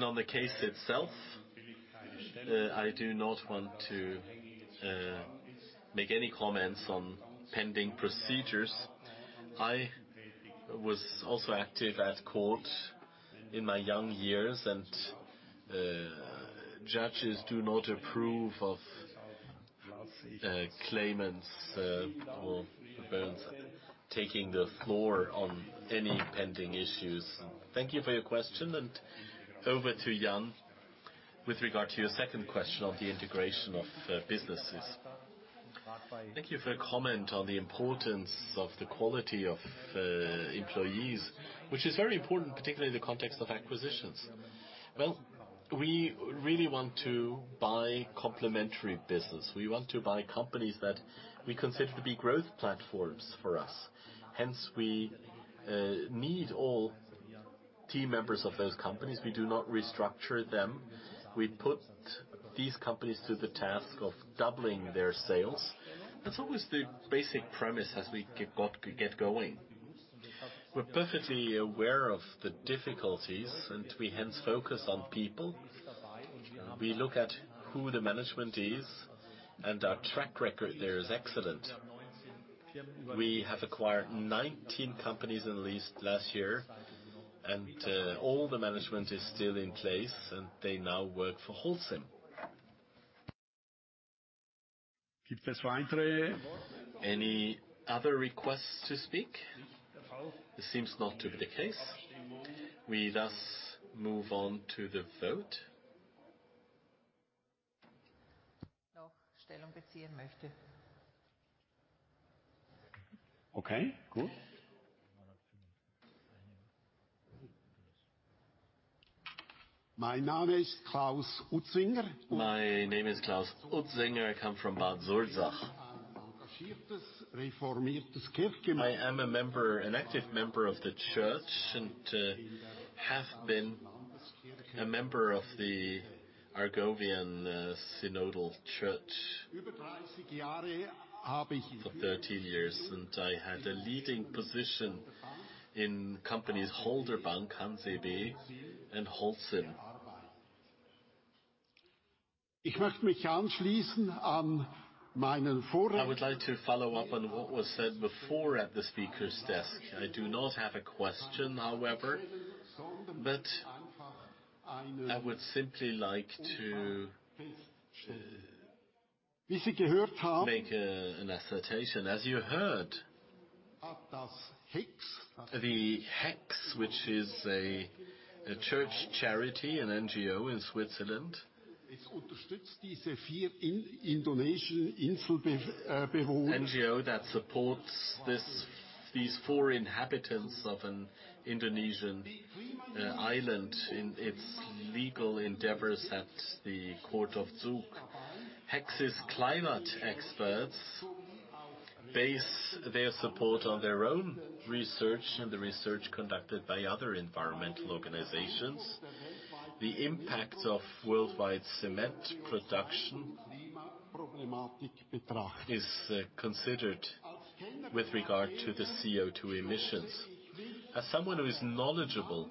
On the case itself, I do not want to make any comments on pending procedures. I was also active at court in my young years, and judges do not approve of claimants or defendants taking the floor on any pending issues. Thank you for your question, and over to Jan with regard to your second question on the integration of businesses. Thank you for your comment on the importance of the quality of employees, which is very important, particularly in the context of acquisitions. We really want to buy complementary business. We want to buy companies that we consider to be growth platforms for us. Hence, we need all team members of those companies. We do not restructure them. We put these companies to the task of doubling their sales. That's always the basic premise as we get going. We're perfectly aware of the difficulties. We hence focus on people. We look at who the management is. Our track record there is excellent. We have acquired 19 companies at least last year, and all the management is still in place, and they now work for Holcim. Any other requests to speak? This seems not to be the case. We thus move on to the vote. Okay, good. My name is Klaus Utzinger. My name is Klaus Utzinger. I come from Bad Zurzach. I am a member, an active member of the church, have been a member of the Argovian Synodal Church for 30 years. I had a leading position in companies Holderbank, Hanseatic and Holcim. I would like to follow up on what was said before at the speaker's desk. I do not have a question, however, but I would simply like to make an assertion. As you heard, the HEKS, which is a church charity, an NGO in Switzerland. NGO that supports this, these 4 inhabitants of an Indonesian island in its legal endeavors at the court of Zug. HEKS's climate experts base their support on their own research and the research conducted by other environmental organizations. The impact of worldwide cement production is considered with regard to the CO2 emissions. As someone who is knowledgeable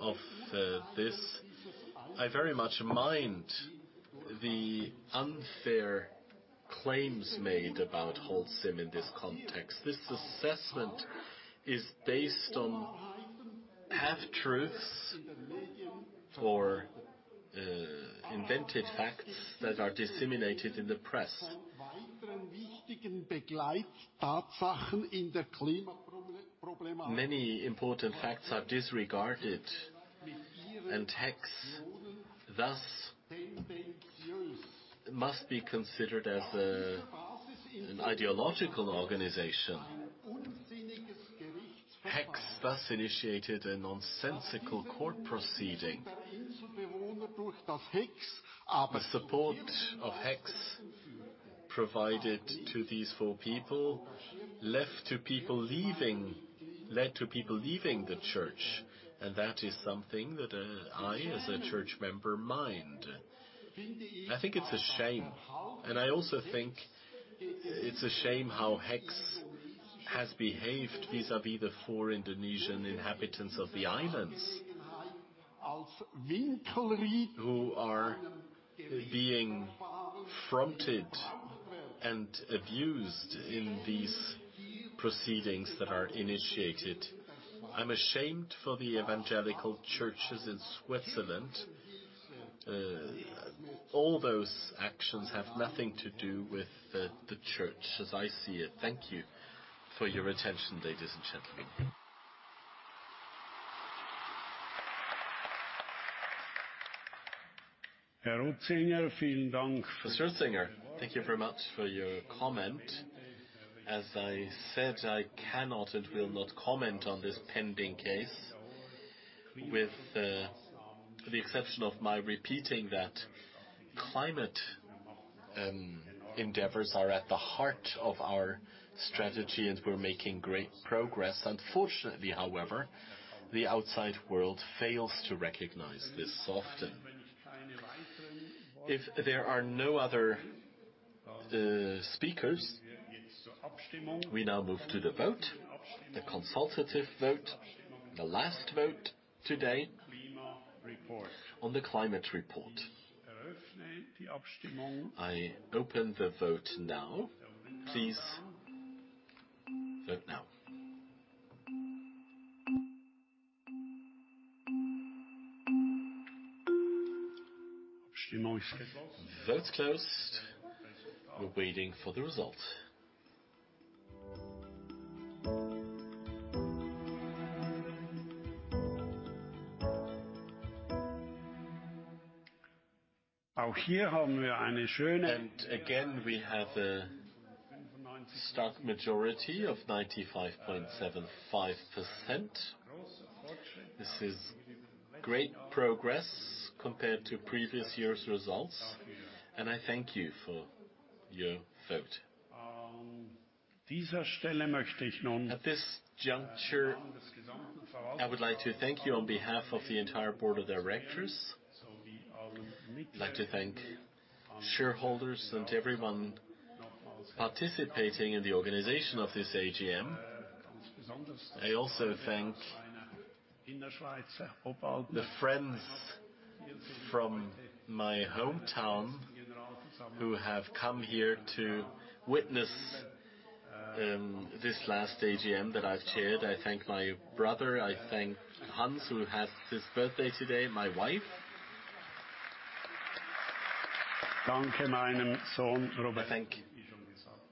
of this, I very much mind the unfair claims made about Holcim in this context. This assessment is based on half-truths or invented facts that are disseminated in the press. Many important facts are disregarded, HEKS thus must be considered as an ideological organization. HEKS thus initiated a nonsensical court proceeding. The support of HEKS provided to these four people led to people leaving the church, that is something that I, as a church member, mind. I think it's a shame, I also think it's a shame how HEKS has behaved vis-à-vis the four Indonesian inhabitants of the islands, who are being fronted and abused in these proceedings that are initiated. I'm ashamed for the Evangelical churches in Switzerland. All those actions have nothing to do with the church as I see it. Thank you for your attention, ladies and gentlemen. Mr. Utzinger, thank you very much for your comment. As I said, I cannot and will not comment on this pending case, with the exception of my repeating that climate endeavors are at the heart of our strategy, and we're making great progress. Unfortunately, however, the outside world fails to recognize this often. If there are no other speakers, we now move to the vote, the consultative vote, the last vote today on the climate report. I open the vote now. Please vote now. Vote closed. We're waiting for the result. Again, we have a stark majority of 95.75%. This is great progress compared to previous years' results, and I thank you for your vote. At this juncture, I would like to thank you on behalf of the entire board of directors. I'd like to thank shareholders and everyone participating in the organization of this AGM. I also thank the friends from my hometown who have come here to witness this last AGM that I've chaired. I thank my brother. I thank Hans, who has his birthday today, my wife. I thank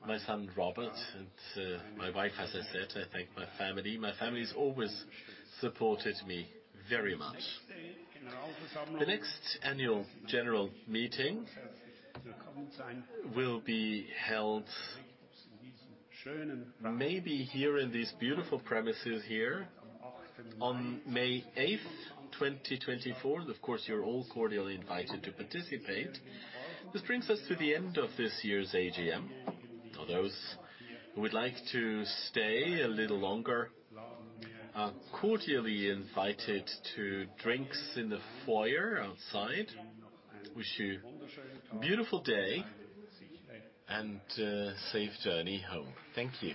my son, Robert, and my wife, as I said. I thank my family. My family has always supported me very much. The next annual general meeting will be held maybe here in these beautiful premises here on May eighth, 2024. Of course, you're all cordially invited to participate. This brings us to the end of this year's AGM. For those who would like to stay a little longer are cordially invited to drinks in the foyer outside. Wish you a beautiful day and a safe journey home. Thank you.